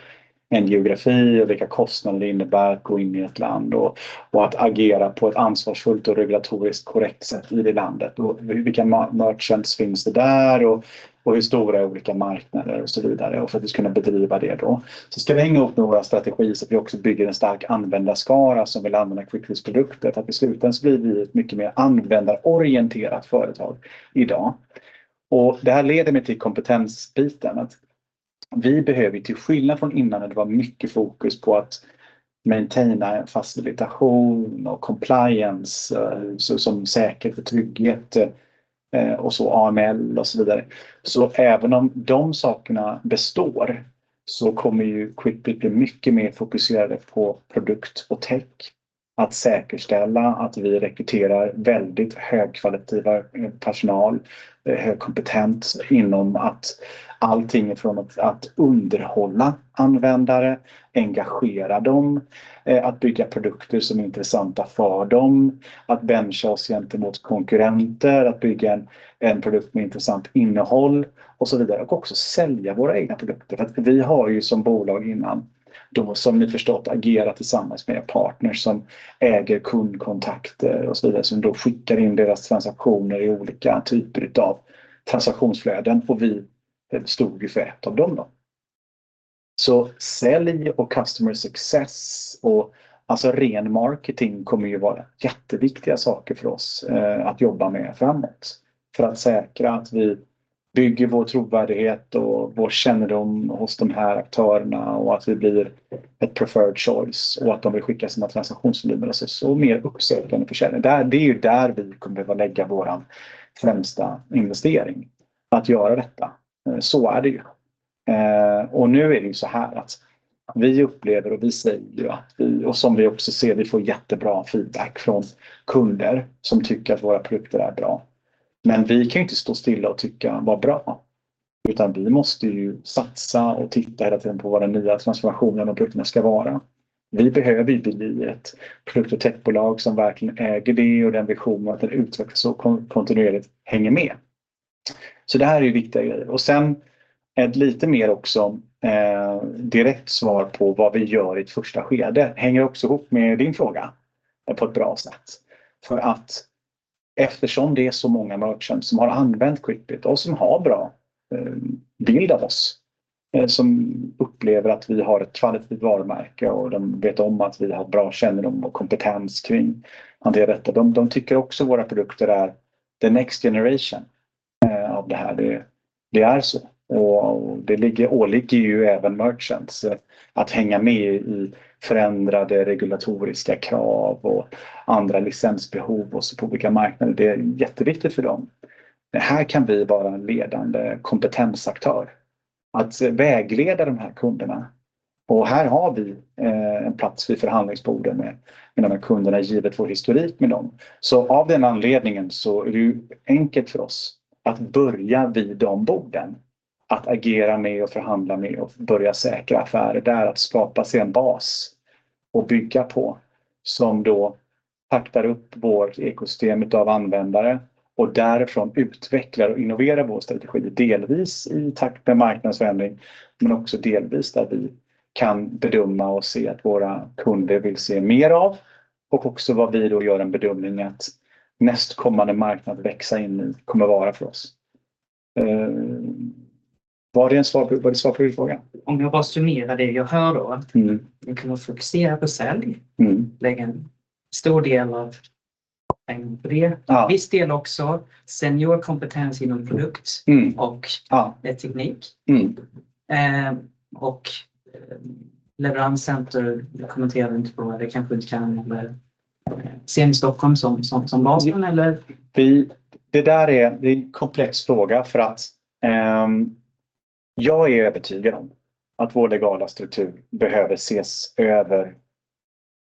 en geografi och vilka kostnader det innebär att gå in i ett land och att agera på ett ansvarsfullt och regulatoriskt korrekt sätt i det landet. Vilka merchants finns det där? Hur stora är olika marknader och så vidare. För att kunna bedriva det ska det hänga upp med våra strategier så att vi också bygger en stark användarskara som vill använda Qlippys produkter. I slutändan blir vi ett mycket mer användarorienterat företag i dag. Det här leder mig till kompetensbiten, att vi behöver, till skillnad från innan, det var mycket fokus på att maintaina en facilitation och compliance, som säkerhet och trygghet, och AML och så vidare. Även om de sakerna består, så kommer ju Qlippy bli mycket mer fokuserade på produkt och tech. Att säkerställa att vi rekryterar väldigt högkvalitativ personal, högkompetent inom allting ifrån att underhålla användare, engagera dem, att bygga produkter som är intressanta för dem, att bencha oss gentemot konkurrenter, att bygga en produkt med intressant innehåll och så vidare, och också sälja våra egna produkter. Vi har ju som bolag innan, då som ni förstått, agerat tillsammans med en partner som äger kundkontakter och så vidare, som då skickar in deras transaktioner i olika typer av transaktionsflöden och vi stod ju för ett av dem då. Sälj och customer success och ren marketing kommer ju vara jätteviktiga saker för oss att jobba med framåt. För att säkra att vi bygger vår trovärdighet och vår kännedom hos de här aktörerna och att vi blir ett preferred choice och att de vill skicka sina transaktionsvolymer och mer uppsäljande försäljning. Det är ju där vi kommer behöva lägga vår främsta investering, att göra detta. Vi upplever och vi säger att vi, och som vi också ser, vi får jättebra feedback från kunder som tycker att våra produkter är bra. Men vi kan inte stå stilla och tycka, vad bra! Utan vi måste ju satsa och titta hela tiden på våra nya transformationer och produkterna ska vara. Vi behöver bli ett produkt- och techbolag som verkligen äger det och den visionen och att den utvecklas och kontinuerligt hänger med. Det här är viktiga grejer. Sedan ett lite mer direkt svar på vad vi gör i ett första skede hänger också ihop med din fråga på ett bra sätt. Eftersom det är så många merchants som har använt Qlippy och som har en bra bild av oss, som upplever att vi har ett kvalitativt varumärke och de vet om att vi har bra kännedom och kompetens kring detta. De tycker också att våra produkter är the next generation av det här. Det är så. Det åligger även merchants att hänga med i förändrade regulatoriska krav och andra licensbehov på olika marknader. Det är jätteviktigt för dem. Det här kan vi vara en ledande kompetensaktör, att vägleda de här kunderna. Här har vi en plats vid förhandlingsbordet med de här kunderna, givet vår historik med dem. Av den anledningen är det enkelt för oss att börja vid de borden, att agera med och förhandla med och börja säkra affärer där, att skapa sig en bas och bygga på, som då taktar upp vårt ekosystem utav användare och därifrån utvecklar och innoverar vår strategi, delvis i takt med marknadsvändning, men också delvis där vi kan bedöma och se att våra kunder vill se mer av och också vad vi då gör en bedömning att nästkommande marknad växa in i kommer vara för oss. Var det ett svar på din fråga? Om jag bara summerar det jag hör då. Att vi kommer att fokusera på sälj, lägga en stor del på det. En viss del också, seniorkompetens inom produkt och teknik. Och leveranscenter, det kommenterar du inte på. Det kanske inte kan se Stockholm som bas då? Det där är en komplex fråga för att jag är övertygad om att vår legala struktur behöver ses över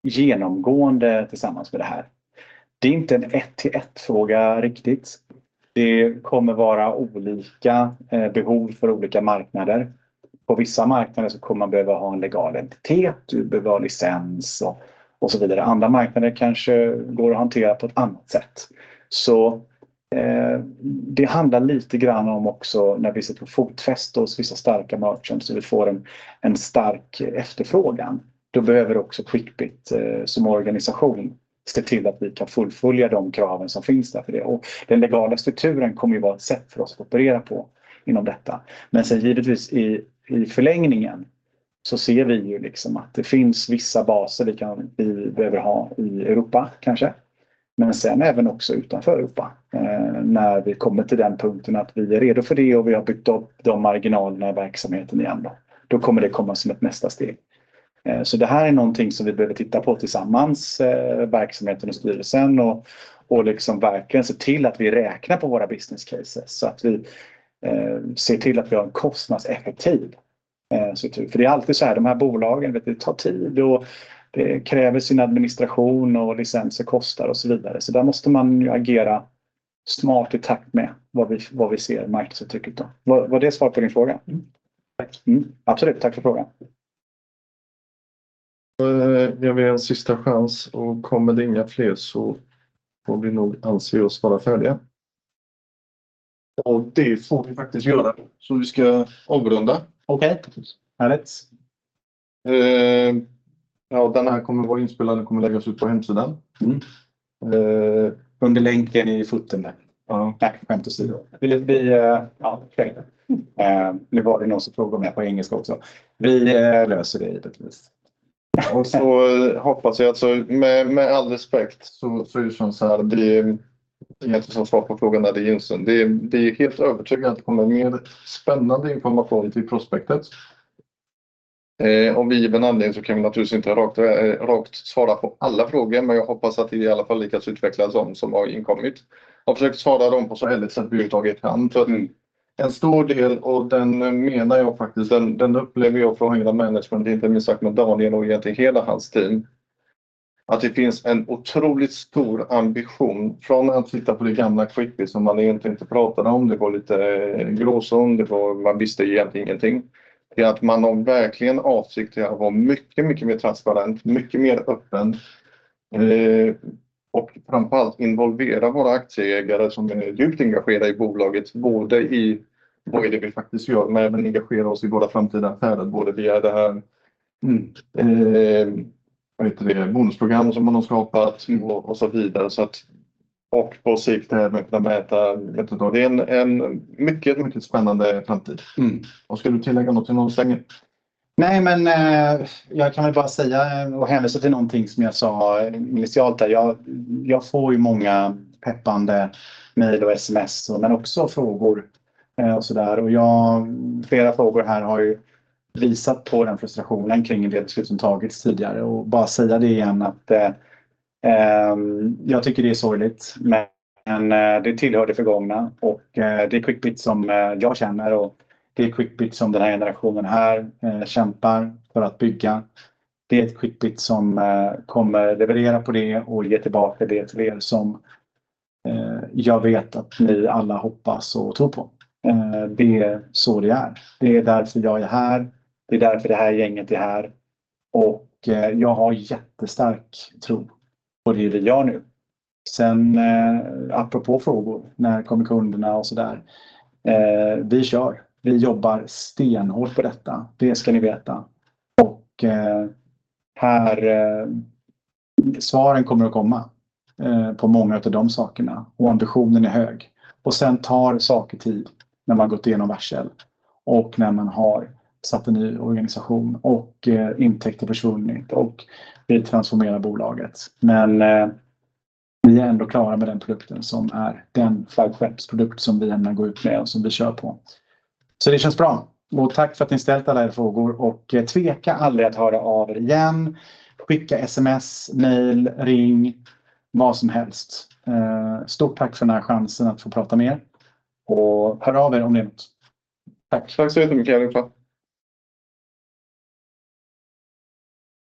genomgående tillsammans med det här. Det är inte en ett till ett-fråga riktigt. Det kommer att vara olika behov för olika marknader. På vissa marknader kommer man behöva ha en legal entitet, du behöver ha licens och så vidare. Andra marknader kanske går att hantera på ett annat sätt. Det handlar lite grann om också när vi sitter på fotfäste och vissa starka margins, så vi får en stark efterfrågan. Då behöver också Quickbit som organisation se till att vi kan fullfölja de kraven som finns där för det. Den legala strukturen kommer att vara ett sätt för oss att operera på inom detta. I förlängningen ser vi att det finns vissa baser vi kan behöva ha i Europa, men även också utanför Europa. När vi kommer till den punkten att vi är redo för det och vi har byggt upp de marginalerna i verksamheten igen, då kommer det komma som ett nästa steg. Det här är någonting som vi behöver titta på tillsammans, verksamheten och styrelsen, och verkligen se till att vi räknar på våra business cases så att vi ser till att vi har en kostnadseffektiv struktur. Det är alltid såhär, de här bolagen, det tar tid och det kräver sin administration och licenser kostar och så vidare. Där måste man agera smart i takt med vad vi ser marknadstrycket av. Var det svar på din fråga? Tack! Absolut, tack för frågan. Då ger vi en sista chans och kommer det inga fler så får vi nog anse oss vara färdiga. Och det får vi faktiskt göra. Vi ska avrunda. Okej, härligt. Den här kommer att vara inspelad och kommer att läggas ut på hemsidan. Mm. Under länken i foten där. Ja. Nej, skämt åsido. Vi, ja, nu var det någon som frågade om det på engelska också. Vi löser det givetvis. Och så hoppas jag, med all respekt, att det är som såhär: det är inte som svar på frågan när det är Jensen. Vi är helt övertygade om att det kommer mer spännande information till prospektet. Om given anledning kan vi naturligtvis inte rakt svara på alla frågor, men jag hoppas att vi åtminstone lyckats utveckla de som har inkommit och försökt svara dem på så ärligt sätt vi har tagit fram. En stor del av det upplever jag från hela management, inte minst med Daniel och egentligen hela hans team, att det finns en otroligt stor ambition från att titta på det gamla Quickbit som man egentligen inte pratade om. Det var lite gråzon, man visste egentligen ingenting. Att man verkligen har avsikt att vara mycket, mycket mer transparent, mycket mer öppen, och framför allt involvera våra aktieägare som är djupt engagerade i bolaget, både i vad det är vi faktiskt gör, men även engagera oss i våra framtida affärer, både via det här bonusprogram som man har skapat och så vidare. På sikt även kunna mäta – det är en mycket, mycket spännande framtid. Skulle du tillägga något? Nej, men jag kan väl bara säga och hänvisa till någonting som jag sa initialt där. Jag får ju många peppande mejl och sms, men också frågor och sådär. Flera frågor här har ju visat på den frustrationen kring det beslut som tagits tidigare. Bara säga det igen, att jag tycker det är sorgligt, men det tillhör det förgångna och det är Quickbit som jag känner och det är Quickbit som den här generationen här kämpar för att bygga. Det är ett Quickbit som kommer leverera på det och ge tillbaka det till er som, jag vet att ni alla hoppas och tror på. Det är så det är. Det är därför jag är här. Det är därför det här gänget är här och jag har jättestark tro på det vi gör nu. Apropå frågor, när kommer kunderna och sådär? Vi kör, vi jobbar stenhårt på detta, det ska ni veta. Svaren kommer att komma på många utav de sakerna och ambitionen är hög. Sen tar saker tid när man gått igenom varsel och när man har satt en ny organisation och intäkter försvunnit och vi transformerar bolaget. Vi är ändå klara med den produkten som är den flaggskeppsprodukt som vi ämnar gå ut med och som vi kör på. Det känns bra! Tack för att ni ställt alla era frågor och tveka aldrig att höra av er igen. Skicka sms, mejl, ring, vad som helst. Stort tack för den här chansen att få prata med er och hör av er om det är något. Tack, tack så jättemycket, hejdå!